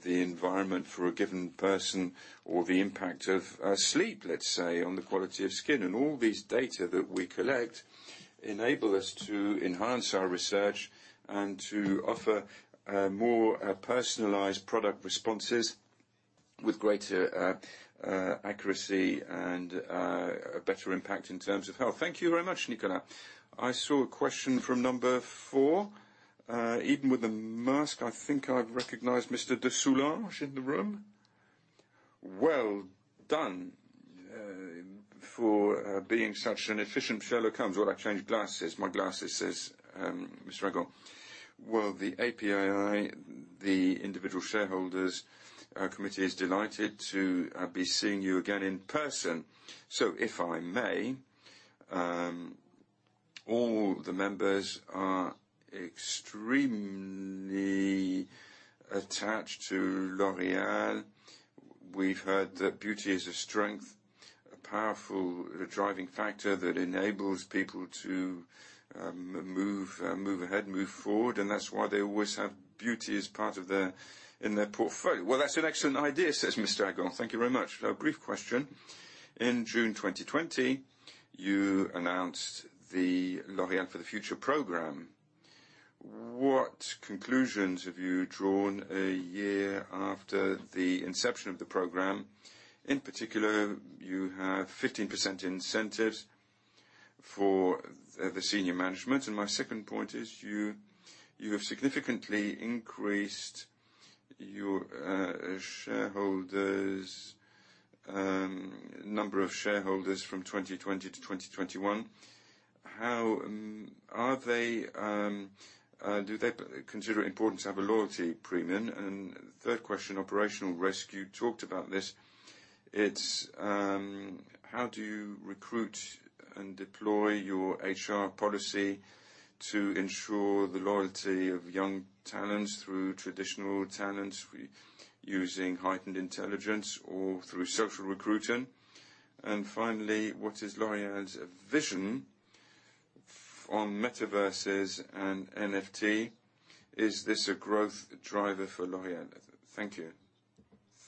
S4: the environment for a given person, or the impact of sleep, let's say, on the quality of skin. All this data that we collect enable us to enhance our research and to offer more personalized product responses with greater accuracy and a better impact in terms of health.
S1: Thank you very much, Nicolas. I saw a question from number four. Even with the mask, I think I recognize Mr. Dussolange in the room. Well done for being such an efficient fellow. Comes while I change glasses. My glasses, says Mr. Agon. Well, the APAA, the individual shareholders committee is delighted to be seeing you again in person. If I may, all the members are extremely attached to L'Oréal. We've heard that beauty is a strength, a powerful driving factor that enables people to move ahead, move forward, and that's why they always have beauty as part of their, in their portfolio. Well, that's an excellent idea, says Mr. Agon.
S9: Thank you very much. A brief question. In June 2020, you announced the L'Oréal for the Future program. What conclusions have you drawn a year after the inception of the program? In particular, you have 15% incentives for the senior management. My second point is you have significantly increased your number of shareholders from 2020 to 2021. How are they do they consider it important to have a loyalty premium? And third question, operational rescue. Talked about this. It's how do you recruit and deploy your HR policy to ensure the loyalty of young talents through traditional talents using artificial intelligence or through social recruiting? And finally, what is L'Oréal's vision on metaverses and NFT? Is this a growth driver for L'Oréal? Thank you.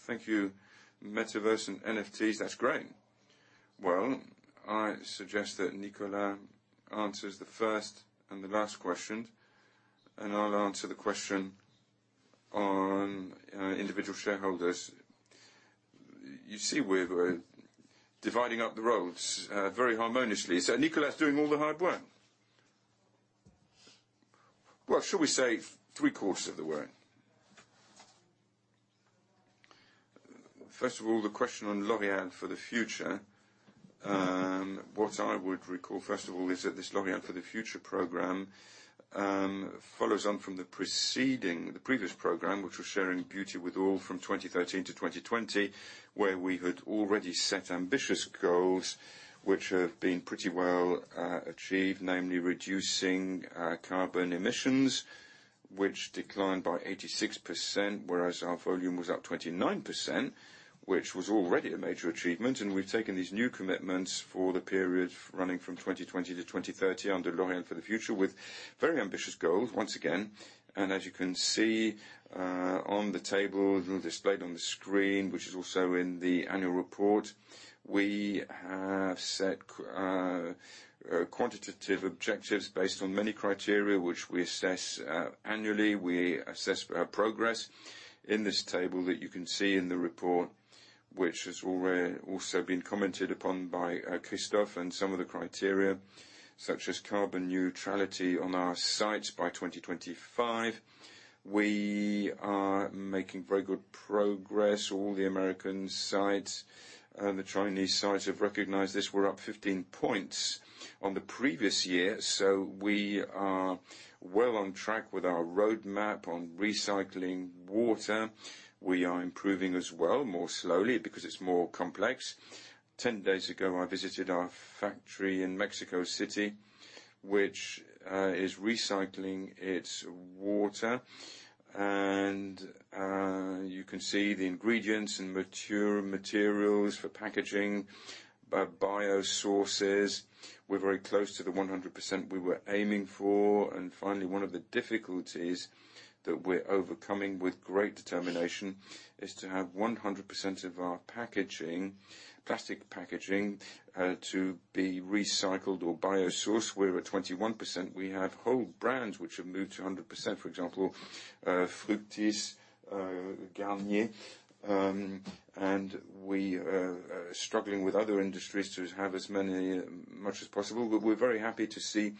S1: Thank you. Metaverse and NFTs, that's great. Well, I suggest that Nicolas answers the first and the last question, and I'll answer the question on individual shareholders. You see, we're dividing up the roles very harmoniously. So Nicolas is doing all the hard work. Well, shall we say three-quarters of the work. First of all, the question on L'Oréal for the Future. What I would recall, first of all, is that this L'Oréal For the Future program follows on from the previous program, which was Sharing Beauty With All, from 2013 to 2020, where we had already set ambitious goals, which have been pretty well achieved, namely reducing carbon emissions, which declined by 86%, whereas our volume was up 29%, which was already a major achievement. We've taken these new commitments for the period running from 2020 to 2030 under L'Oréal For the Future with very ambitious goals once again. As you can see, on the table displayed on the screen, which is also in the annual report, we have set quantitative objectives based on many criteria, which we assess annually. We assess our progress in this table that you can see in the report, which has also been commented upon by Christophe and some of the criteria, such as carbon neutrality on our sites by 2025. We are making very good progress. All the American sites and the Chinese sites have recognized this. We're up 15 points on the previous year, so we are well on track with our roadmap. On recycling water, we are improving as well, more slowly because it's more complex. 10 days ago, I visited our factory in Mexico City, which is recycling its water. You can see the ingredients and raw materials for packaging, bio-sourced. We're very close to the 100% we were aiming for. Finally, one of the difficulties that we're overcoming with great determination is to have 100% of our packaging, plastic packaging, to be recycled or biosourced. We're at 21%. We have whole brands which have moved to 100%, for example, Fructis, Garnier. We are struggling with other industries to have as many, much as possible. We're very happy to see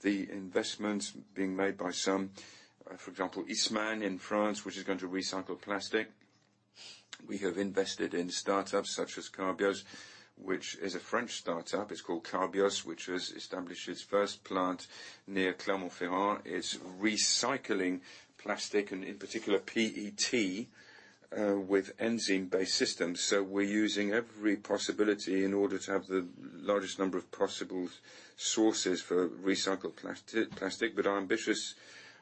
S1: the investments being made by some, for example, Eastman in France, which is going to recycle plastic. We have invested in startups such as Carbios, which is a French startup. It's called Carbios, which has established its first plant near Clermont-Ferrand. It's recycling plastic and in particular PET with enzyme-based systems. We're using every possibility in order to have the largest number of possible sources for recycled plastic. Our ambitious...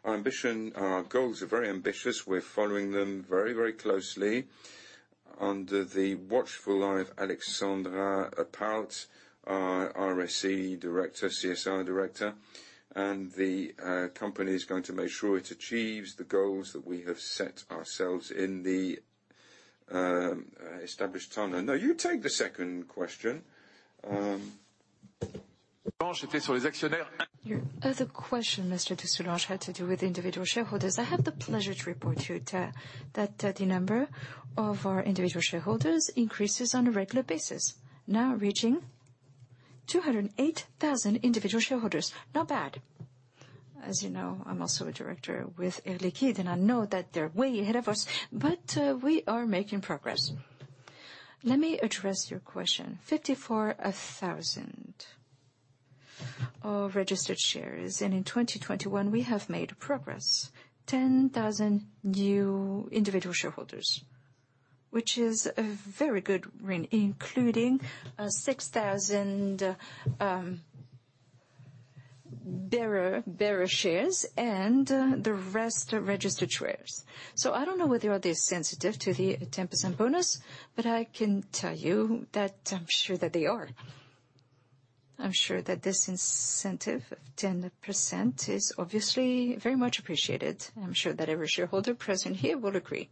S1: Our ambition, our goals are very ambitious. We're following them very, very closely under the watchful eye of Alexandra Palt, our RSE director, CSR director. The company is going to make sure it achieves the goals that we have set ourselves in the established timeline. No, you take the second question.
S4: Your other question, Mr. Dussolange, had to do with individual shareholders. I have the pleasure to report to you that the number of our individual shareholders increases on a regular basis. Now reaching 208,000 individual shareholders. Not bad. As you know, I'm also a director with Air Liquide, and I know that they're way ahead of us, but we are making progress. Let me address your question. 54,000 of registered shares. In 2021 we have made progress. 10,000 new individual shareholders, which is a very good win, including 6,000 bearer shares and the rest are registered shares. So I don't know whether they're sensitive to the 10% bonus, but I can tell you that I'm sure that they are. I'm sure that this incentive of 10% is obviously very much appreciated. I'm sure that every shareholder present here will agree.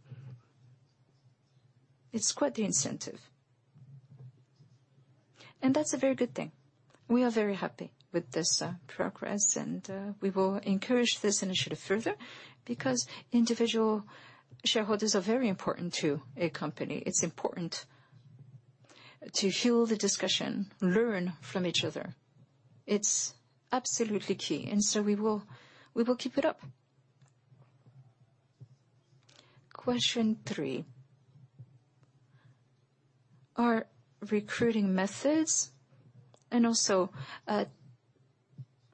S4: It's quite the incentive. That's a very good thing. We are very happy with this progress, and we will encourage this initiative further because individual shareholders are very important to a company. It's important to fuel the discussion, learn from each other. It's absolutely key, and so we will keep it up. Question 3. Our recruiting methods and also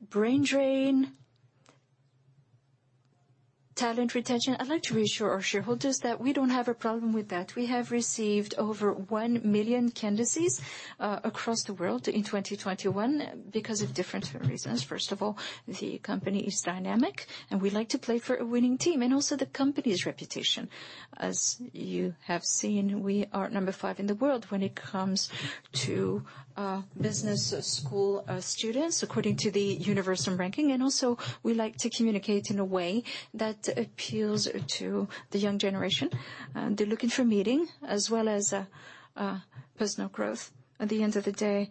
S4: brain drain, talent retention. I'd like to reassure our shareholders that we don't have a problem with that. We have received over 1 million candidacies across the world in 2021 because of different reasons. First of all, the company is dynamic, and we like to play for a winning team and also the company's reputation. As you have seen, we are number 5 in the world when it comes to business school students, according to the universal ranking. We like to communicate in a way that appeals to the young generation. They're looking for meaning as well as personal growth. At the end of the day,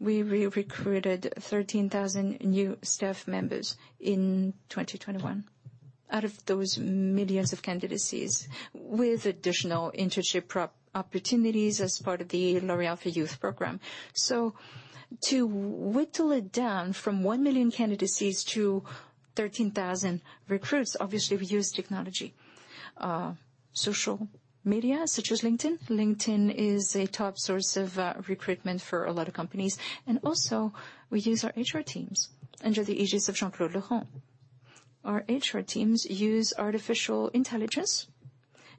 S4: we recruited 13,000 new staff members in 2021. Out of those millions of candidacies with additional internship opportunities as part of the L'Oréal For Youth program. To whittle it down from 1 million candidacies to 13,000 recruits, obviously we use technology, social media such as LinkedIn. LinkedIn is a top source of recruitment for a lot of companies. We use our HR teams under the aegis of Jean-Claude Le Grand. Our HR teams use artificial intelligence,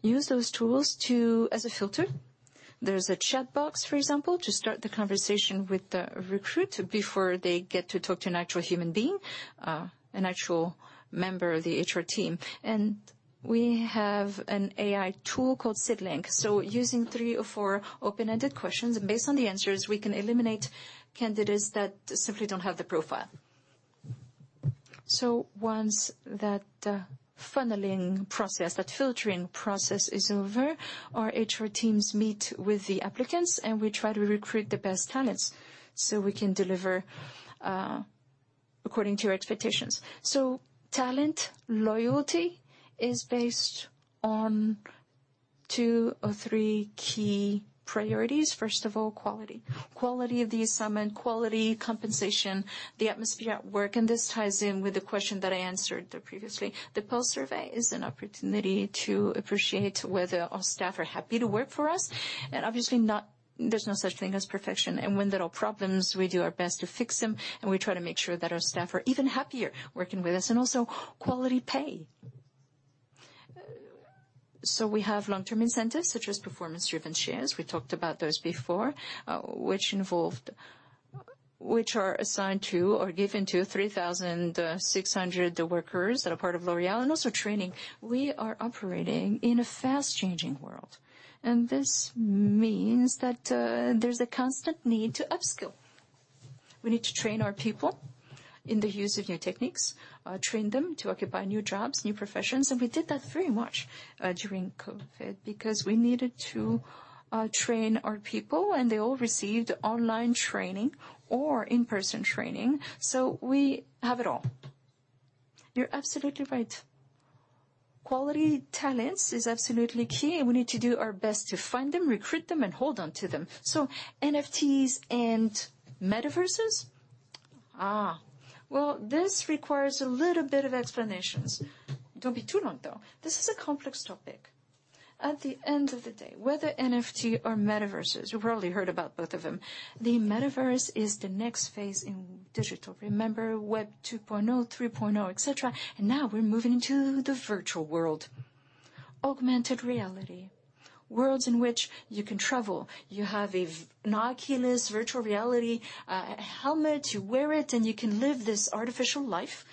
S4: use those tools as a filter. There's a chat box, for example, to start the conversation with the recruit before they get to talk to an actual human being, an actual member of the HR team. We have an AI tool called Seedlink. Using three or four open-ended questions and based on the answers, we can eliminate candidates that simply don't have the profile. Once that funneling process, that filtering process is over, our HR teams meet with the applicants, and we try to recruit the best talents so we can deliver according to your expectations. Talent loyalty is based on two or three key priorities. First of all, quality. Quality of the assignment, quality compensation, the atmosphere at work, and this ties in with the question that I answered previously. The Pulse survey is an opportunity to appreciate whether our staff are happy to work for us, and obviously not, there's no such thing as perfection. When there are problems, we do our best to fix them, and we try to make sure that our staff are even happier working with us and also quality pay. We have long-term incentives such as performance-driven shares. We talked about those before, which are assigned to or given to 3,600 workers that are part of L'Oréal and also training. We are operating in a fast-changing world, and this means that there's a constant need to upskill. We need to train our people in the use of new techniques, train them to occupy new jobs, new professions, and we did that very much, during COVID because we needed to, train our people and they all received online training or in-person training, so we have it all. You're absolutely right. Quality talents is absolutely key, and we need to do our best to find them, recruit them, and hold on to them. So NFTs and metaverses? Well, this requires a little bit of explanations. It won't be too long, though. This is a complex topic. At the end of the day, whether NFT or metaverses, you probably heard about both of them. The metaverse is the next phase in digital. Remember Web 2.0, 3.0, et cetera, and now we're moving to the virtual world, augmented reality, worlds in which you can travel. You have a Oculus virtual reality helmet, you wear it, and you can live this artificial life,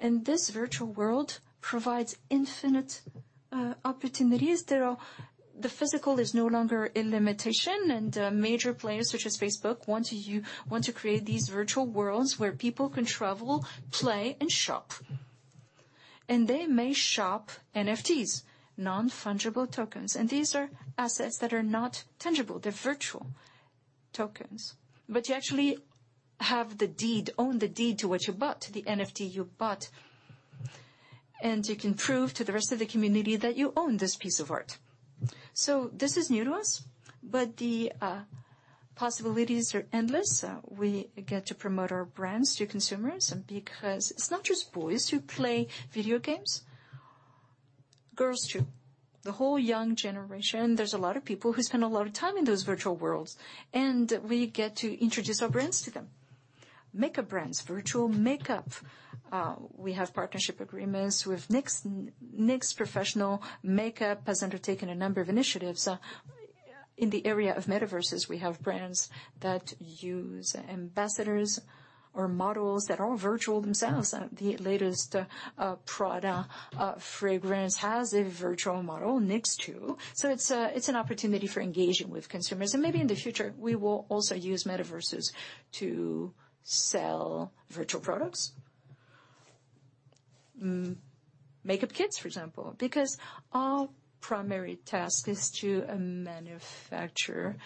S4: and this virtual world provides infinite opportunities. There are. The physical is no longer a limitation, and major players such as Facebook want to create these virtual worlds where people can travel, play, and shop, and they may shop NFTs, non-fungible tokens. These are assets that are not tangible. They're virtual tokens. But you actually have the deed, own the deed to what you bought, the NFT you bought, and you can prove to the rest of the community that you own this piece of art. This is new to us, but the possibilities are endless. We get to promote our brands to consumers because it's not just boys who play video games, girls too. The whole young generation, there's a lot of people who spend a lot of time in those virtual worlds, and we get to introduce our brands to them. Makeup brands, virtual makeup. We have partnership agreements with NYX Professional Makeup. NYX Professional Makeup has undertaken a number of initiatives in the area of metaverses. We have brands that use ambassadors or models that are all virtual themselves. The latest Prada fragrance has a virtual model next to. So it's an opportunity for engaging with consumers. Maybe in the future, we will also use metaverses to sell virtual products. Makeup kits, for example. Because our primary task is to manufacture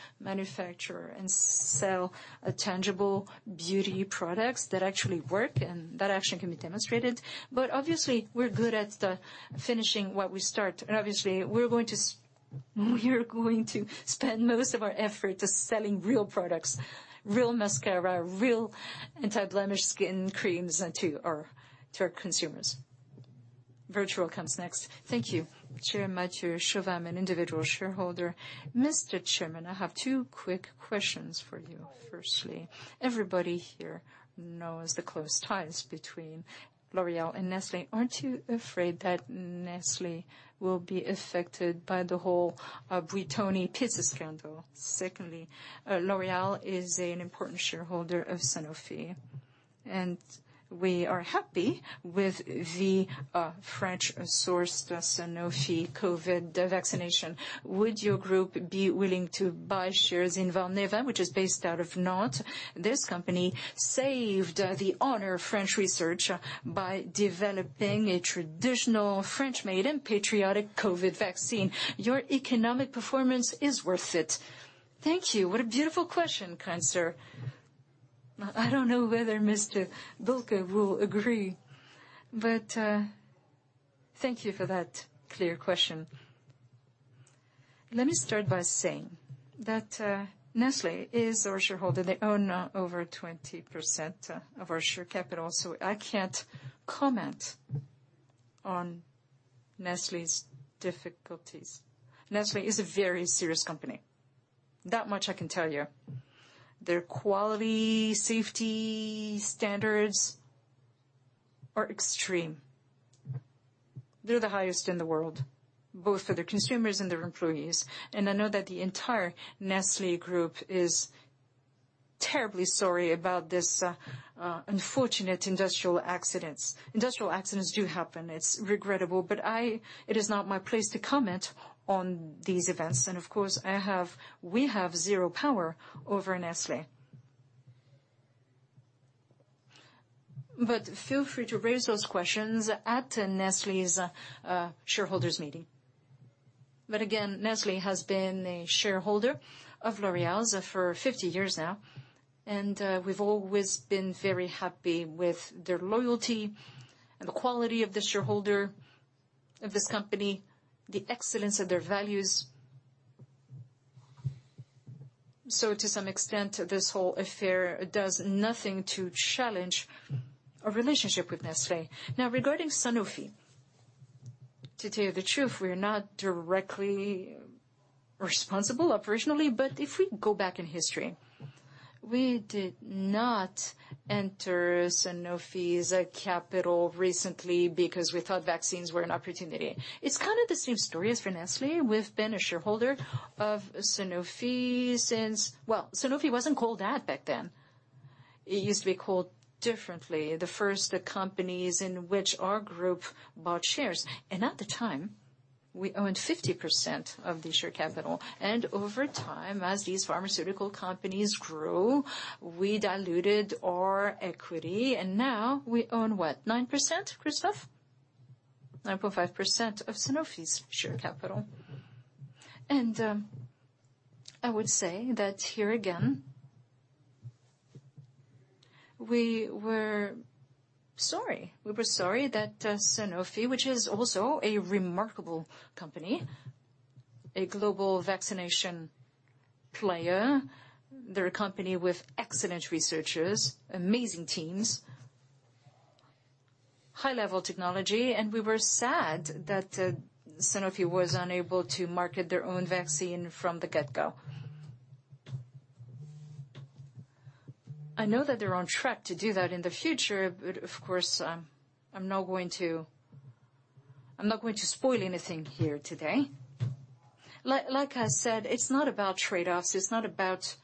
S4: and sell tangible beauty products that actually work and that actually can be demonstrated. Obviously, we're good at finishing what we start, and obviously we're going to spend most of our effort to selling real products, real mascara, real anti-blemish skin creams to our consumers. Virtual comes next.
S9: Thank you, Chair. Mathieu Chauvat, I'm an individual shareholder. Mr. Chairman, I have two quick questions for you. Firstly, everybody here knows the close ties between L'Oréal and Nestlé. Aren't you afraid that Nestlé will be affected by the whole Buitoni pizza scandal? Secondly, L'Oréal is an important shareholder of Sanofi, and we are happy with the French-sourced Sanofi COVID vaccination. Would your group be willing to buy shares in Valneva, which is based out of Nantes? This company saved the honor of French research by developing a traditional French-made and patriotic COVID vaccine. Your economic performance is worth it. Thank you.
S4: What a beautiful question, kind sir. I don't know whether Mr. Bulcke will agree, but thank you for that clear question. Let me start by saying that Nestlé is our shareholder. They own over 20% of our share capital, so I can't comment on Nestlé's difficulties. Nestlé is a very serious company. That much I can tell you. Their quality, safety standards are extreme. They're the highest in the world, both for their consumers and their employees. I know that the entire Nestlé group is terribly sorry about this unfortunate industrial accidents. Industrial accidents do happen, it's regrettable. It is not my place to comment on these events. Of course, we have zero power over Nestlé. Feel free to raise those questions at Nestlé's shareholders' meeting. Again, Nestlé has been a shareholder of L'Oréal's for 50 years now, and we've always been very happy with their loyalty and the quality of the shareholder of this company, the excellence of their values. To some extent, this whole affair does nothing to challenge our relationship with Nestlé. Now, regarding Sanofi, to tell you the truth, we are not directly responsible operationally, but if we go back in history, we did not enter Sanofi's capital recently because we thought vaccines were an opportunity. It's kind of the same story as for Nestlé. We've been a shareholder of Sanofi since. Well, Sanofi wasn't called that back then. It used to be called differently. The first companies in which our group bought shares. At the time, we owned 50% of the share capital. Over time, as these pharmaceutical companies grew, we diluted our equity, and now we own, what, 9%, Christophe? 9.5% of Sanofi's share capital. I would say that here again, we were sorry that Sanofi, which is also a remarkable company, a global vaccination player. They're a company with excellent researchers, amazing teams, high-level technology. We were sad that Sanofi was unable to market their own vaccine from the get-go. I know that they're on track to do that in the future, but of course, I'm not going to spoil anything here today. Like I said, it's not about trade-offs, it's not about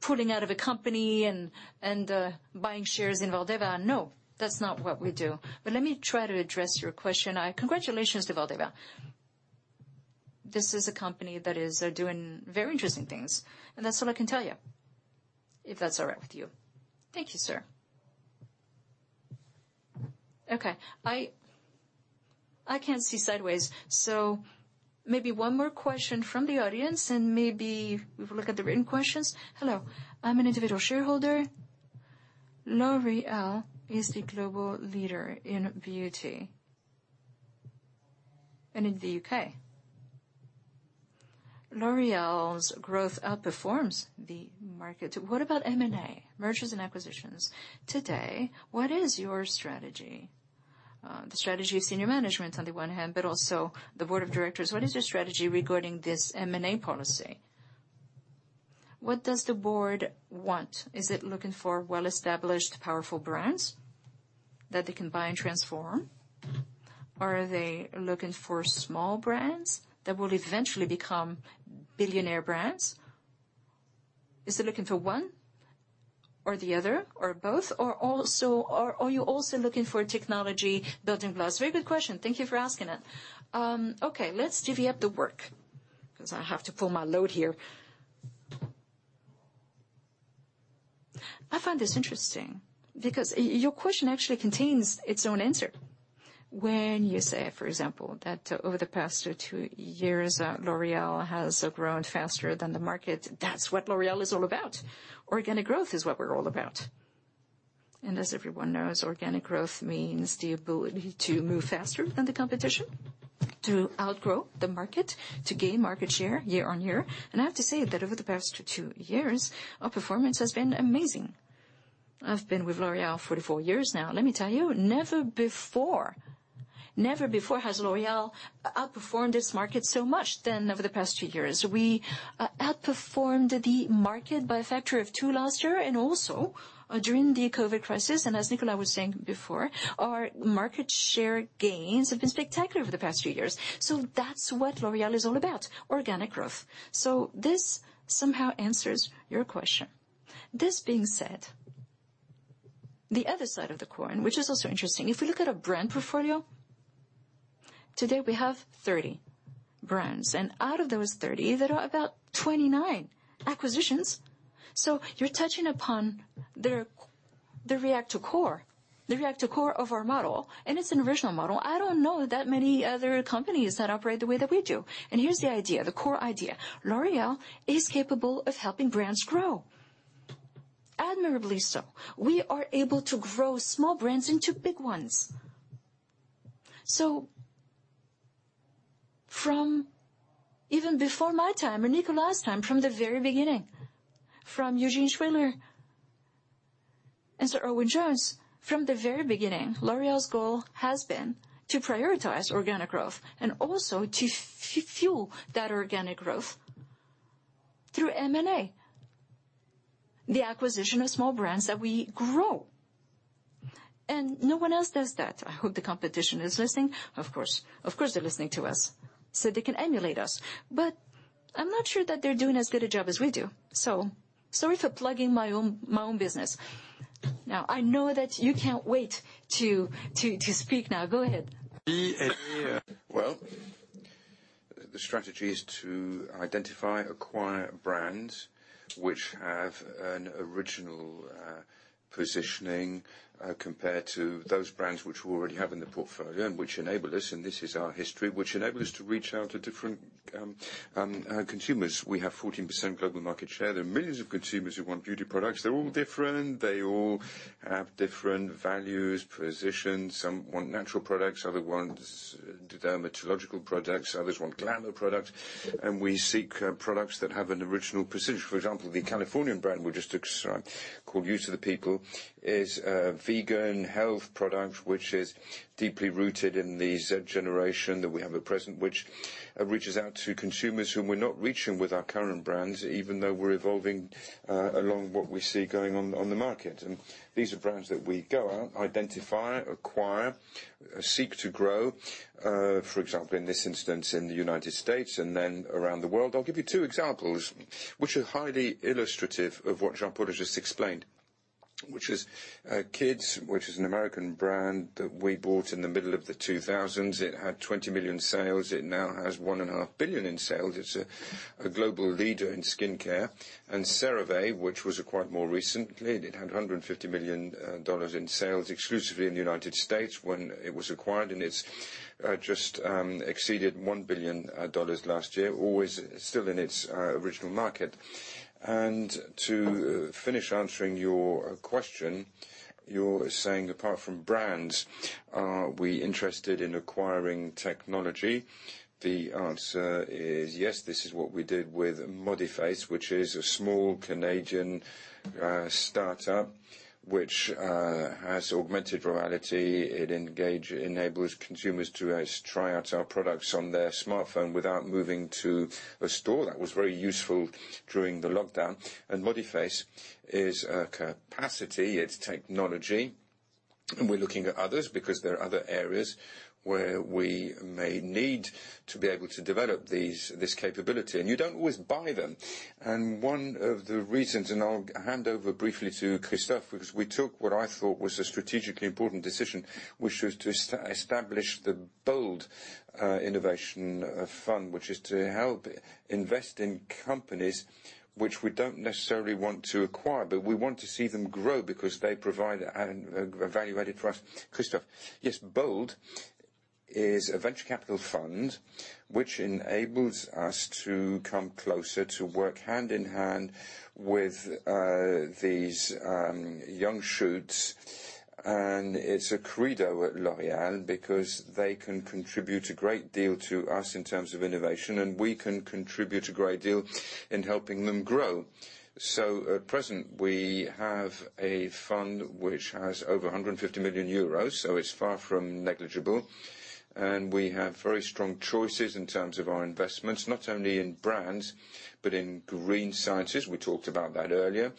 S4: pulling out of a company and buying shares in Valneva. No, that's not what we do. Let me try to address your question. Congratulations to Valneva. This is a company that is doing very interesting things, and that's all I can tell you, if that's all right with you.
S9: Thank you, sir.
S4: Okay. I can't see sideways, so maybe one more question from the audience, and maybe we will look at the written questions.
S9: Hello. I'm an individual shareholder. L'Oréal is the global leader in beauty and in the U.K. L'Oréal's growth outperforms the market. What about M&A, Mergers and Acquisitions? Today, what is your strategy? The strategy of senior management on the one hand, but also the board of directors. What is your strategy regarding this M&A policy? What does the board want? Is it looking for well-established, powerful brands that they can buy and transform? Or are they looking for small brands that will eventually become billionaire brands? Is it looking for one or the other or both?
S4: Are you also looking for technology building blocks? Very good question. Thank you for asking it. Okay, let's divvy up the work because I have to pull my weight here. I find this interesting because your question actually contains its own answer. When you say, for example, that over the past two years L'Oréal has grown faster than the market, that's what L'Oréal is all about. Organic growth is what we're all about. As everyone knows, organic growth means the ability to move faster than the competition, to outgrow the market, to gain market share year on year. I have to say that over the past two years, our performance has been amazing. I've been with L'Oréal 44 years now. Let me tell you, never before has L'Oréal outperformed this market so much than over the past few years. We outperformed the market by a factor of 2 last year and also during the COVID crisis. As Nicolas was saying before, our market share gains have been spectacular over the past few years. That's what L'Oréal is all about, organic growth. This somehow answers your question. This being said, the other side of the coin, which is also interesting, if we look at our brand portfolio, today we have 30 brands, and out of those 30, there are about 29 acquisitions. You're touching upon the return to core of our model, and it's an original model. I don't know that many other companies that operate the way that we do. Here's the idea, the core idea, L'Oréal is capable of helping brands grow, admirably so. We are able to grow small brands into big ones. From even before my time or Nicolas' time, from the very beginning, from Eugène Schueller, and Sir Owen-Jones, from the very beginning, L'Oréal's goal has been to prioritize organic growth and also to fuel that organic growth through M&A, the acquisition of small brands that we grow. No one else does that. I hope the competition is listening. Of course. Of course, they're listening to us so they can emulate us, but I'm not sure that they're doing as good a job as we do. Sorry for plugging my own, my own business. Now I know that you can't wait to speak now. Go ahead.
S1: Well, the strategy is to identify, acquire brands which have an original positioning compared to those brands which we already have in the portfolio, and which enable us, and this is our history, which enable us to reach out to different consumers. We have 14% global market share. There are millions of consumers who want beauty products. They're all different. They all have different values, positions. Some want natural products, other ones dermatological products, others want glamour products. We seek products that have an original position. For example, the Californian brand we just acquired called Youth to the People is a vegan health product which is deeply rooted in the Z generation that we have at present, which reaches out to consumers whom we're not reaching with our current brands, even though we're evolving along what we see going on on the market. These are brands that we go out, identify, acquire, seek to grow, for example, in this instance, in the United States and then around the world. I'll give you two examples which are highly illustrative of what Jean-Paul has just explained, which is Kiehl's, an American brand that we bought in the middle of the 2000s. It had 20 million sales. It now has 1.5 billion in sales. It's a global leader in skincare. CeraVe, which was acquired more recently. It had $150 million in sales exclusively in the United States when it was acquired, and it's just exceeded $1 billion last year, always still in its original market. To finish answering your question, you're saying apart from brands, are we interested in acquiring technology? The answer is yes. This is what we did with ModiFace, which is a small Canadian startup which has augmented reality. It enables consumers to try out our products on their smartphone without moving to a store. That was very useful during the lockdown. ModiFace is a capacity, it's technology, and we're looking at others because there are other areas where we may need to be able to develop this capability. You don't always buy them, and one of the reasons, and I'll hand over briefly to Christophe, because we took what I thought was a strategically important decision, which was to establish the BOLD innovation fund, which is to help invest in companies which we don't necessarily want to acquire. We want to see them grow because they provide a value-added for us. Christophe?
S3: Yes. BOLD is a venture capital fund which enables us to come closer to work hand in hand with these young shoots. It's a credo at L'Oréal because they can contribute a great deal to us in terms of innovation, and we can contribute a great deal in helping them grow. At present, we have a fund which has over 150 million euros, so it's far from negligible. We have very strong choices in terms of our investments, not only in brands, but in green sciences. We talked about that earlier.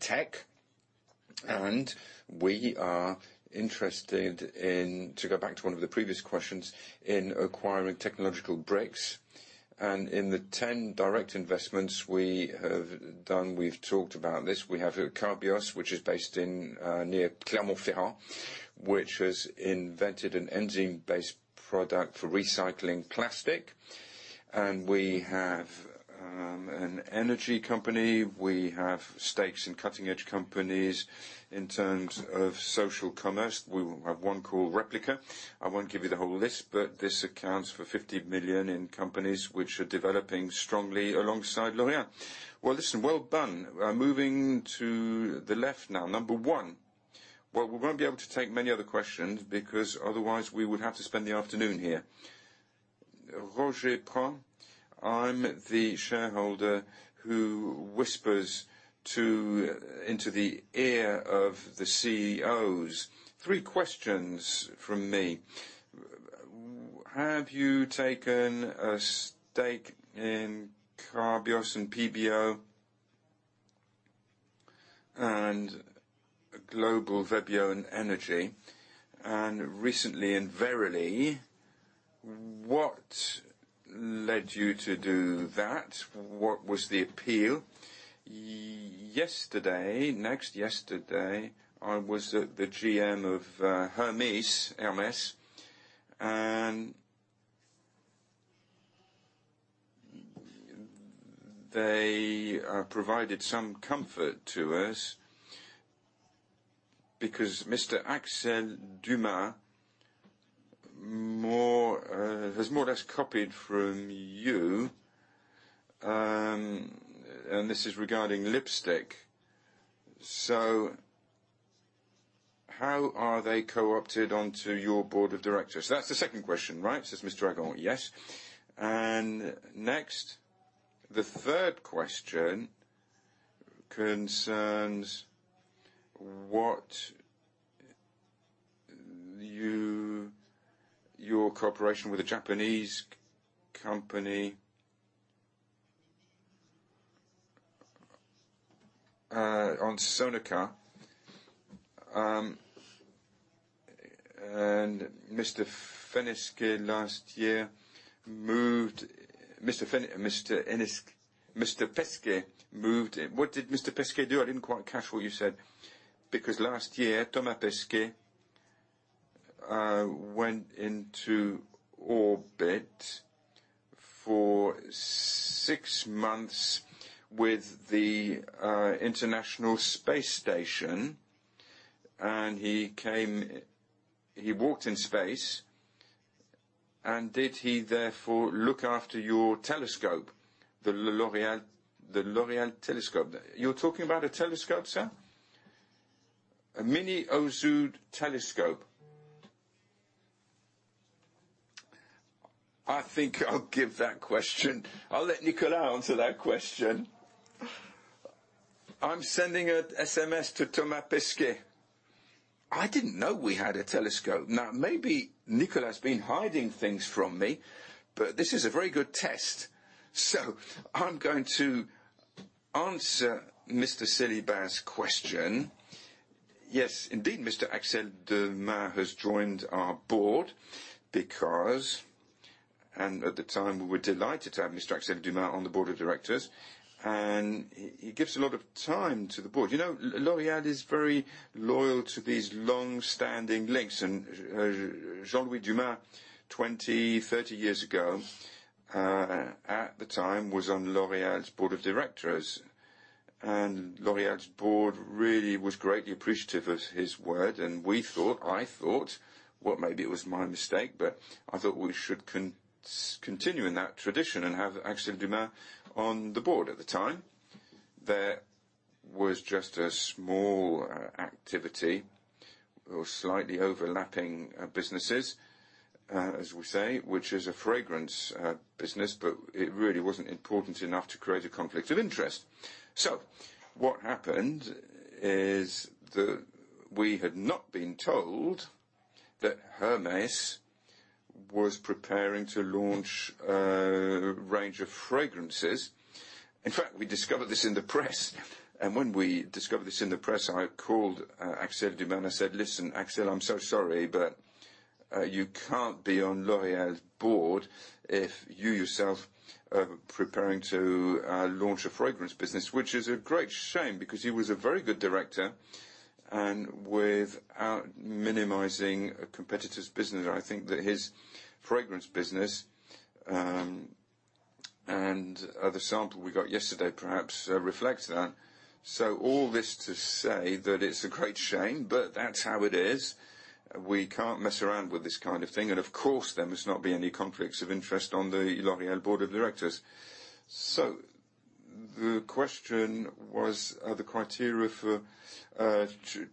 S3: Tech, and we are interested in, to go back to one of the previous questions, in acquiring technological breakthroughs. In the 10 direct investments we have done, we've talked about this. We have Carbios, which is based in near Clermont-Ferrand, which has invented an enzyme-based product for recycling plastic. We have an energy company. We have stakes in cutting edge companies in terms of social commerce. We have one called Replika. I won't give you the whole list, but this accounts for 50 million in companies which are developing strongly alongside L'Oréal.
S1: Well, listen, well done. We're moving to the left now. Number one. Well, we won't be able to take many other questions, because otherwise we would have to spend the afternoon here.
S9: [Roger Pratt], I'm the shareholder who whispers into the ear of the CEOs. Three questions from me. Have you taken a stake in Carbios and PBO and Global Bioenergies, and recently in Verily, what led you to do that? What was the appeal? Yesterday, next yesterday, I was at the GM of Hermès, and they provided some comfort to us because Mr. Axel Dumas more has more or less copied from you, and this is regarding lipstick. So how are they co-opted onto your board of directors? That's the second question, right, says Mr. Agon. Yes. Next, the third question concerns your cooperation with a Japanese company on Sonaca. Mr. Pesquet last year moved. Mr. Pesquet moved in. What did Mr. Pesquet do?
S1: I didn't quite catch what you said, because last year, Thomas Pesquet went into orbit for six months with the International Space Station, and he came. He walked in space, and did he therefore look after your telescope, the L'Oréal, the L'Oréal telescope?
S9: You're talking about a telescope, sir?
S1: A mini-[EUSO] telescope. I think I'll give that question. I'll let Nicolas answer that question. I'm sending a SMS to Thomas Pesquet. I didn't know we had a telescope. Now, maybe Nicolas has been hiding things from me, but this is a very good test.
S4: I'm going to answer Mr. Sylla Ba's question. Yes, indeed, Mr. Axel Dumas has joined our board because at the time, we were delighted to have Mr. Axel Dumas on the board of directors. He gives a lot of time to the board. You know, L'Oréal is very loyal to these long-standing links. Jean-Louis Dumas, 20, 30 years ago, at the time, was on L'Oréal's board of directors. L'Oréal's board really was greatly appreciative of his word. We thought, I thought, well, maybe it was my mistake, but I thought we should continue in that tradition and have Axel Dumas on the board. At the time, there was just a small, activity or slightly overlapping, businesses, as we say, which is a fragrance, business, but it really wasn't important enough to create a conflict of interest. What happened is we had not been told that Hermès was preparing to launch a range of fragrances. In fact, we discovered this in the press. When we discovered this in the press, I called Axel Dumas. I said, "Listen, Axel, I'm so sorry, but you can't be on L'Oréal's board if you yourself are preparing to launch a fragrance business," which is a great shame because he was a very good director and without minimizing a competitor's business. I think that his fragrance business and the sample we got yesterday perhaps reflects that. All this to say that it's a great shame, but that's how it is. We can't mess around with this kind of thing. Of course, there must not be any conflicts of interest on the L'Oréal board of directors. The question was, are the criteria for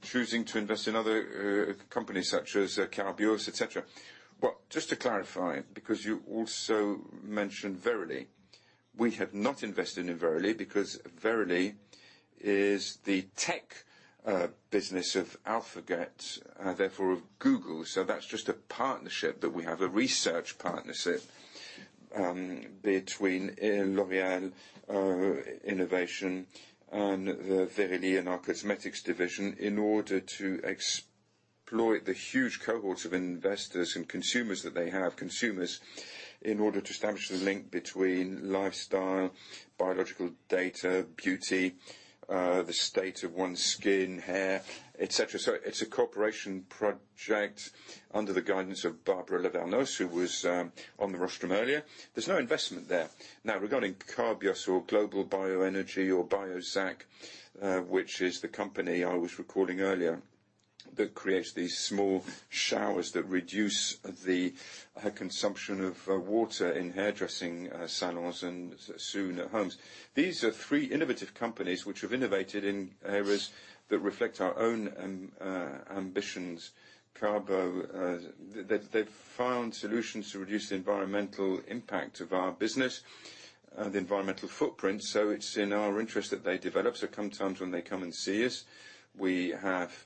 S4: choosing to invest in other companies such as Carbios, et cetera. Well, just to clarify, because you also mentioned Verily. We have not invested in Verily because Verily is the tech business of Alphabet, therefore of Google. That's just a partnership that we have, a research partnership between L'Oréal Innovation and Verily in our cosmetics division in order to exploit the huge cohorts of investors and consumers that they have, consumers, in order to establish the link between lifestyle, biological data, beauty, the state of one's skin, hair, et cetera. It's a cooperation project under the guidance of Barbara Lavernos, who was on the rostrum earlier. There's no investment there. Now, regarding Carbios or Global Bioenergies or Gjosa, which is the company I was recalling earlier, that creates these small showers that reduce the consumption of water in hairdressing salons and soon homes. These are three innovative companies which have innovated in areas that reflect our own ambitions. Carbios, they've found solutions to reduce the environmental impact of our business, the environmental footprint, so it's in our interest that they develop. Sometimes when they come and see us, we have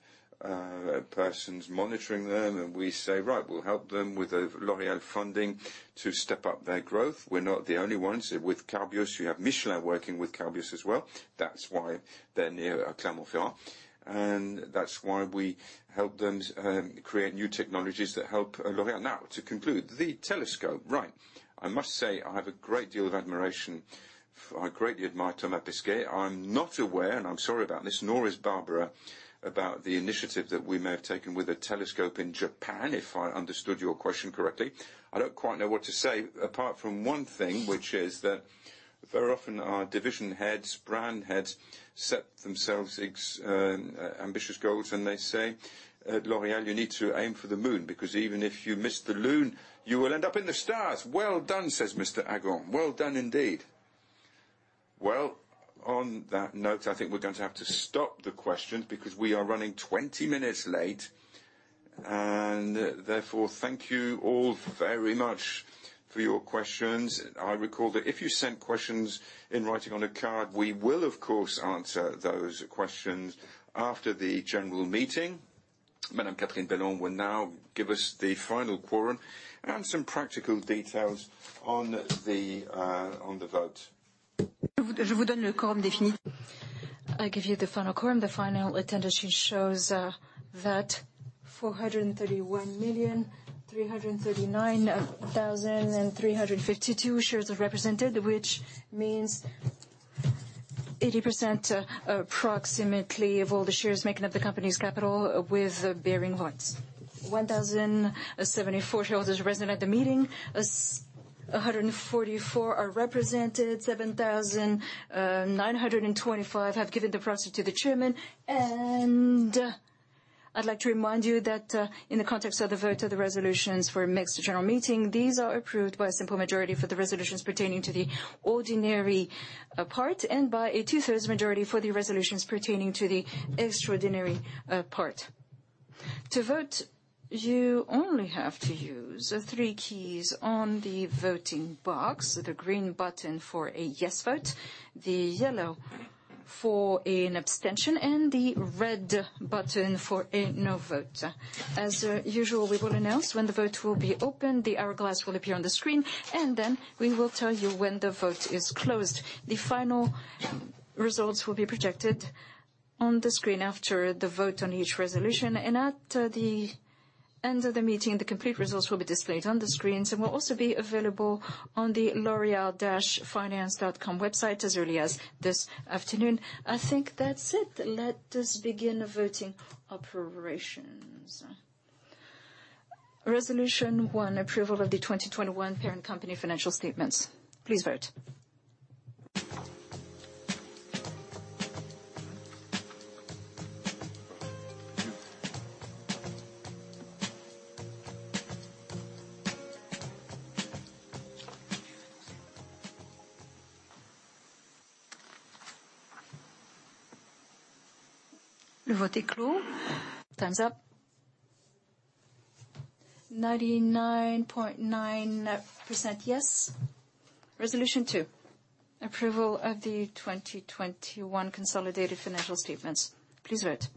S4: persons monitoring them, and we say, "Right, we'll help them with a L'Oréal funding to step up their growth." We're not the only ones. With Carbios, you have Michelin working with Carbios as well. That's why they're near Clermont-Ferrand. That's why we help them create new technologies that help L'Oréal. Now, to conclude, the telescope. Right. I must say, I have a great deal of admiration. I greatly admire Thomas Pesquet. I'm not aware, and I'm sorry about this, nor is Barbara, about the initiative that we may have taken with a telescope in Japan, if I understood your question correctly. I don't quite know what to say, apart from one thing, which is that very often our division heads, brand heads, set themselves ambitious goals and they say, "At L'Oréal, you need to aim for the moon, because even if you miss the moon, you will end up in the stars."
S1: "Well done," says Mr. Agon. Well done indeed. Well, on that note, I think we're going to have to stop the questions because we are running 20 minutes late. Therefore, thank you all very much for your questions. I recall that if you sent questions in writing on a card, we will of course answer those questions after the general meeting. Madame Catherine Bellon will now give us the final quorum and some practical details on the vote.
S2: I give you the final quorum. The final attendance sheet shows that 431,339,352 shares are represented, which means approximately 80% of all the shares making up the company's capital with bearing rights. 1,074 shareholders present at the meeting. 144 are represented. 7,925 have given the proxy to the chairman. I'd like to remind you that in the context of the vote of the resolutions for a mixed general meeting, these are approved by a simple majority for the resolutions pertaining to the ordinary part, and by a 2/3 majority for the resolutions pertaining to the extraordinary part. To vote, you only have to use three keys on the voting box. The green button for a yes vote, the yellow for an abstention, and the red button for a no vote. As usual, we will announce when the vote will be open. The hourglass will appear on the screen, and then we will tell you when the vote is closed. The final results will be projected on the screen after the vote on each resolution, and at the end of the meeting, the complete results will be displayed on the screens and will also be available on the loreal-finance.com website as early as this afternoon. I think that's it. Let us begin voting operations. Resolution one: approval of the 2021 parent company financial statements. Please vote. Time's up. 99.9% yes. Resolution two: approval of the 2021 consolidated financial statements. Please vote.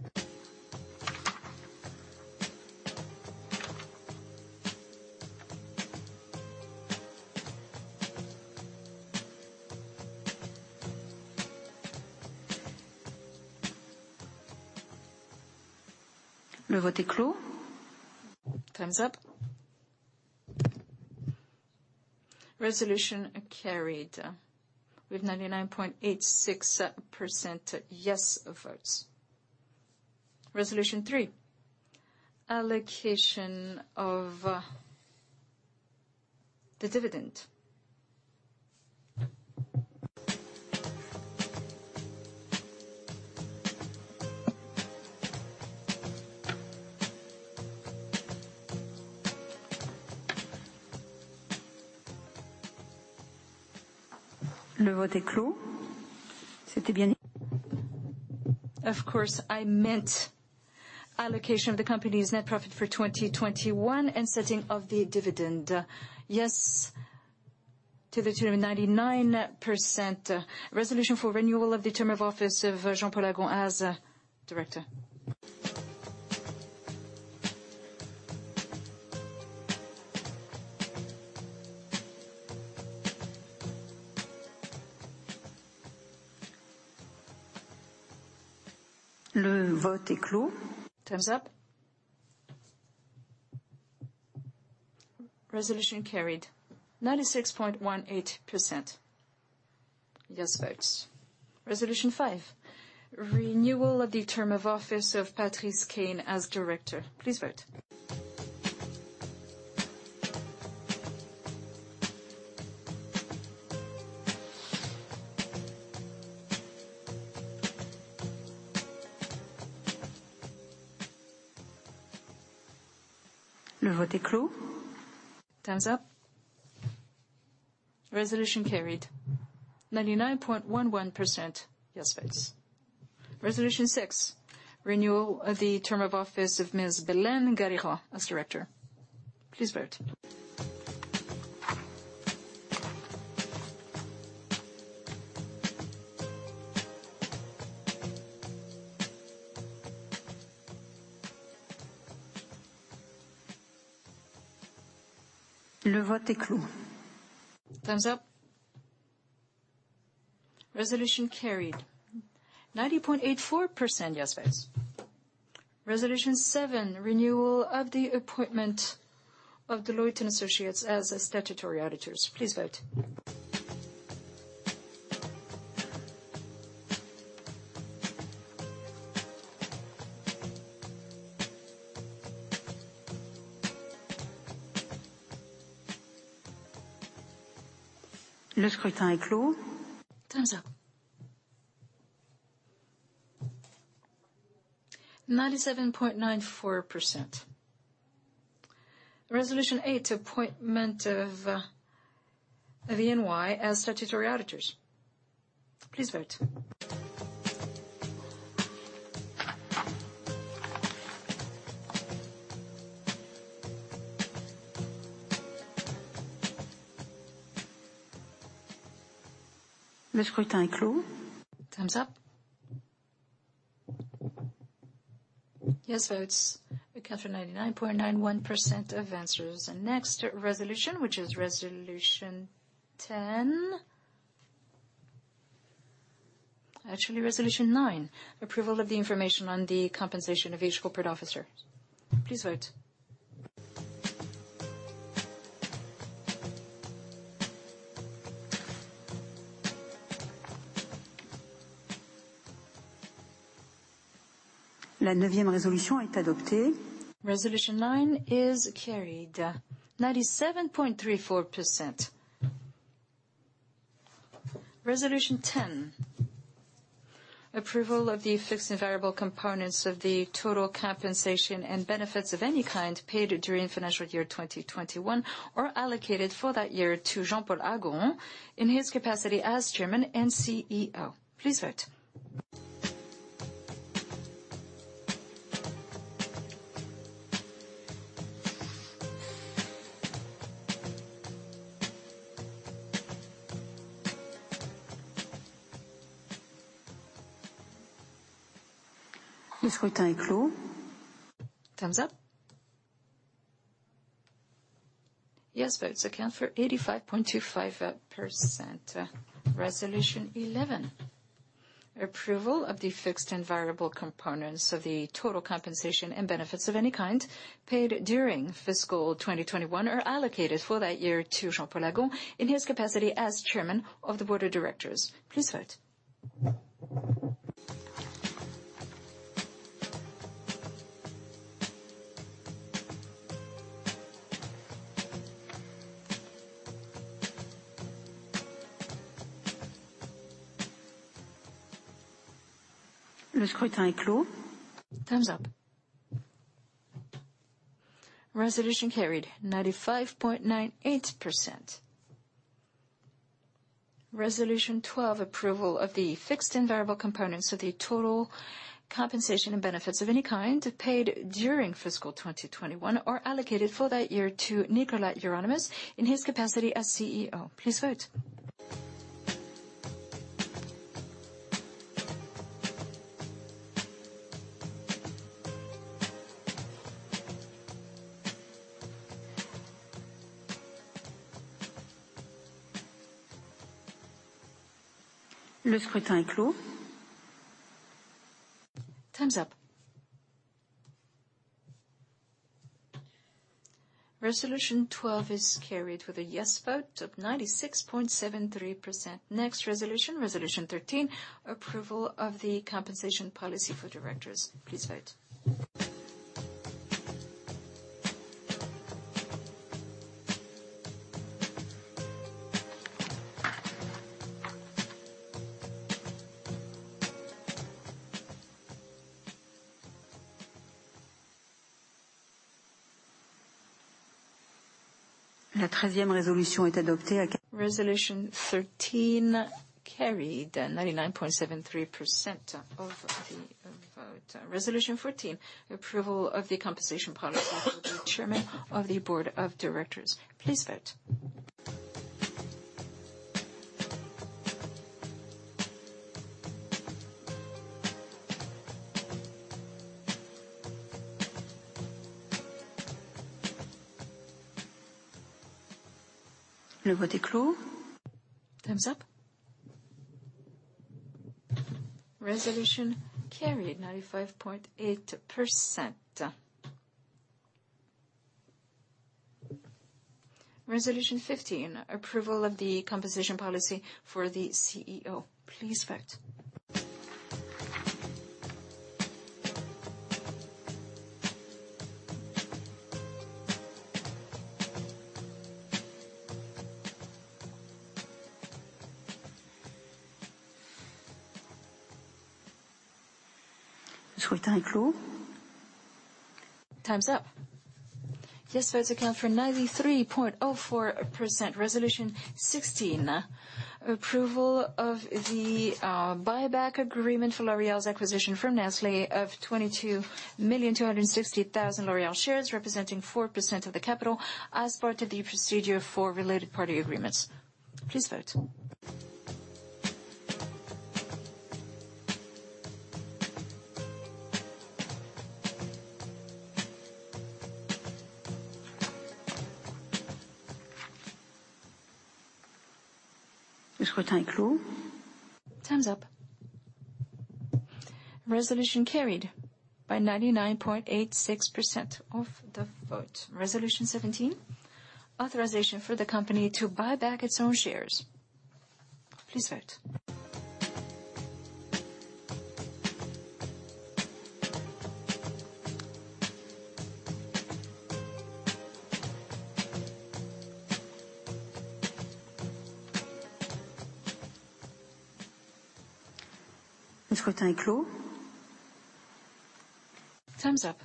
S2: Time's up. Resolution carried with 99.86% yes votes. Resolution three: allocation of the dividend. Of course, I meant allocation of the company's net profit for 2021 and setting of the dividend. Yes to the tune of 99%. Resolution for renewal of the term of office of Jean-Paul Agon as director. Le vote est clos. Time's up. Resolution carried, 96.18% yes votes. Resolution 5: renewal of the term of office of Patrice Caine as director. Please vote. Le vote est clos. Time's up. Resolution carried 99.11% yes votes. Resolution 6: renewal of the term of office of Ms. Belén Garijo as director. Please vote. Le vote est clos. Time's up. Resolution carried, 90.84% yes votes. Resolution 7: renewal of the appointment of Deloitte & Associés as statutory auditors. Please vote. Le scrutin est clos. Time's up. 97.94%. Resolution 8: appointment of VNY as statutory auditors. Please vote. Le scrutin est clos. Time's up. Yes votes account for 99.91% of answers. Next resolution, which is resolution 10. Actually resolution 9: approval of the information on the compensation of each corporate officer. Please vote. La neuvième résolution est adoptée. Resolution nine is carried, 97.34%. Resolution ten: approval of the fixed and variable components of the total compensation and benefits of any kind paid during financial year 2021, or allocated for that year to Jean-Paul Agon in his capacity as Chairman and CEO. Please vote. Le scrutin est clos. Time's up. Yes votes account for 85.25%. Resolution 11: approval of the fixed and variable components of the total compensation and benefits of any kind paid during fiscal 2021, or allocated for that year to Jean-Paul Agon in his capacity as Chairman of the Board of Directors. Please vote. Le scrutin est clos. Time's up. Resolution carried 95.98%. Resolution 12: approval of the fixed and variable components of the total compensation and benefits of any kind paid during fiscal 2021, or allocated for that year to Nicolas Hieronimus in his capacity as CEO. Please vote. Le scrutin est clos. Time's up. Resolution 12 is carried with a yes vote of 96.73%. Next resolution 13, approval of the compensation policy for directors. Please vote. La treizième résolution est adoptée. Resolution 13 carried, 99.73% of the vote. Resolution 14: approval of the compensation policy for the Chairman of the Board of Directors. Please vote. Time's up. Resolution carried 95.8%. Resolution 15, approval of the compensation policy for the CEO. Please vote. Time's up. Yes votes account for 93.04%. Resolution 16, approval of the buyback agreement for L'Oréal's acquisition from Nestlé of 22 million two hundred and sixty thousand L'Oréal shares, representing 4% of the capital as part of the procedure for related party agreements. Please vote. Time's up. Resolution carried by 99.86% of the vote. Resolution 17, authorization for the company to buy back its own shares. Please vote. Time's up.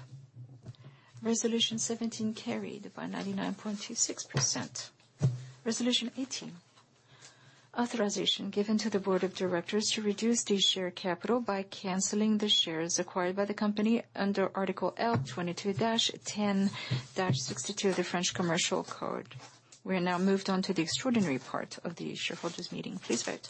S2: Resolution 17 carried by 99.26%. Resolution 18, authorization given to the board of directors to reduce the share capital by canceling the shares acquired by the company under Article L.22-10-62 of the French Commercial Code. We are now moved on to the extraordinary part of the shareholders' meeting. Please vote.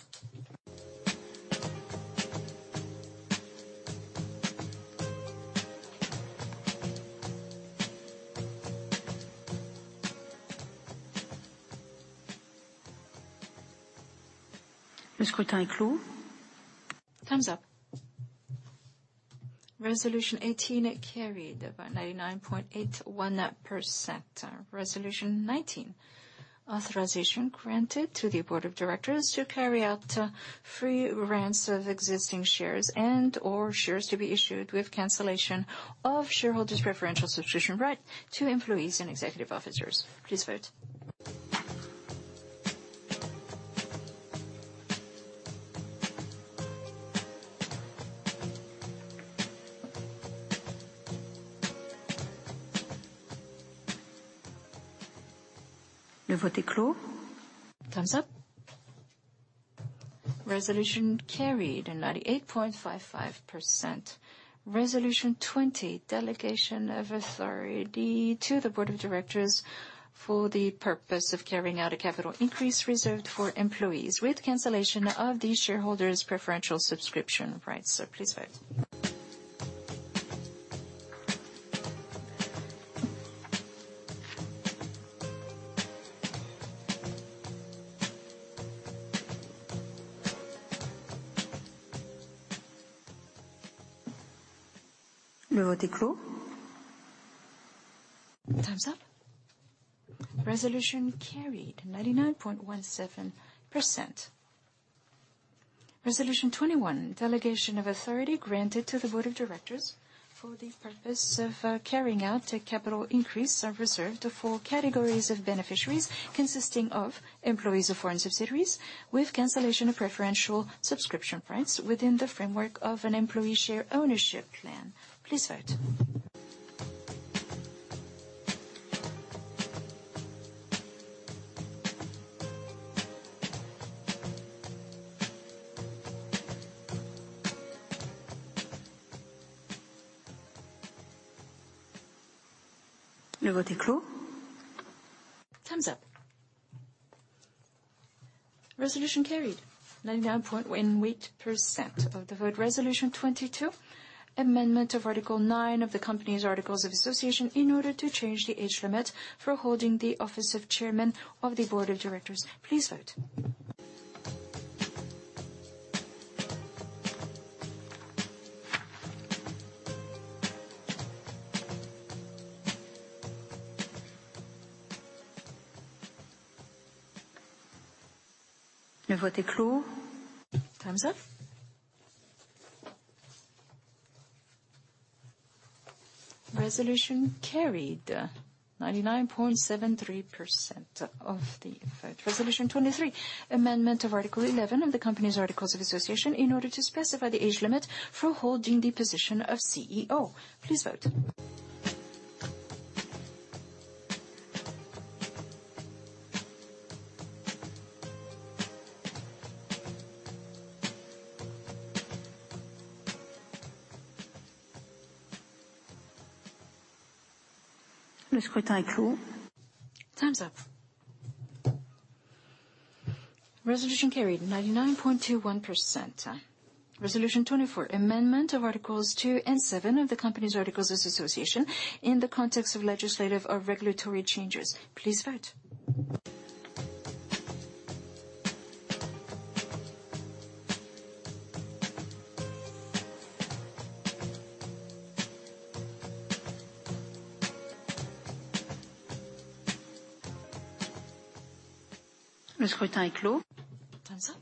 S2: Time's up. Resolution 18 carried by 99.81%. Resolution 19, authorization granted to the board of directors to carry out free grants of existing shares and/or shares to be issued with cancellation of shareholders' preferential subscription right to employees and executive officers. Please vote. Time's up. Resolution carried, 98.55%. Resolution 20, delegation of authority to the board of directors for the purpose of carrying out a capital increase reserved for employees with cancellation of the shareholders' preferential subscription rights. Please vote. Time's up. Resolution carried 99.17%. Resolution 21, delegation of authority granted to the board of directors for the purpose of carrying out a capital increase reserved for categories of beneficiaries consisting of employees of foreign subsidiaries with cancellation of preferential subscription rights within the framework of an employee share ownership plan. Please vote. Time's up. Resolution carried 99.18% of the vote. Resolution 22, amendment of Article 9 of the company's articles of association in order to change the age limit for holding the office of Chairman of the Board of Directors. Please vote. Time's up. Resolution carried 99.73% of the vote. Resolution 23, amendment of Article 11 of the company's articles of association in order to specify the age limit for holding the position of CEO. Please vote. Time's up. Resolution carried 99.21%. Resolution 24, amendment of articles 2 and 7 of the Company's articles of association in the context of legislative or regulatory changes. Please vote. Time's up.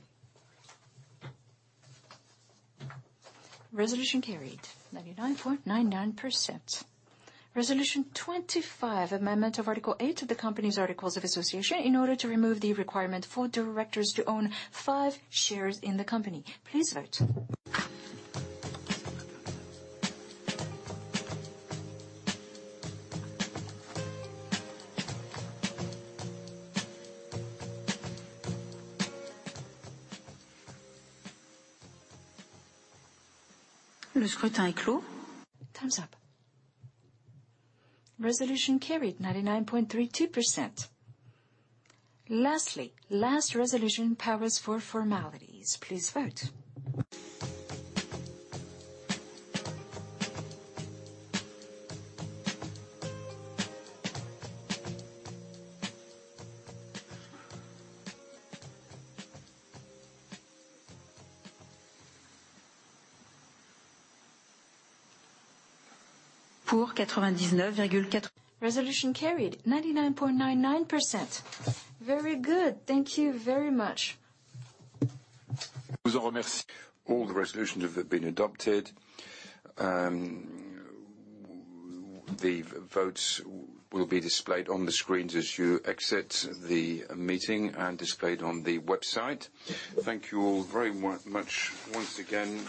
S2: Resolution carried 99.99%. Resolution 25, amendment of article 8 of the Company's articles of association in order to remove the requirement for directors to own five shares in the Company. Please vote. Time's up. Resolution carried 99.32%. Lastly, last resolution, powers for formalities. Please vote. Resolution carried 99.99%. Very good. Thank you very much.
S1: All the resolutions have been adopted. The votes will be displayed on the screens as you exit the meeting and displayed on the website. Thank you all very much once again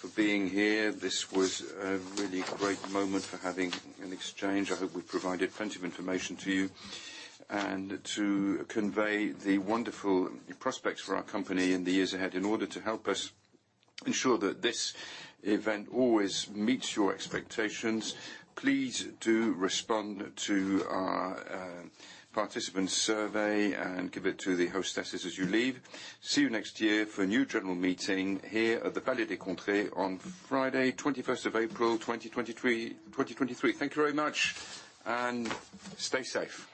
S1: for being here. This was a really great moment for having an exchange. I hope we provided plenty of information to you and to convey the wonderful prospects for our company in the years ahead. In order to help us ensure that this event always meets your expectations, please do respond to our participant survey and give it to the hostesses as you leave. See you next year for a new general meeting here at the Palais des Congrès on Friday, 21st of April, 2023. Thank you very much and stay safe.